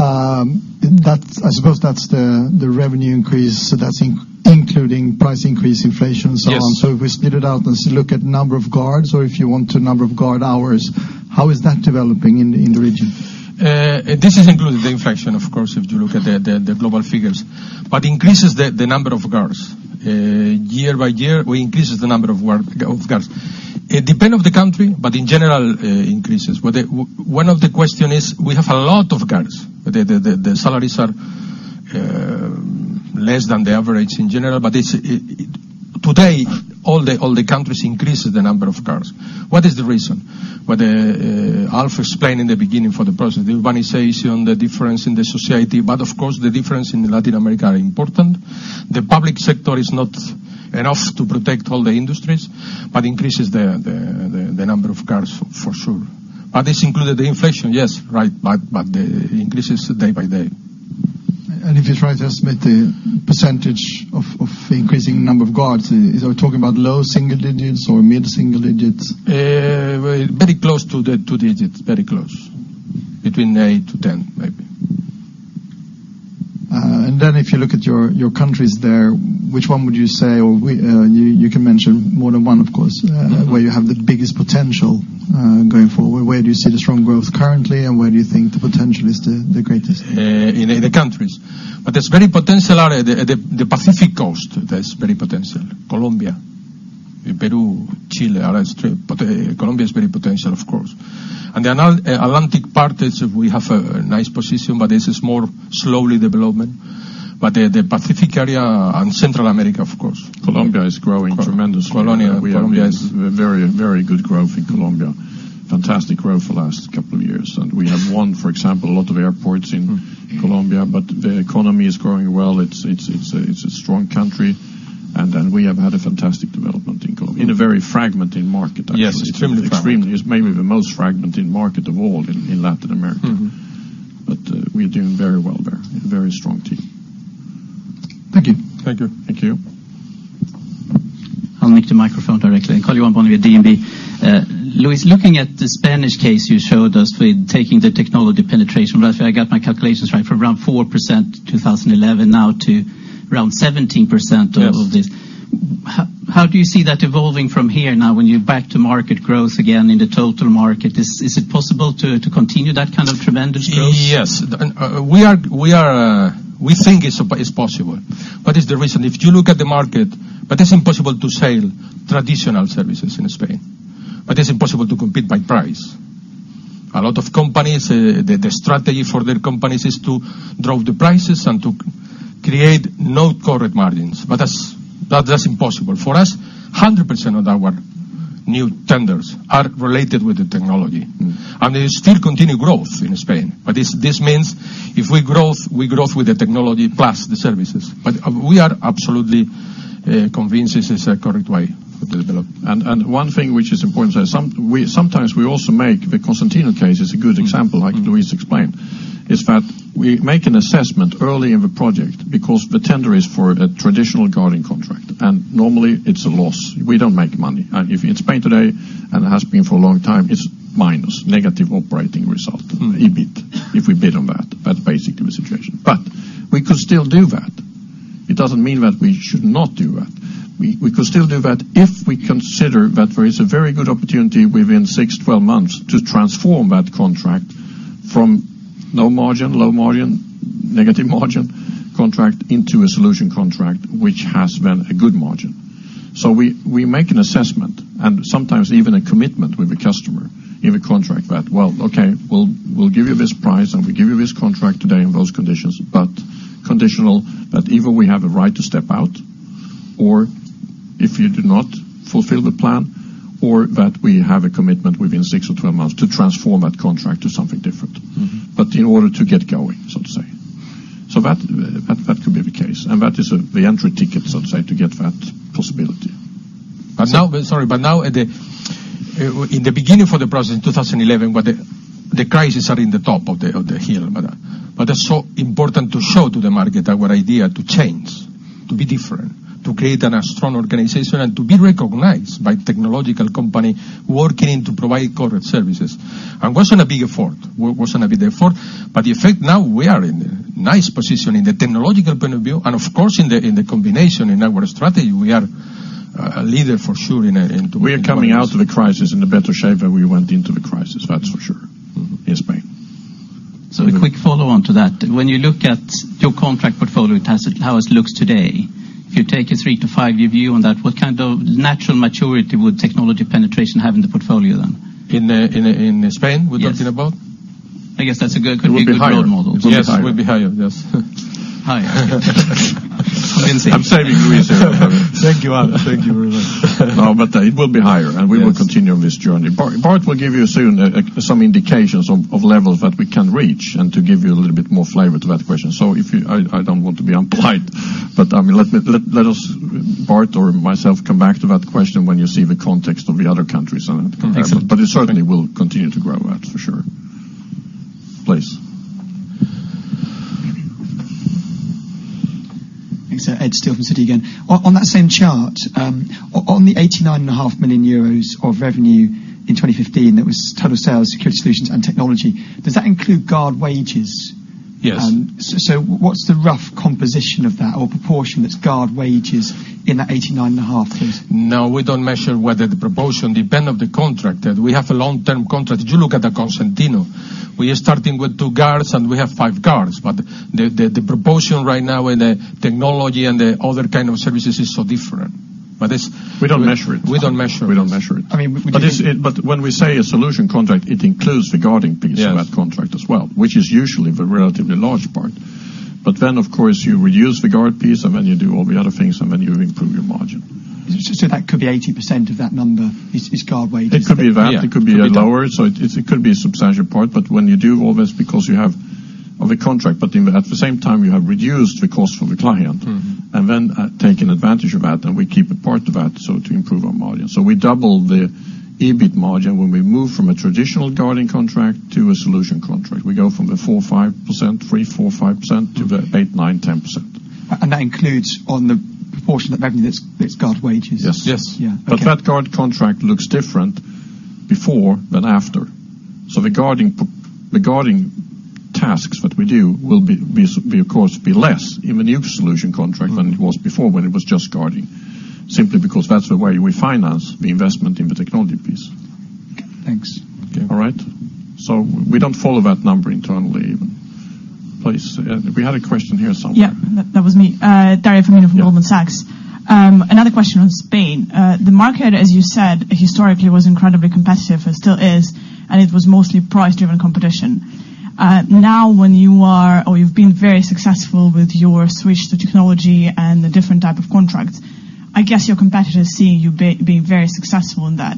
I suppose that's the revenue increase, so that's including price increase, inflation, so on. Yes. So if we split it out and look at number of guards, or if you want to, number of guard hours, how is that developing in the, in the region? This is including the inflation, of course, if you look at the global figures. But increases the number of guards. Year by year, we increases the number of work, of guards. It depend on the country, but in general, increases. But one of the question is, we have a lot of guards. The salaries are less than the average in general, but it's, it, today, all the countries increases the number of guards. What is the reason? What Alf explained in the beginning for the process, the urbanization, the difference in the society, but of course, the difference in Latin America are important. The public sector is not enough to protect all the industries, but increases the number of guards for sure. But this included the inflation, yes, right, but, but the increases day by day. If you try to estimate the percentage of increasing number of guards, are we talking about low single digits or mid-single digits? Very, very close to the 2 digits, very close. Between 8-10, maybe. And then if you look at your countries there, which one would you say, or you can mention more than one, of course, where you have the biggest potential going forward? Where do you see the strong growth currently, and where do you think the potential is the greatest? In the countries. But there's very potential there at the Pacific Coast, there's very potential. Colombia, Peru, Chile are great, but Colombia is very potential, of course. And the Atlantic part is, we have a nice position, but this is more slowly development. But the Pacific area and Central America, of course. Colombia is growing tremendously. Colombia is- We have very, very good growth in Colombia. Fantastic growth for the last couple of years. We have won, for example, a lot of airports in Colombia, but the economy is growing well. It's a strong country, and we have had a fantastic development in Colombia, in a very fragmented market, actually. Yes, extremely fragmented. Extremely. It's maybe the most fragmented market of all in Latin America. Mm-hmm. We are doing very well there. A very strong team. Thank you. Thank you. Thank you. I'll make the microphone directly and Karl-Johan Bonnevier, DNB. Luis, looking at the Spanish case you showed us with taking the technology penetration, right? If I got my calculations right, from around 4%, 2011, now to around 17%- Yes of this. How do you see that evolving from here now, when you're back to market growth again in the total market? Is it possible to continue that kind of tremendous growth? Yes. We are. We think it's possible. What is the reason? If you look at the market, it's impossible to sell traditional services in Spain. It's impossible to compete by price. A lot of companies, the strategy for their companies is to drop the prices and to create no current margins, but that's impossible. For us, 100% of our new tenders are related with the technology. Mm. They still continue growth in Spain. But this, this means if we growth, we growth with the technology plus the services. But we are absolutely convinced this is a correct way to develop. One thing which is important, so we sometimes also make. The Cosentino case is a good example, like Luis explained. Mm-hmm. Is that we make an assessment early in the project because the tender is for a traditional guarding contract, and normally it's a loss. We don't make money. And if in Spain today, and it has been for a long time, it's minus, negative operating result- Mm. EBIT, if we bid on that. That's basically the situation. But we could still do that. It doesn't mean that we should not do that. We, we could still do that if we consider that there is a very good opportunity within 6-12 months to transform that contract from no margin, low margin, negative margin contract into a solution contract, which has been a good margin. So we, we make an assessment and sometimes even a commitment with the customer in a contract that, "Well, okay, we'll, we'll give you this price, and we'll give you this contract today in those conditions, but conditional that either we have a right to step out or if you do not fulfill the plan, or that we have a commitment within 6 or 12 months to transform that contract to something different. Mm-hmm. But in order to get going, so to say. So that, that could be the case, and that is the entry ticket, so to say, to get that possibility. But now, sorry, but now at the beginning of the process in 2011, with the crisis at the top of the hill. But it's so important to show to the market our idea to change, to be different, to create a strong organization, and to be recognized as a technology company working to provide security services. And it was gonna be an effort, was gonna be the effort, but the effect now, we are in a nice position from a technological point of view, and of course, in the combination, in our strategy, we are a leader for sure in a, in- We are coming out of the crisis in a better shape than we went into the crisis, that's for sure. Mm-hmm. In Spain. So a quick follow-on to that. When you look at your contract portfolio in terms of how it looks today, if you take a three-five-year view on that, what kind of natural maturity would technology penetration have in the portfolio then? In Spain we're talking about? Yes. I guess that's a good, could be a good role model. It will be higher. Yes, it will be higher, yes. Higher. Convincing. I'm saving Luis here. Thank you, Alf. Thank you very much. No, but, it will be higher- Yes... and we will continue this journey. Bart, Bart will give you soon some indications of levels that we can reach and to give you a little bit more flavor to that question. So if you—I don't want to be impolite, but, I mean, let me let us, Bart or myself, come back to that question when you see the context of the other countries and— Excellent. But it certainly will continue to grow, that's for sure. Please. Thanks, Ed Steele from Citi again. On that same chart, on the 89.5 million euros of revenue in 2015, that was total sales, security solutions, and technology, does that include guard wages? Yes. So, what's the rough composition of that or proportion that's guard wages in that 89.5, please? No, we don't measure whether the proportion depend on the contract. We have a long-term contract. If you look at the Cosentino, we are starting with 2 guards, and we have five guards. But the proportion right now in the technology and the other kind of services is so different. But it's- We don't measure it. We don't measure it. We don't measure it. I mean, we- But when we say a solution contract, it includes the guarding piece- Yes... of that contract as well, which is usually the relatively large part. But then, of course, you reduce the guard piece, and then you do all the other things, and then you improve your margin. That could be 80% of that number is, is guard wages? It could be that. Yeah. It could be lower, so it could be a substantial part. But when you do all this because you have the contract, but then at the same time, you have reduced the cost for the client. Mm-hmm. And then, taken advantage of that, and we keep a part of that, so to improve our margin. So we double the EBIT margin when we move from a traditional guarding contract to a solution contract. We go from the 4%-5%, 3%-5% to the 8%-10%. That includes on the proportion of revenue that's guard wages? Yes. Yes. Yeah, okay. But that guard contract looks different before than after. So the guarding tasks that we do will, of course, be less in the new solution contract than it was before when it was just guarding. Simply because that's the way we finance the investment in the technology piece. Thanks. Okay. All right? So we don't follow that number internally even. Please, we had a question here somewhere. Yeah, that, that was me. Daria Fomina from Goldman Sachs. Another question on Spain. The market, as you said, historically, was incredibly competitive and still is, and it was mostly price-driven competition. Now, when you are or you've been very successful with your switch to technology and the different type of contracts, I guess your competitors seeing you be, being very successful in that.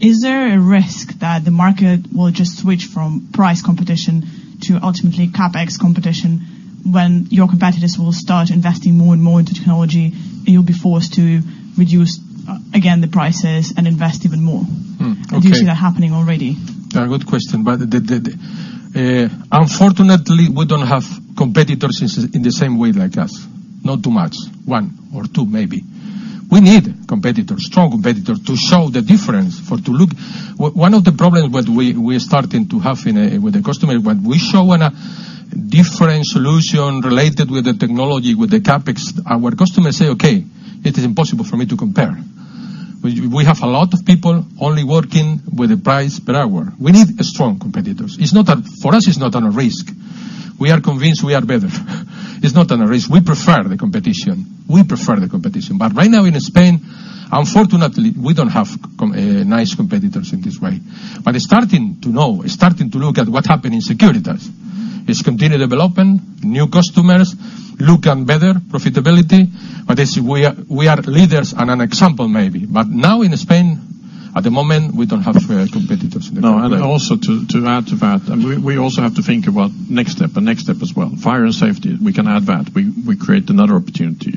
Is there a risk that the market will just switch from price competition to ultimately CapEx competition when your competitors will start investing more and more into technology, and you'll be forced to reduce again the prices and invest even more? Mm, okay. Or do you see that happening already? A good question, but the... Unfortunately, we don't have competitors in the same way like us, not too much, one or two maybe. We need competitors, strong competitors, to show the difference, for to look... One of the problems that we're starting to have with a customer, when we show a different solution related with the technology, with the CapEx, our customers say, "Okay, it is impossible for me to compare." We have a lot of people only working with the price per hour. We need strong competitors. It's not that, for us, it's not on a risk. We are convinced we are better. It's not on a risk. We prefer the competition. We prefer the competition. But right now in Spain, unfortunately, we don't have nice competitors in this way. But it's starting to know, it's starting to look at what happened in Securitas. It's continued development, new customers, look on better profitability, but we are, we are leaders and an example maybe. But now in Spain, at the moment, we don't have competitors. No, and also to add to that, and we also have to think about next step, the next step as well. Fire and Safety, we can add that. We create another opportunity.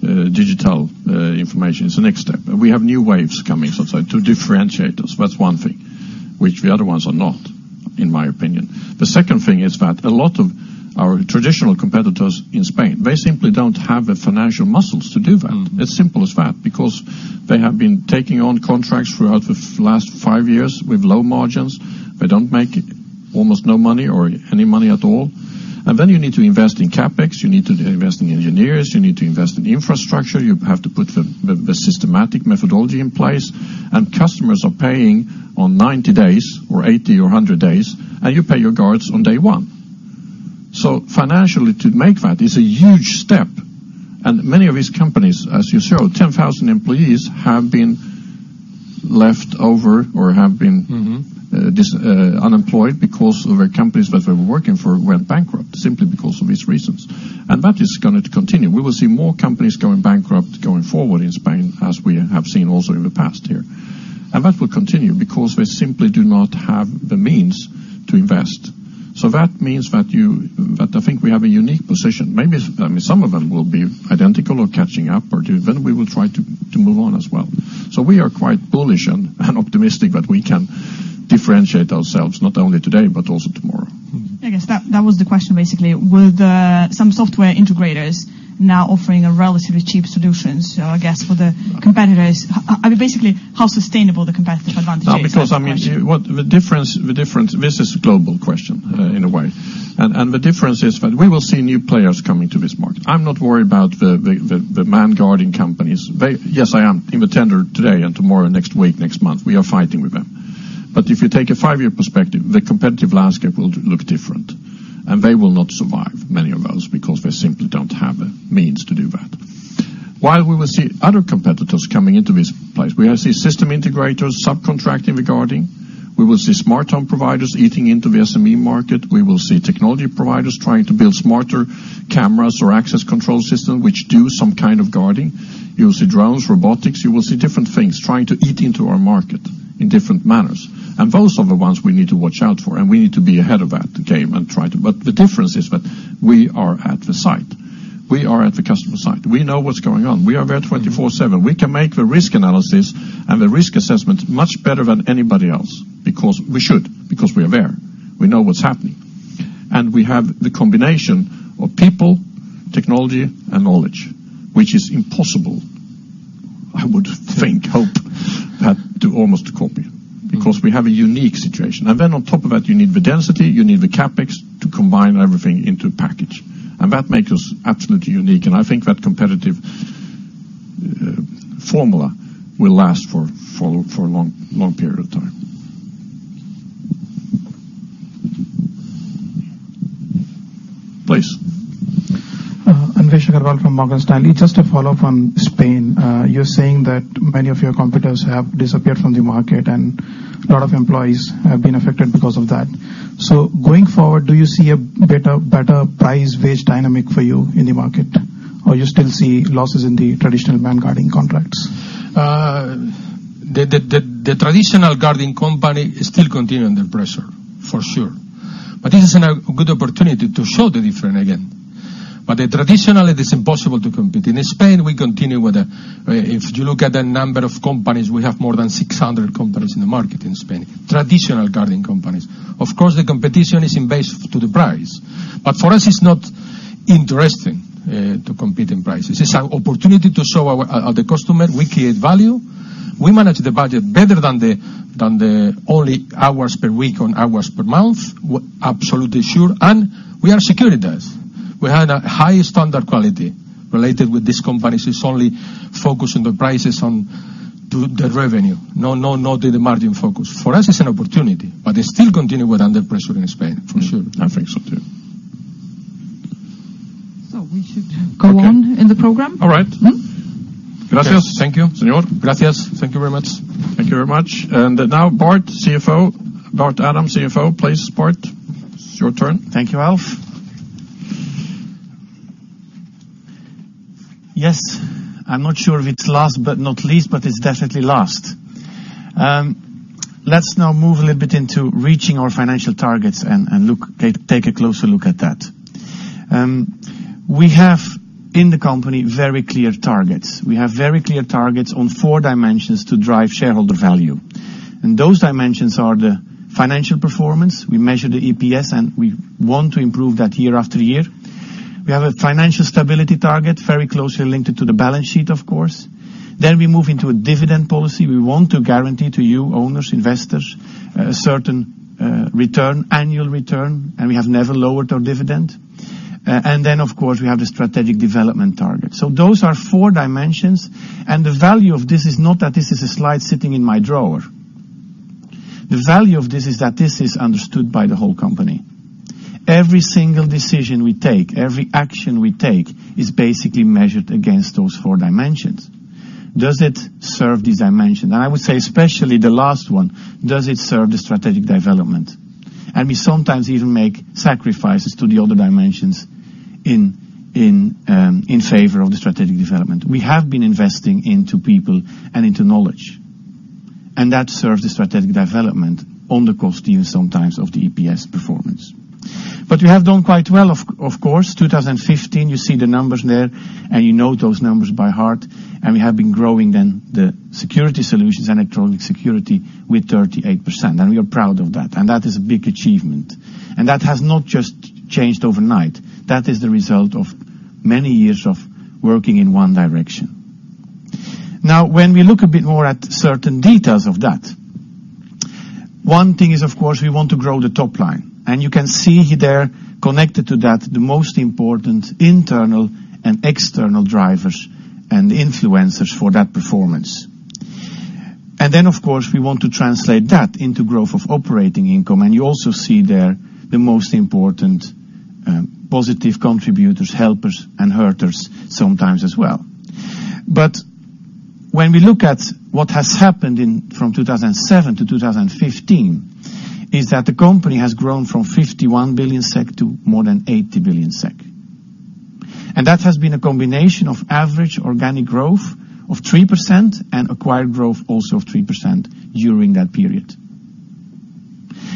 Digital information is the next step, and we have new waves coming. So to differentiate us, that's one thing, which the other ones are not, in my opinion. The second thing is that a lot of our traditional competitors in Spain, they simply don't have the financial muscles to do that. Mm. It's simple as that because they have been taking on contracts throughout the last 5 years with low margins. They don't make almost no money or any money at all. And then you need to invest in CapEx, you need to invest in engineers, you need to invest in infrastructure, you have to put the systematic methodology in place. And customers are paying on 90 days or 80 or 100 days, and you pay your guards on day one. So financially, to make that is a huge step. And many of these companies, as you show, 10,000 employees have been left over or have been- Mm-hmm... unemployed because the companies that they were working for went bankrupt, simply because of these reasons. That is going to continue. We will see more companies going bankrupt going forward in Spain, as we have seen also in the past here. That will continue because they simply do not have the means to invest. That means that you, that I think we have a unique position. Maybe, I mean, some of them will be identical or catching up, or then we will try to move on as well. We are quite bullish and optimistic that we can differentiate ourselves, not only today, but also tomorrow. Mm-hmm. I guess that, that was the question basically. With some software integrators now offering a relatively cheap solutions, I guess for the competitors- Okay. I mean, basically, how sustainable the competitive advantage is? Now, because, I mean, what the difference is, this is a global question, in a way. And the difference is that we will see new players coming to this market. I'm not worried about the man guarding companies. They. Yes, I am in the tender today and tomorrow, next week, next month, we are fighting with them. But if you take a five-year perspective, the competitive landscape will look different, and many of those will not survive, because they simply don't have the means to do that. While we will see other competitors coming into this place, we will see system integrators subcontracting the guarding, we will see smart home providers eating into the SME market, we will see technology providers trying to build smarter cameras or access control system, which do some kind of guarding. You will see drones, robotics, you will see different things trying to eat into our market in different manners. And those are the ones we need to watch out for, and we need to be ahead of that, the game and try to... But the difference is that we are at the site. We are at the customer site. We know what's going on. We are there 24/7. We can make the risk analysis and the risk assessment much better than anybody else because we should, because we are there. We know what's happening... And we have the combination of people, technology, and knowledge, which is impossible, I would think, hope, that to almost copy, because we have a unique situation. And then on top of that, you need the density, you need the CapEx to combine everything into a package, and that makes us absolutely unique. I think that competitive formula will last for, for, for a long, long period of time. Please. Anvesh Agrawal from Morgan Stanley. Just to follow up on Spain, you're saying that many of your competitors have disappeared from the market, and a lot of employees have been affected because of that. So going forward, do you see a better, better price wage dynamic for you in the market? Or you still see losses in the traditional manned guarding contracts? The traditional guarding company is still continuing under pressure, for sure. But this is a good opportunity to show the difference again. But traditionally, it is impossible to compete. In Spain, we continue with the. If you look at the number of companies, we have more than 600 companies in the market in Spain, traditional guarding companies. Of course, the competition is in base to the price, but for us, it's not interesting, to compete in prices. It's an opportunity to show our, the customer we create value, we manage the budget better than the only hours per week or hours per month. We're absolutely sure, and we are certified. We have a high standard quality. Related with these companies, it's only focused on the prices, on to the revenue. No, no, not the margin focus. For us, it's an opportunity, but they still continue with under pressure in Spain, for sure. I think so, too. So we should go on- Okay. in the program? All right. Mm-hmm. Gracias. Thank you. Señor. Gracias. Thank you very much. Thank you very much. And now Bart, CFO, Bart Adam, CFO. Please, Bart, it's your turn. Thank you, Alf. Yes, I'm not sure if it's last but not least, but it's definitely last. Let's now move a little bit into reaching our financial targets and look, take a closer look at that. We have, in the company, very clear targets. We have very clear targets on four dimensions to drive shareholder value, and those dimensions are the financial performance. We measure the EPS, and we want to improve that year after year. We have a financial stability target, very closely linked to the balance sheet, of course. Then we move into a dividend policy. We want to guarantee to you, owners, investors, a certain return, annual return, and we have never lowered our dividend. And then, of course, we have the strategic development target. So those are four dimensions, and the value of this is not that this is a slide sitting in my drawer. The value of this is that this is understood by the whole company. Every single decision we take, every action we take, is basically measured against those four dimensions. Does it serve this dimension? And I would say especially the last one, does it serve the strategic development? And we sometimes even make sacrifices to the other dimensions in favor of the strategic development. We have been investing into people and into knowledge, and that serves the strategic development at the cost to you sometimes of the EPS performance. But we have done quite well, of course. 2015, you see the numbers there, and you know those numbers by heart, and we have been growing then the Security Solutions, Electronic Security, with 38%, and we are proud of that. That is a big achievement. That has not just changed overnight. That is the result of many years of working in one direction. Now, when we look a bit more at certain details of that, one thing is, of course, we want to grow the top line. You can see there, connected to that, the most important internal and external drivers and influencers for that performance. Then, of course, we want to translate that into growth of operating income, and you also see there the most important positive contributors, helpers, and hurters sometimes as well. But when we look at what has happened from 2007 to 2015, is that the company has grown from 51 billion SEK to more than 80 billion SEK. And that has been a combination of average organic growth of 3% and acquired growth also of 3% during that period.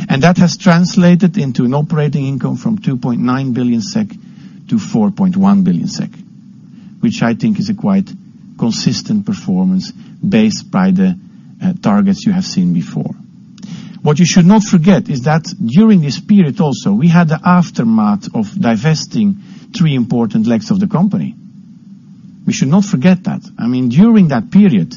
And that has translated into an operating income from 2.9 billion SEK to 4.1 billion SEK, which I think is a quite consistent performance based by the targets you have seen before. What you should not forget is that during this period also, we had the aftermath of divesting three important legs of the company. We should not forget that. I mean, during that period,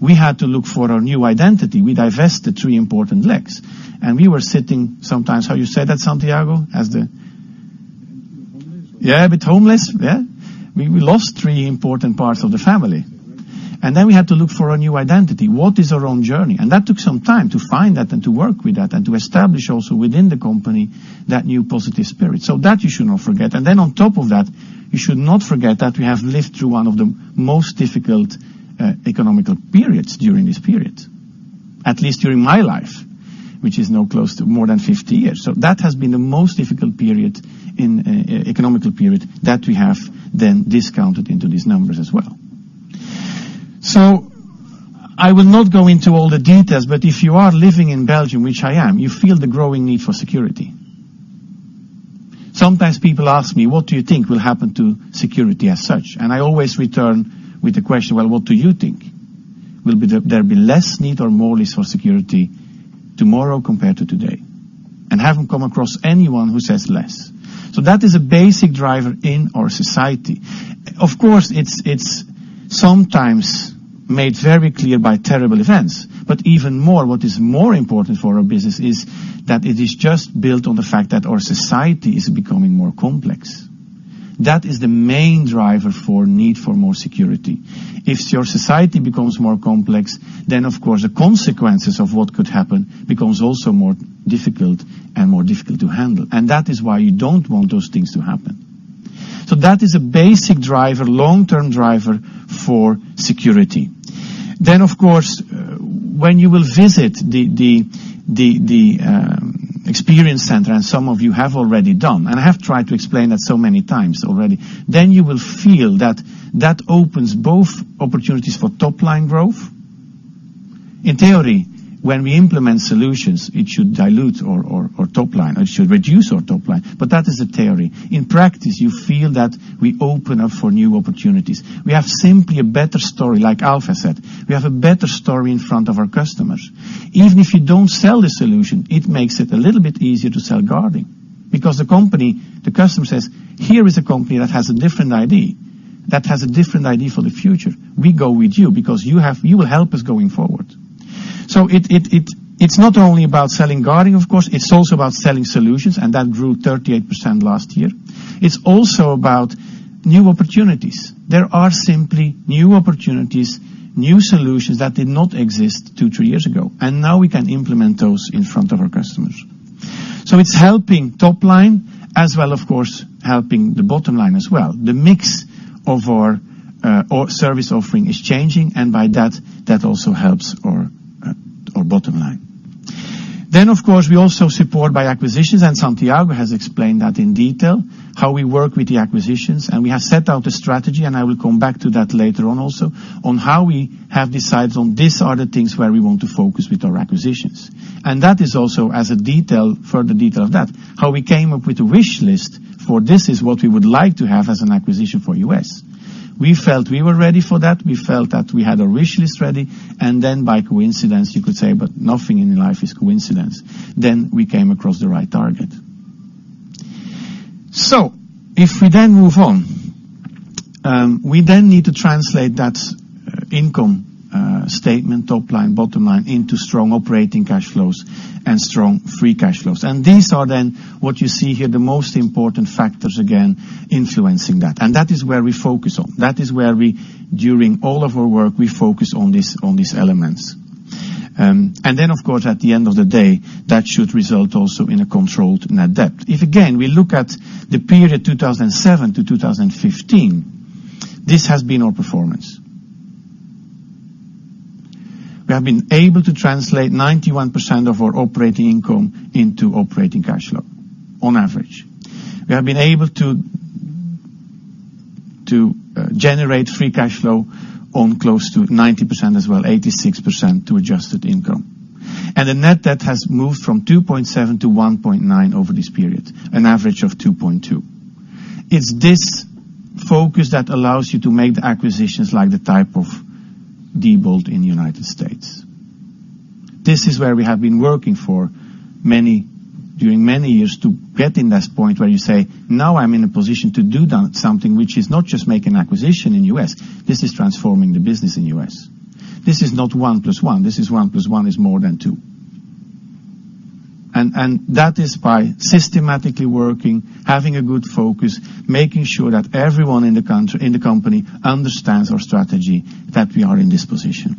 we had to look for a new identity. We divested three important legs, and we were sitting sometimes, how you said that, Santiago? As the- Homeless. Yeah, a bit homeless, yeah. We, we lost three important parts of the family. And then we had to look for a new identity. What is our own journey? And that took some time to find that and to work with that and to establish also within the company that new positive spirit. So that you should not forget. And then on top of that, you should not forget that we have lived through one of the most difficult, economical periods during this period, at least during my life, which is now close to more than 50 years. So that has been the most difficult period in, economical period that we have then discounted into these numbers as well. So I will not go into all the details, but if you are living in Belgium, which I am, you feel the growing need for security. Sometimes people ask me: What do you think will happen to security as such? And I always return with the question: Well, what do you think?... will be there be less need or more need for security tomorrow compared to today? And I haven't come across anyone who says less. So that is a basic driver in our society. Of course, it's, it's sometimes made very clear by terrible events, but even more, what is more important for our business is that it is just built on the fact that our society is becoming more complex. That is the main driver for need for more security. If your society becomes more complex, then, of course, the consequences of what could happen becomes also more difficult, and more difficult to handle, and that is why you don't want those things to happen. So that is a basic driver, long-term driver for security. Then, of course, when you will visit the Experience Center, and some of you have already done, and I have tried to explain that so many times already, then you will feel that that opens both opportunities for top line growth. In theory, when we implement solutions, it should dilute our top line, or it should reduce our top line, but that is the theory. In practice, you feel that we open up for new opportunities. We have simply a better story, like Alf said, we have a better story in front of our customers. Even if you don't sell the solution, it makes it a little bit easier to sell guarding, because the company, the customer says: "Here is a company that has a different idea, that has a different idea for the future. We go with you because you have, you will help us going forward." So it's not only about selling guarding, of course, it's also about selling solutions, and that grew 38% last year. It's also about new opportunities. There are simply new opportunities, new solutions that did not exist two, three years ago, and now we can implement those in front of our customers. So it's helping top line as well, of course, helping the bottom line as well. The mix of our service offering is changing, and by that, that also helps our bottom line. Then, of course, we also support by acquisitions, and Santiago has explained that in detail, how we work with the acquisitions. We have set out a strategy, and I will come back to that later on also, on how we have decided on these are the things where we want to focus with our acquisitions. That is also as a detail, further detail of that, how we came up with a wish list for this is what we would like to have as an acquisition for U.S. We felt we were ready for that. We felt that we had a wish list ready, and then by coincidence, you could say, but nothing in life is coincidence, then we came across the right target. So if we then move on, we then need to translate that income statement, top line, bottom line, into strong operating cash flows and strong free cash flows. These are then what you see here, the most important factors, again, influencing that. That is where we focus on. That is where we, during all of our work, we focus on these, on these elements. And then, of course, at the end of the day, that should result also in a controlled net debt. If, again, we look at the period 2007-2015, this has been our performance. We have been able to translate 91% of our operating income into operating cash flow on average. We have been able to generate free cash flow on close to 90% as well, 86% to adjusted income. The net debt has moved from 2.7 to 1.9 over this period, an average of 2.2. It's this focus that allows you to make the acquisitions like the type of Diebold in the United States. This is where we have been working for many... during many years to get in this point where you say: "Now I'm in a position to do done, something which is not just make an acquisition in U.S., this is transforming the business in U.S." This is not one plus one, this is one plus one is more than two. And, and that is by systematically working, having a good focus, making sure that everyone in the country, in the company understands our strategy, that we are in this position.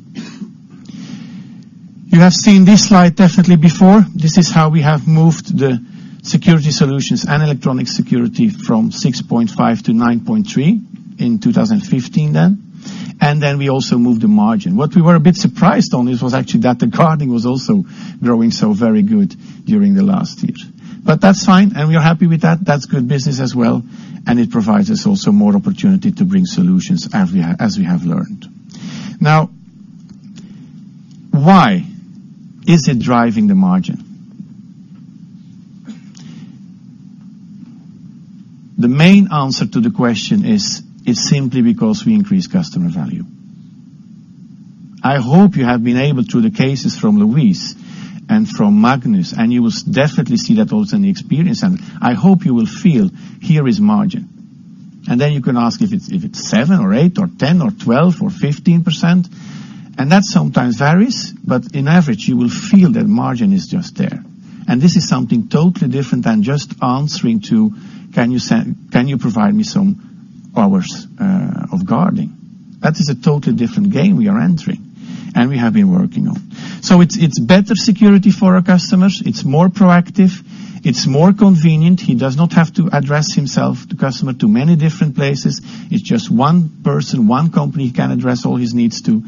You have seen this slide definitely before. This is how we have moved the Security Solutions and Electronic Security from 6.5 to 9.3 in 2015 then, and then we also moved the margin. What we were a bit surprised on this was actually that the guarding was also growing so very good during the last year. But that's fine, and we are happy with that. That's good business as well, and it provides us also more opportunity to bring solutions as we have, as we have learned. Now, why is it driving the margin? The main answer to the question is, it's simply because we increase customer value. I hope you have been able, through the cases from Luis and from Magnus, and you will definitely see that also in the experience, and I hope you will feel, here is margin. Then you can ask if it's 7% or 8% or 10% or 12% or 15%, and that sometimes varies, but in average, you will feel that margin is just there. This is something totally different than just answering to, can you provide me some hours of guarding. That is a totally different game we are entering and we have been working on. So it's better security for our customers, it's more proactive, it's more convenient. He does not have to address himself, the customer, to many different places. It's just one person, one company he can address all his needs to.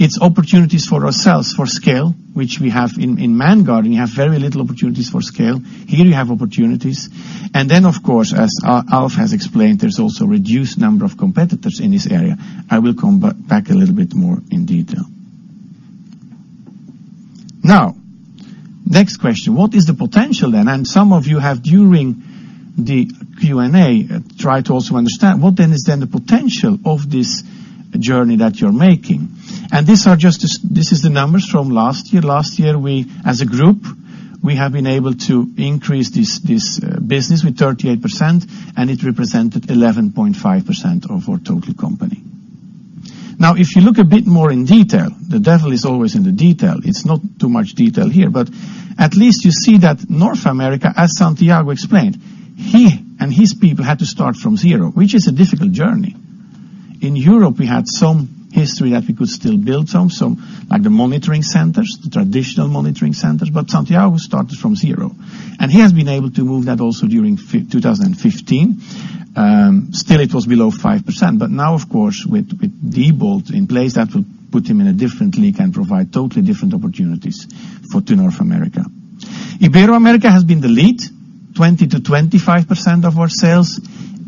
It's opportunities for ourselves, for scale, which we have in man guarding, you have very little opportunities for scale. Here, you have opportunities. And then, of course, as Alf has explained, there's also reduced number of competitors in this area. I will come back a little bit more in detail... Now, next question, what is the potential then? And some of you have, during the Q&A, tried to also understand what then is then the potential of this journey that you're making? And these are just this is the numbers from last year. Last year, we, as a group, we have been able to increase this business with 38%, and it represented 11.5% of our total company. Now, if you look a bit more in detail, the devil is always in the detail. It's not too much detail here, but at least you see that North America, as Santiago explained, he and his people had to start from zero, which is a difficult journey. In Europe, we had some history that we could still build some, so like the monitoring centers, the traditional monitoring centers, but Santiago started from zero, and he has been able to move that also during 2015. Still it was below 5%, but now, of course, with Diebold in place, that will put him in a different league and provide totally different opportunities for to North America. Ibero-America has been the lead, 20%-25% of our sales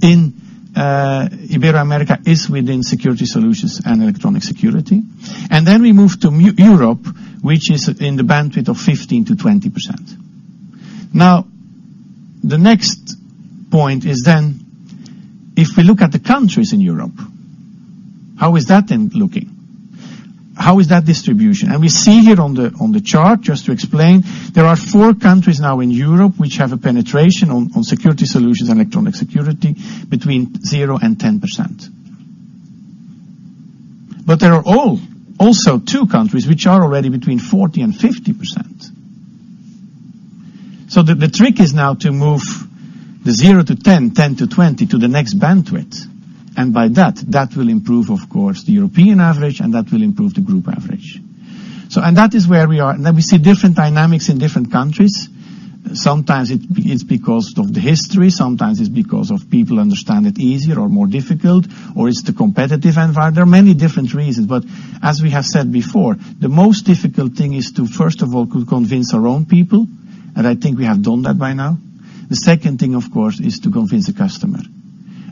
in Ibero-America is within Security Solutions and Electronic Security. And then we move to Europe, which is in the bandwidth of 15%-20%. Now, the next point is then, if we look at the countries in Europe, how is that then looking? How is that distribution? And we see here on the chart, just to explain, there are four countries now in Europe which have a penetration on Security Solutions and Electronic Security between 0% and 10%. But there are also two countries which are already between 40% and 50%. So the trick is now to move the 0%-10%, 10%-20% to the next bandwidth, and by that, that will improve, of course, the European average, and that will improve the group average. So that is where we are, and then we see different dynamics in different countries. Sometimes it's because of the history, sometimes it's because people understand it easier or more difficult, or it's the competitive environment. There are many different reasons, but as we have said before, the most difficult thing is to, first of all, to convince our own people, and I think we have done that by now. The second thing, of course, is to convince the customer,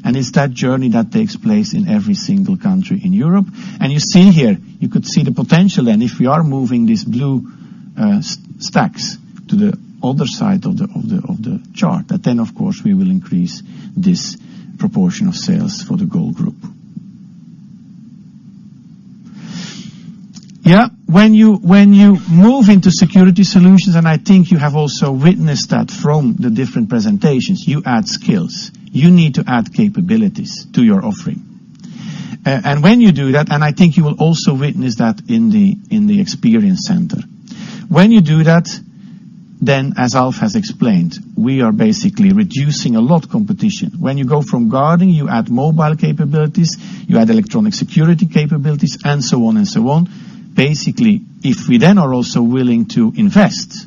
and it's that journey that takes place in every single country in Europe. You see here, you could see the potential, and if we are moving these blue stacks to the other side of the chart, then, of course, we will increase this proportion of sales for the goal group. Yeah, when you move into Security Solutions, and I think you have also witnessed that from the different presentations, you add skills. You need to add capabilities to your offering. And when you do that, and I think you will also witness that in the Experience Center. When you do that, then as Alf has explained, we are basically reducing a lot of competition. When you go from guarding, you add mobile capabilities, you add Electronic Security capabilities, and so on and so on. Basically, if we then are also willing to invest,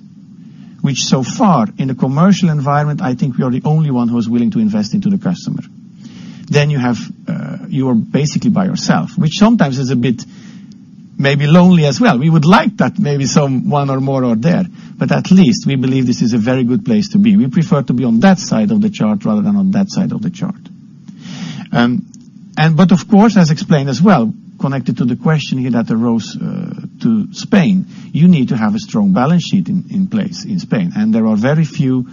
which so far in the commercial environment, I think we are the only one who is willing to invest into the customer. Then you have, you are basically by yourself, which sometimes is a bit maybe lonely as well. We would like that maybe someone or more are there, but at least we believe this is a very good place to be. We prefer to be on that side of the chart rather than on that side of the chart. But of course, as explained as well, connected to the question here that arose to Spain, you need to have a strong balance sheet in place in Spain, and there are very few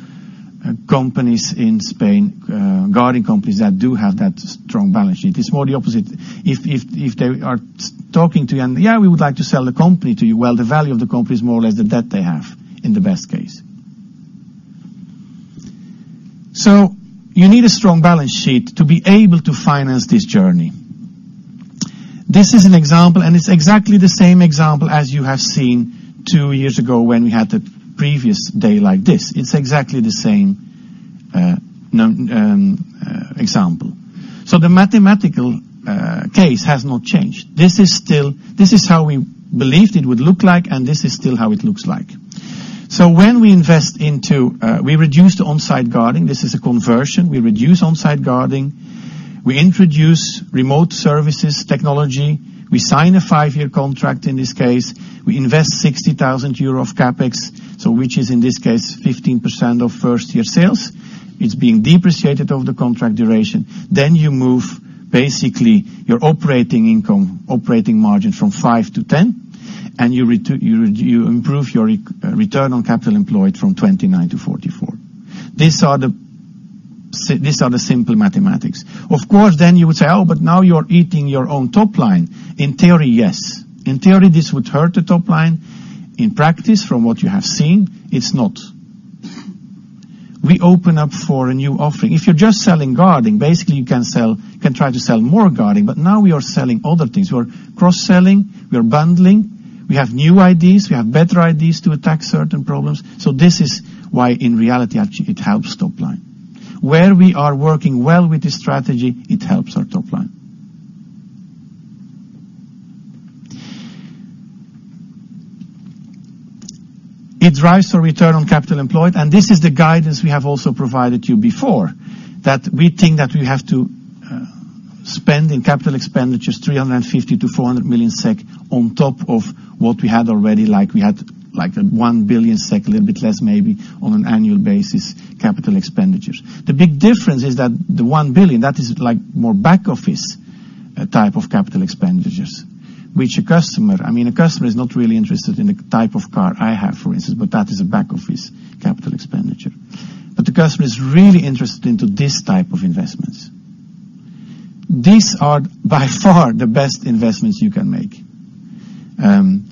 companies in Spain, guarding companies that do have that strong balance sheet. It's more the opposite. If they are talking to you and, "Yeah, we would like to sell the company to you." Well, the value of the company is more or less the debt they have in the best case. So you need a strong balance sheet to be able to finance this journey. This is an example, and it's exactly the same example as you have seen two years ago when we had the previous day like this. It's exactly the same example. So the mathematical case has not changed. This is still how we believed it would look like, and this is still how it looks like. So when we invest into, we reduce the on-site guarding, this is a conversion. We reduce on-site guarding, we introduce remote services technology, we sign a five-year contract, in this case, we invest 60,000 euro of CapEx, so which is, in this case, 15% of first-year sales. It's being depreciated over the contract duration. Then you move basically your operating income, operating margin from 5% to 10%, and you improve your return on capital employed from 29% to 44%. These are the simple mathematics. Of course, then you would say: "Oh, but now you're eating your own top line." In theory, yes. In theory, this would hurt the top line. In practice, from what you have seen, it's not. We open up for a new offering. If you're just selling guarding, basically, you can sell, you can try to sell more guarding, but now we are selling other things. We're cross-selling, we are bundling, we have new ideas, we have better ideas to attack certain problems. So this is why, in reality, actually, it helps top line. Where we are working well with this strategy, it helps our top line. It drives our return on capital employed, and this is the guidance we have also provided you before, that we think that we have to spend in capital expenditures 350 million-400 million SEK on top of what we had already, like we had, like 1 billion SEK, a little bit less, maybe, on an annual basis, capital expenditures. The big difference is that the 1 billion, that is like more back office, a type of capital expenditures, which a customer, I mean, a customer is not really interested in the type of car I have, for instance, but that is a back office capital expenditure. But the customer is really interested into this type of investments. These are by far the best investments you can make. And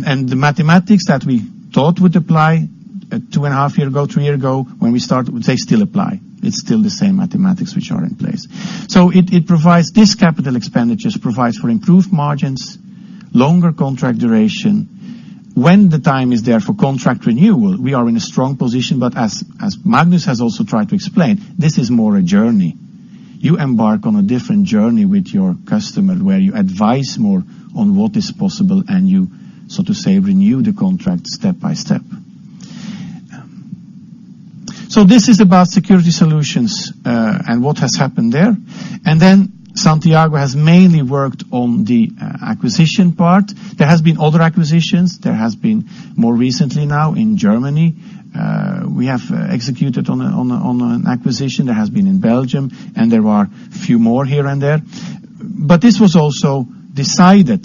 the mathematics that we thought would apply, 2.5 years ago, 3 years ago, when we start, they still apply. It's still the same mathematics which are in place. So it, it provides, this capital expenditures provides for improved margins, longer contract duration. When the time is there for contract renewal, we are in a strong position, but as Magnus has also tried to explain, this is more a journey. You embark on a different journey with your customer, where you advise more on what is possible, and you, so to say, renew the contract step by step. So this is about Security Solutions, and what has happened there. And then Santiago has mainly worked on the acquisition part. There has been other acquisitions. There has been more recently now in Germany. We have executed on an acquisition that has been in Belgium, and there are a few more here and there. But this was also decided,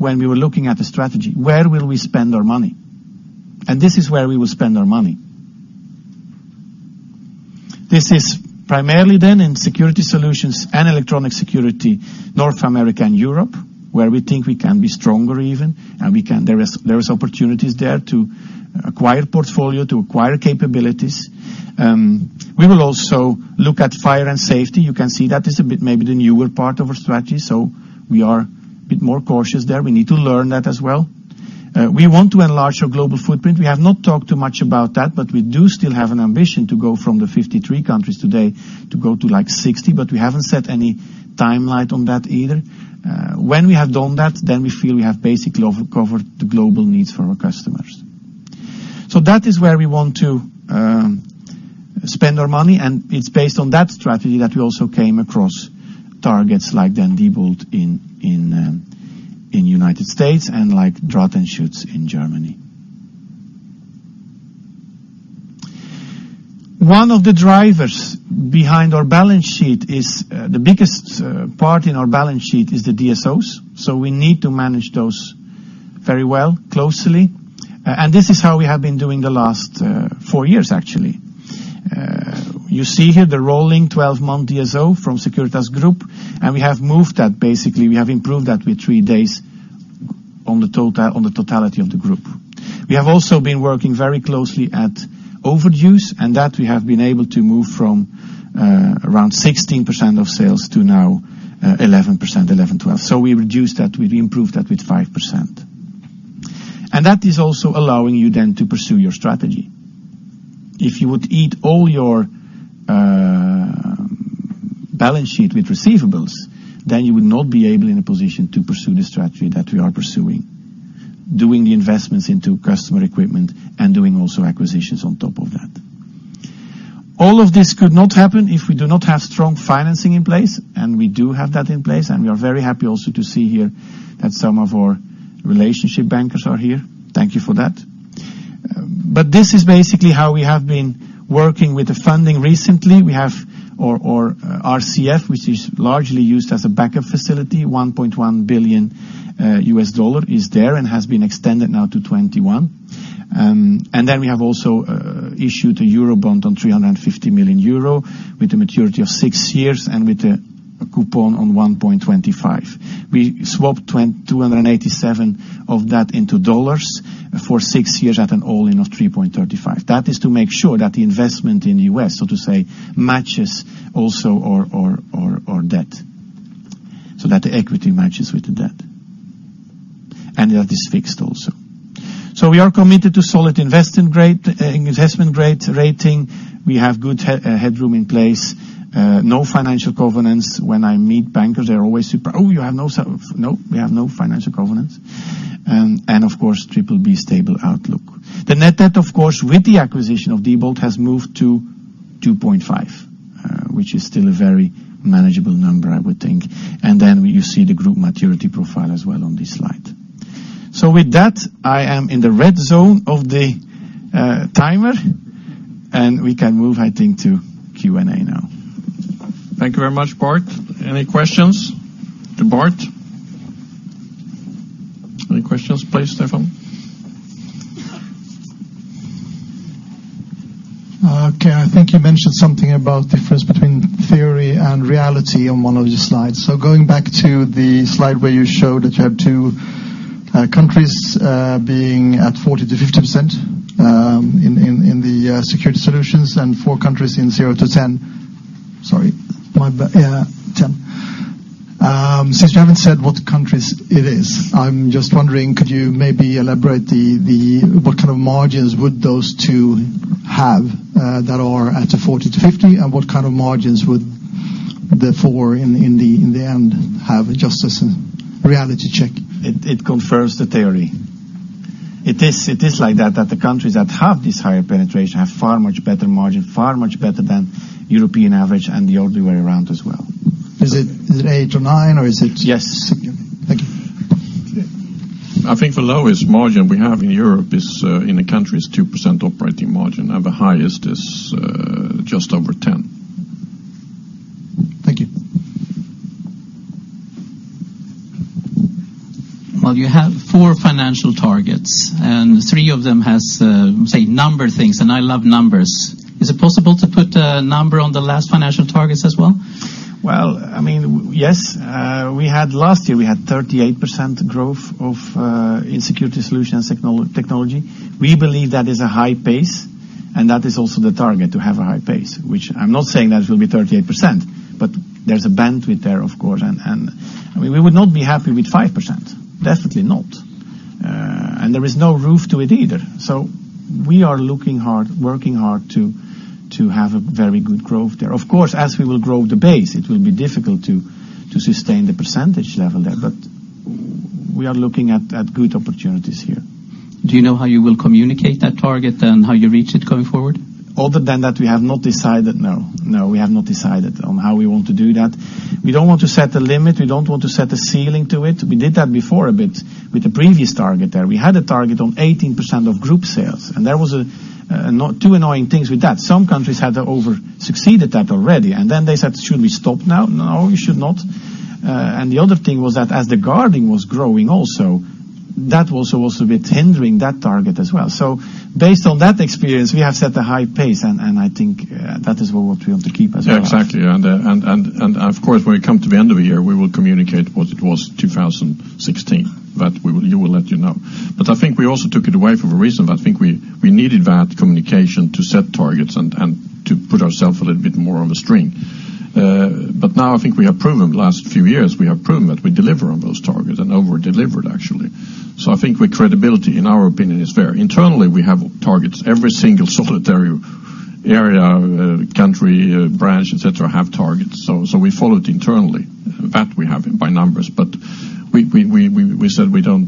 when we were looking at the strategy, where will we spend our money? And this is where we will spend our money. This is primarily then in Security Solutions and Electronic Security, North America and Europe, where we think we can be stronger even, and we can, there is opportunities there to acquire portfolio, to acquire capabilities. We will also look at Fire and Safety. You can see that is a bit, maybe the newer part of our strategy, so we are a bit more cautious there. We need to learn that as well. We want to enlarge our global footprint. We have not talked too much about that, but we do still have an ambition to go from the 53 countries today to go to, like, 60, but we haven't set any timeline on that either. When we have done that, then we feel we have basically over-covered the global needs for our customers. So that is where we want to spend our money, and it's based on that strategy that we also came across targets like Diebold in the United States and like Draht+Schutz in Germany. One of the drivers behind our balance sheet is the biggest part in our balance sheet is the DSOs, so we need to manage those very well, closely, and this is how we have been doing the last four years, actually. You see here the rolling 12-month DSO from Securitas Group, and we have moved that. Basically, we have improved that with 3 days on the total- on the totality of the group. We have also been working very closely at overages, and that we have been able to move from around 16% of sales to now 11%, 11%-12%. So we reduced that. We improved that with 5%. And that is also allowing you then to pursue your strategy. If you would eat all your balance sheet with receivables, then you would not be able in a position to pursue the strategy that we are pursuing, doing the investments into customer equipment and doing also acquisitions on top of that. All of this could not happen if we do not have strong financing in place, and we do have that in place, and we are very happy also to see here that some of our relationship bankers are here. Thank you for that. But this is basically how we have been working with the funding recently. We have our RCF, which is largely used as a backup facility, $1.1 billion is there and has been extended now to 2021. And then we have also issued a Eurobond on 350 million euro with a maturity of six years and with a coupon of 1.25%. We swapped 287 of that into dollars for six years at an all-in of 3.35%. That is to make sure that the investment in U.S., so to say, matches also our debt, so that the equity matches with the debt. And that is fixed also. So we are committed to solid investment grade rating. We have good headroom in place, no financial covenants. When I meet bankers, they're always surprised, "Oh, you have no?..." No, we have no financial covenants, and of course, BBB stable outlook. The net debt, of course, with the acquisition of Diebold has moved to 2.5, which is still a very manageable number, I would think. And then you see the group maturity profile as well on this slide. So with that, I am in the red zone of the timer, and we can move, I think, to Q&A now. Thank you very much, Bart. Any questions to Bart? Any questions, please, Stefan? Okay, I think you mentioned something about the difference between theory and reality on one of your slides. So going back to the slide where you showed that you had two countries being at 40%-50% in the Security Solutions, and four countries in 0%-10%. Since you haven't said what countries it is, I'm just wondering, could you maybe elaborate what kind of margins would those two have that are at the 40%-50%, and what kind of margins would the four in the end have just as a reality check? It confirms the theory. It is like that the countries that have this higher penetration have far much better margin, far much better than European average, and the other way around as well. Is it, is it eight or nine, or is it- Yes. Thank you. I think the lowest margin we have in Europe is in the country 2% operating margin, and the highest is just over 10%. Thank you. Well, you have four financial targets, and three of them has, say, number things, and I love numbers. Is it possible to put a number on the last financial targets as well? Well, I mean, yes. We had, last year, we had 38% growth of, in Security Solutions technology. We believe that is a high pace, and that is also the target, to have a high pace, which I'm not saying that it will be 38%, but there's a bandwidth there, of course, and, and we would not be happy with 5%, definitely not. And there is no roof to it either. So we are looking hard, working hard to, to have a very good growth there. Of course, as we will grow the base, it will be difficult to, to sustain the percentage level there, but we are looking at, at good opportunities here. Do you know how you will communicate that target and how you reach it going forward? Other than that, we have not decided, no. No, we have not decided on how we want to do that. We don't want to set a limit. We don't want to set a ceiling to it. We did that before a bit with the previous target there. We had a target on 18% of group sales, and there was, two annoying things with that. Some countries had over-succeeded that already, and then they said, "Should we stop now?" No, you should not. And the other thing was that as the guarding was growing also, that was also a bit hindering that target as well. So based on that experience, we have set a high pace, and, and I think, that is what we want to keep as well. Yeah, exactly. And of course, when we come to the end of the year, we will communicate what it was 2016, but we will let you know. But I think we also took it away for a reason, but I think we needed that communication to set targets and to put ourselves a little bit more on the stream. But now I think we have proven the last few years that we deliver on those targets and over-delivered, actually. So I think the credibility, in our opinion, is fair. Internally, we have targets. Every single solitary area, country, branch, et cetera, have targets, so we follow it internally. That we have it by numbers, but we said we don't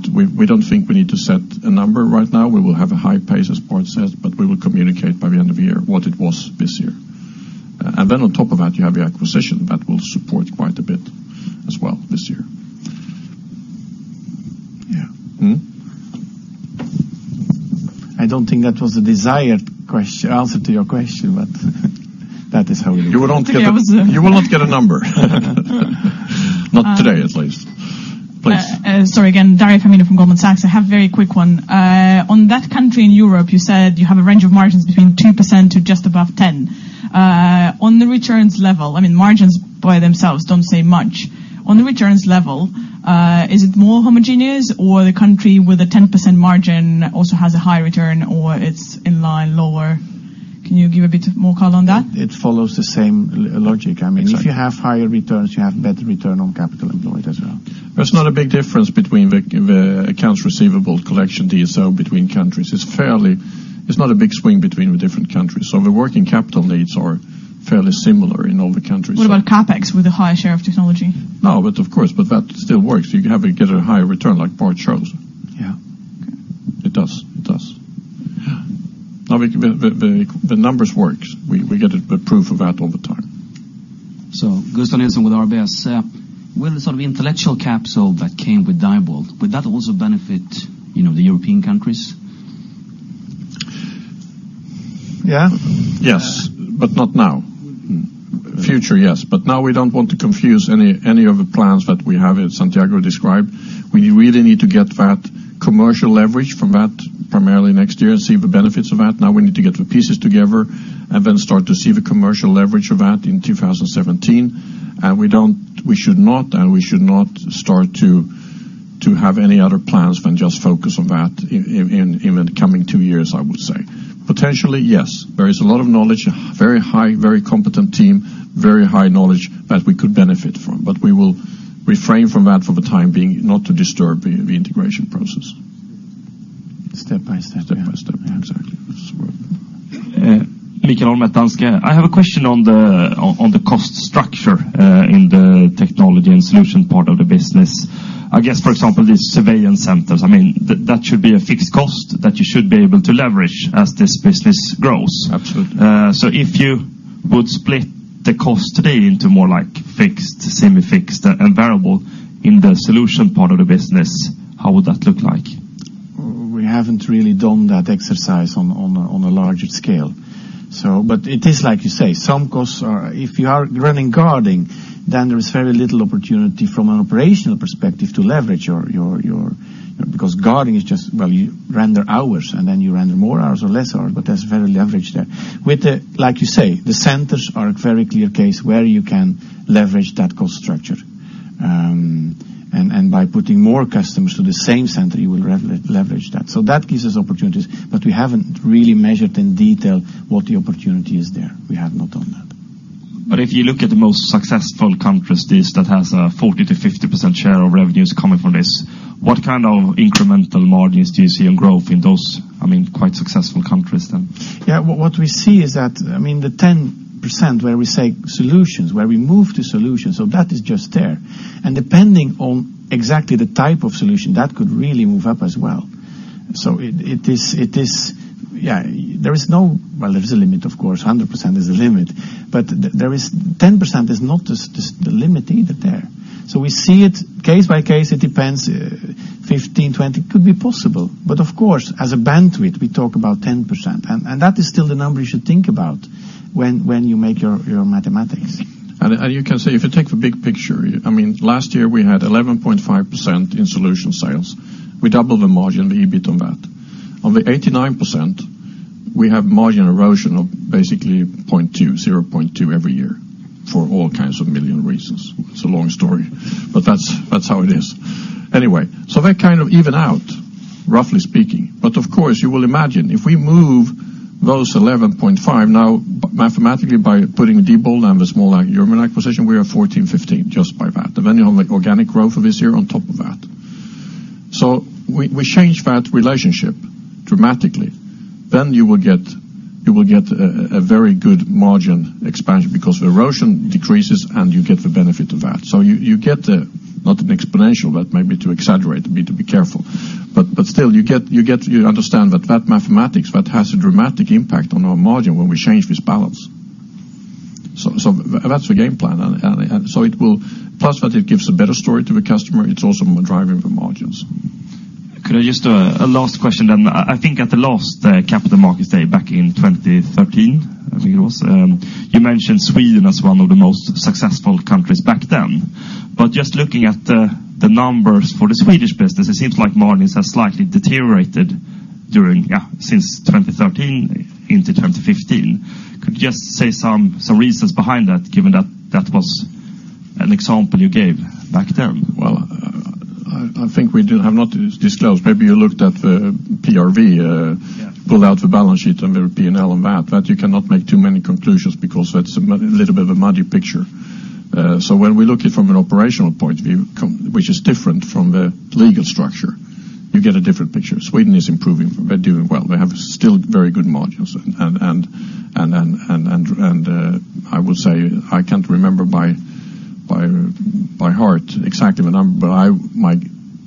think we need to set a number right now. We will have a high pace, as Bart said, but we will communicate by the end of the year what it was this year. And then on top of that, you have the acquisition that will support quite a bit as well this year. Yeah. Mm-hmm. I don't think that was the desired answer to your question, but that is how it is. You will not get a- I think I was- You will not get a number. Um- Not today, at least. Please. Sorry again. Daria Fomina from Goldman Sachs. I have very quick one. On that country in Europe, you said you have a range of margins between 2% to just above 10. On the returns level, I mean, margins by themselves don't say much. On the returns level, is it more homogeneous, or the country with a 10% margin also has a high return, or it's in line lower? Can you give a bit more color on that? It follows the same logic. Exactly. I mean, if you have higher returns, you have better return on capital employed as well. There's not a big difference between the accounts receivable collection DSO between countries. It's fairly... It's not a big swing between the different countries, so the working capital needs are fairly similar in all the countries. What about CapEx with a higher share of technology? No, but of course, but that still works. You have to get a higher return, like Bart shows. Yeah. Okay. It does. It does. Yeah. Now, the numbers work. We get a good proof of that all the time. Gustav Rosén with RBS. Will the sort of intellectual capsule that came with Diebold, will that also benefit, you know, the European countries? Yeah. Yes, but not now. Future, yes, but now we don't want to confuse any of the plans that we have, as Santiago described. We really need to get that commercial leverage from that, primarily next year, and see the benefits of that. Now we need to get the pieces together and then start to see the commercial leverage of that in 2017. And we don't. We should not start to have any other plans than just focus on that in the coming two years, I would say. Potentially, yes. There is a lot of knowledge, very high, very competent team, very high knowledge that we could benefit from, but we will refrain from that for the time being, not to disturb the integration process. Step by step. Step by step, exactly. Yes. Mikael Holm from Danske. I have a question on the cost structure in the technology and solution part of the business. I guess, for example, the surveillance centers, I mean, that should be a fixed cost that you should be able to leverage as this business grows. Absolutely. So, if you would split the cost today into more like fixed, semi-fixed, and variable in the solution part of the business, how would that look like? We haven't really done that exercise on a larger scale. But it is like you say, some costs are... If you are running guarding, then there is very little opportunity from an operational perspective to leverage your... Because guarding is just, well, you render hours, and then you render more hours or less hours, but there's very leverage there. With the, like you say, the centers are a very clear case where you can leverage that cost structure. And by putting more customers to the same center, you will leverage that. So that gives us opportunities, but we haven't really measured in detail what the opportunity is there. We have not done that. But if you look at the most successful countries, this, that has a 40%-50% share of revenues coming from this, what kind of incremental margins do you see in growth in those, I mean, quite successful countries, then? Yeah, what, what we see is that, I mean, the 10% where we say solutions, where we move to solutions, so that is just there. And depending on exactly the type of solution, that could really move up as well. So it, it is, it is, yeah, there is no... well, there is a limit, of course, 100% is the limit, butthere is 10% is not just, just the limit either there. So we see it case by case, it depends, 15%, 20% could be possible. But of course, as a bandwidth, we talk about 10%, and, and that is still the number you should think about when, when you make your, your mathematics. You can say, if you take the big picture, I mean, last year we had 11.5% in solution sales. We doubled the margin, the EBIT on that. On the 89%, we have margin erosion of basically 0.2, 0.2 every year for all kinds of million reasons. It's a long story, but that's how it is. Anyway, so they kind of even out, roughly speaking. But of course, you will imagine, if we move those 11.5% now, mathematically, by putting Diebold on the small German acquisition, we are 14%, 15% just by that. Then any of the organic growth of this year on top of that. So we, we change that relationship dramatically, then you will get, you will get a, a very good margin expansion because the erosion decreases and you get the benefit of that. So you get the... Not an exponential, that might be to exaggerate, we need to be careful. But still, you get, you understand that mathematics that has a dramatic impact on our margin when we change this balance. So that's the game plan, and so it will plus that it gives a better story to the customer, it's also driving the margins. Could I just a last question then. I think at the last Capital Markets Day back in 2013, I think it was, you mentioned Sweden as one of the most successful countries back then. But just looking at the, the numbers for the Swedish business, it seems like margins have slightly deteriorated during, yeah, since 2013 into 2015. Could you just say some, some reasons behind that, given that that was an example you gave back then? Well, I think we do have not disclosed. Maybe you looked at the PRV. Yeah. Pull out the balance sheet and the P&L on that. That you cannot make too many conclusions because that's a little bit of a muddy picture. So when we look it from an operational point of view, which is different from the legal structure, you get a different picture. Sweden is improving. They're doing well. They have still very good margins, and then I will say, I can't remember by heart exactly the number, but I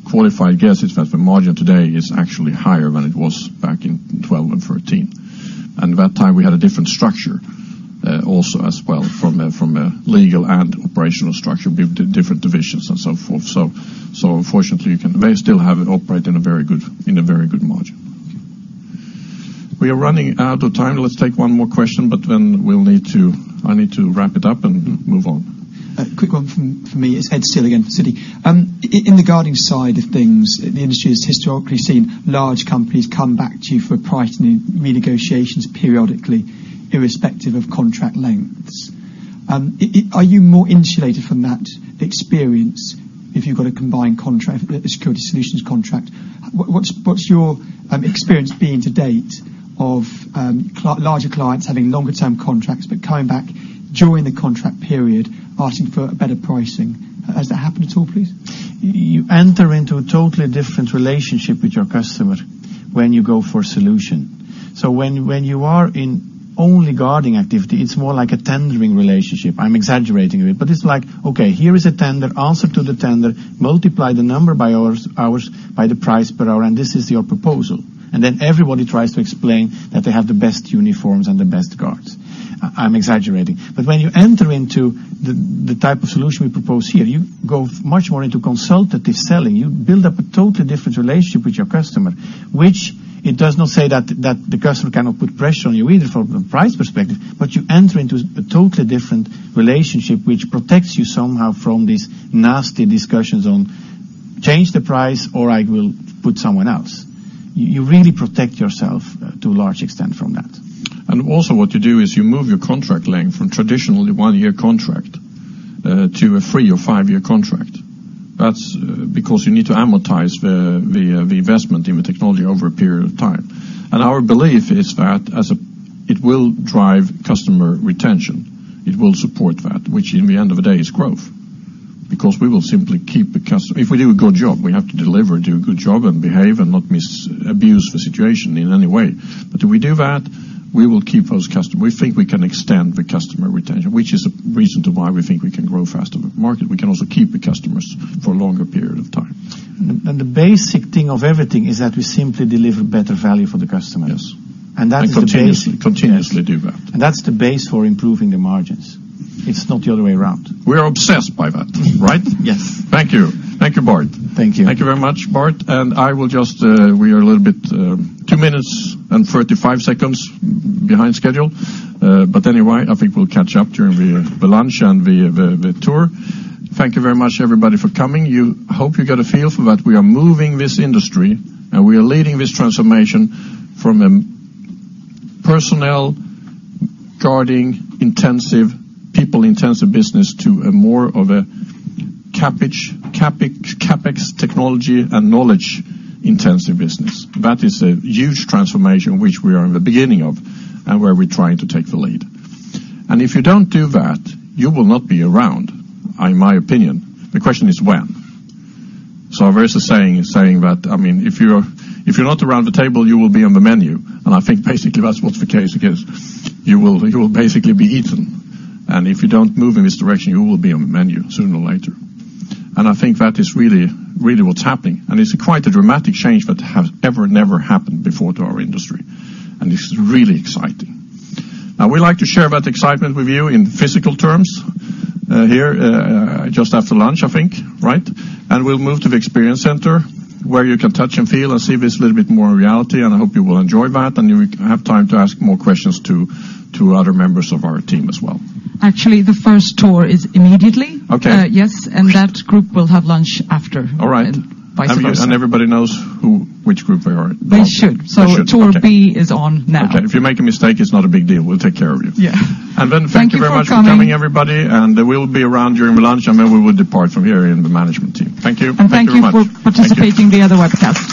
my qualified guess is that the margin today is actually higher than it was back in 2012 and 2013. And at that time, we had a different structure, also as well, from a legal and operational structure, we have different divisions and so forth. So, unfortunately, they still have it operate in a very good margin. We are running out of time. Let's take one more question, but then we'll need to, I need to wrap it up and move on. Quick one from me. It's Ed Steele again from Citi. In the guarding side of things, the industry has historically seen large companies come back to you for price renegotiations periodically, irrespective of contract lengths. Are you more insulated from that experience if you've got a combined contract, a Security Solutions contract? What's your experience been to date of larger clients having longer term contracts, but coming back during the contract period, asking for better pricing? Has that happened at all, please? You enter into a totally different relationship with your customer when you go for a solution. So when you are in only guarding activity, it's more like a tendering relationship. I'm exaggerating a bit, but it's like, okay, here is a tender, answer to the tender, multiply the number by hours, hours by the price per hour, and this is your proposal. And then everybody tries to explain that they have the best uniforms and the best guards. I'm exaggerating. But when you enter into the type of solution we propose here, you go much more into consultative selling. You build up a totally different relationship with your customer, which it does not say that, that the customer cannot put pressure on you, either from a price perspective, but you enter into a totally different relationship, which protects you somehow from these nasty discussions on, "Change the price, or I will put someone else." You, you really protect yourself to a large extent from that. And also what you do is you move your contract length from traditionally one-year contract to a three- or five-year contract. That's because you need to amortize the investment in the technology over a period of time. Our belief is that it will drive customer retention. It will support that, which in the end of the day is growth, because we will simply keep the customer. If we do a good job, we have to deliver and do a good job and behave and not misuse the situation in any way. But if we do that, we will keep those customer. We think we can extend the customer retention, which is a reason to why we think we can grow faster than the market. We can also keep the customers for a longer period of time. The basic thing of everything is that we simply deliver better value for the customers. Yes. And that is the basic- Continuously, continuously do that. That's the base for improving the margins. It's not the other way around. We are obsessed by that, right? Yes. Thank you. Thank you, Bart. Thank you. Thank you very much, Bart. I will just, we are a little bit, 2 minutes and 35 seconds behind schedule. But anyway, I think we'll catch up during the lunch and the tour. Thank you very much, everybody, for coming. You hope you get a feel for that we are moving this industry, and we are leading this transformation from a personnel, guarding-intensive, people-intensive business to a more of a CapEx, technology and knowledge-intensive business. That is a huge transformation, which we are in the beginning of, and where we're trying to take the lead. And if you don't do that, you will not be around, in my opinion. The question is when? So there is a saying that, I mean, if you're not around the table, you will be on the menu. I think basically that's what's the case, because you will basically be eaten. And if you don't move in this direction, you will be on the menu sooner or later. And I think that is really, really what's happening. And it's quite a dramatic change that has ever never happened before to our industry, and this is really exciting. Now, we like to share that excitement with you in physical terms, here, just after lunch, I think, right? And we'll move to the Experience Center, where you can touch and feel and see this a little bit more in reality, and I hope you will enjoy that, and you will have time to ask more questions to other members of our team as well. Actually, the first tour is immediately. Okay. Yes, and that group will have lunch after. All right. Vice versa. Everybody knows who, which group they are in? They should. They should. Tour B is on now. Okay. If you make a mistake, it's not a big deal. We'll take care of you. Yeah. Thank you very much- Thank you for coming.... for coming, everybody, and we will be around during the lunch, and then we will depart from here in the management team. Thank you. Thank you very much. Thank you for participating via the webcast.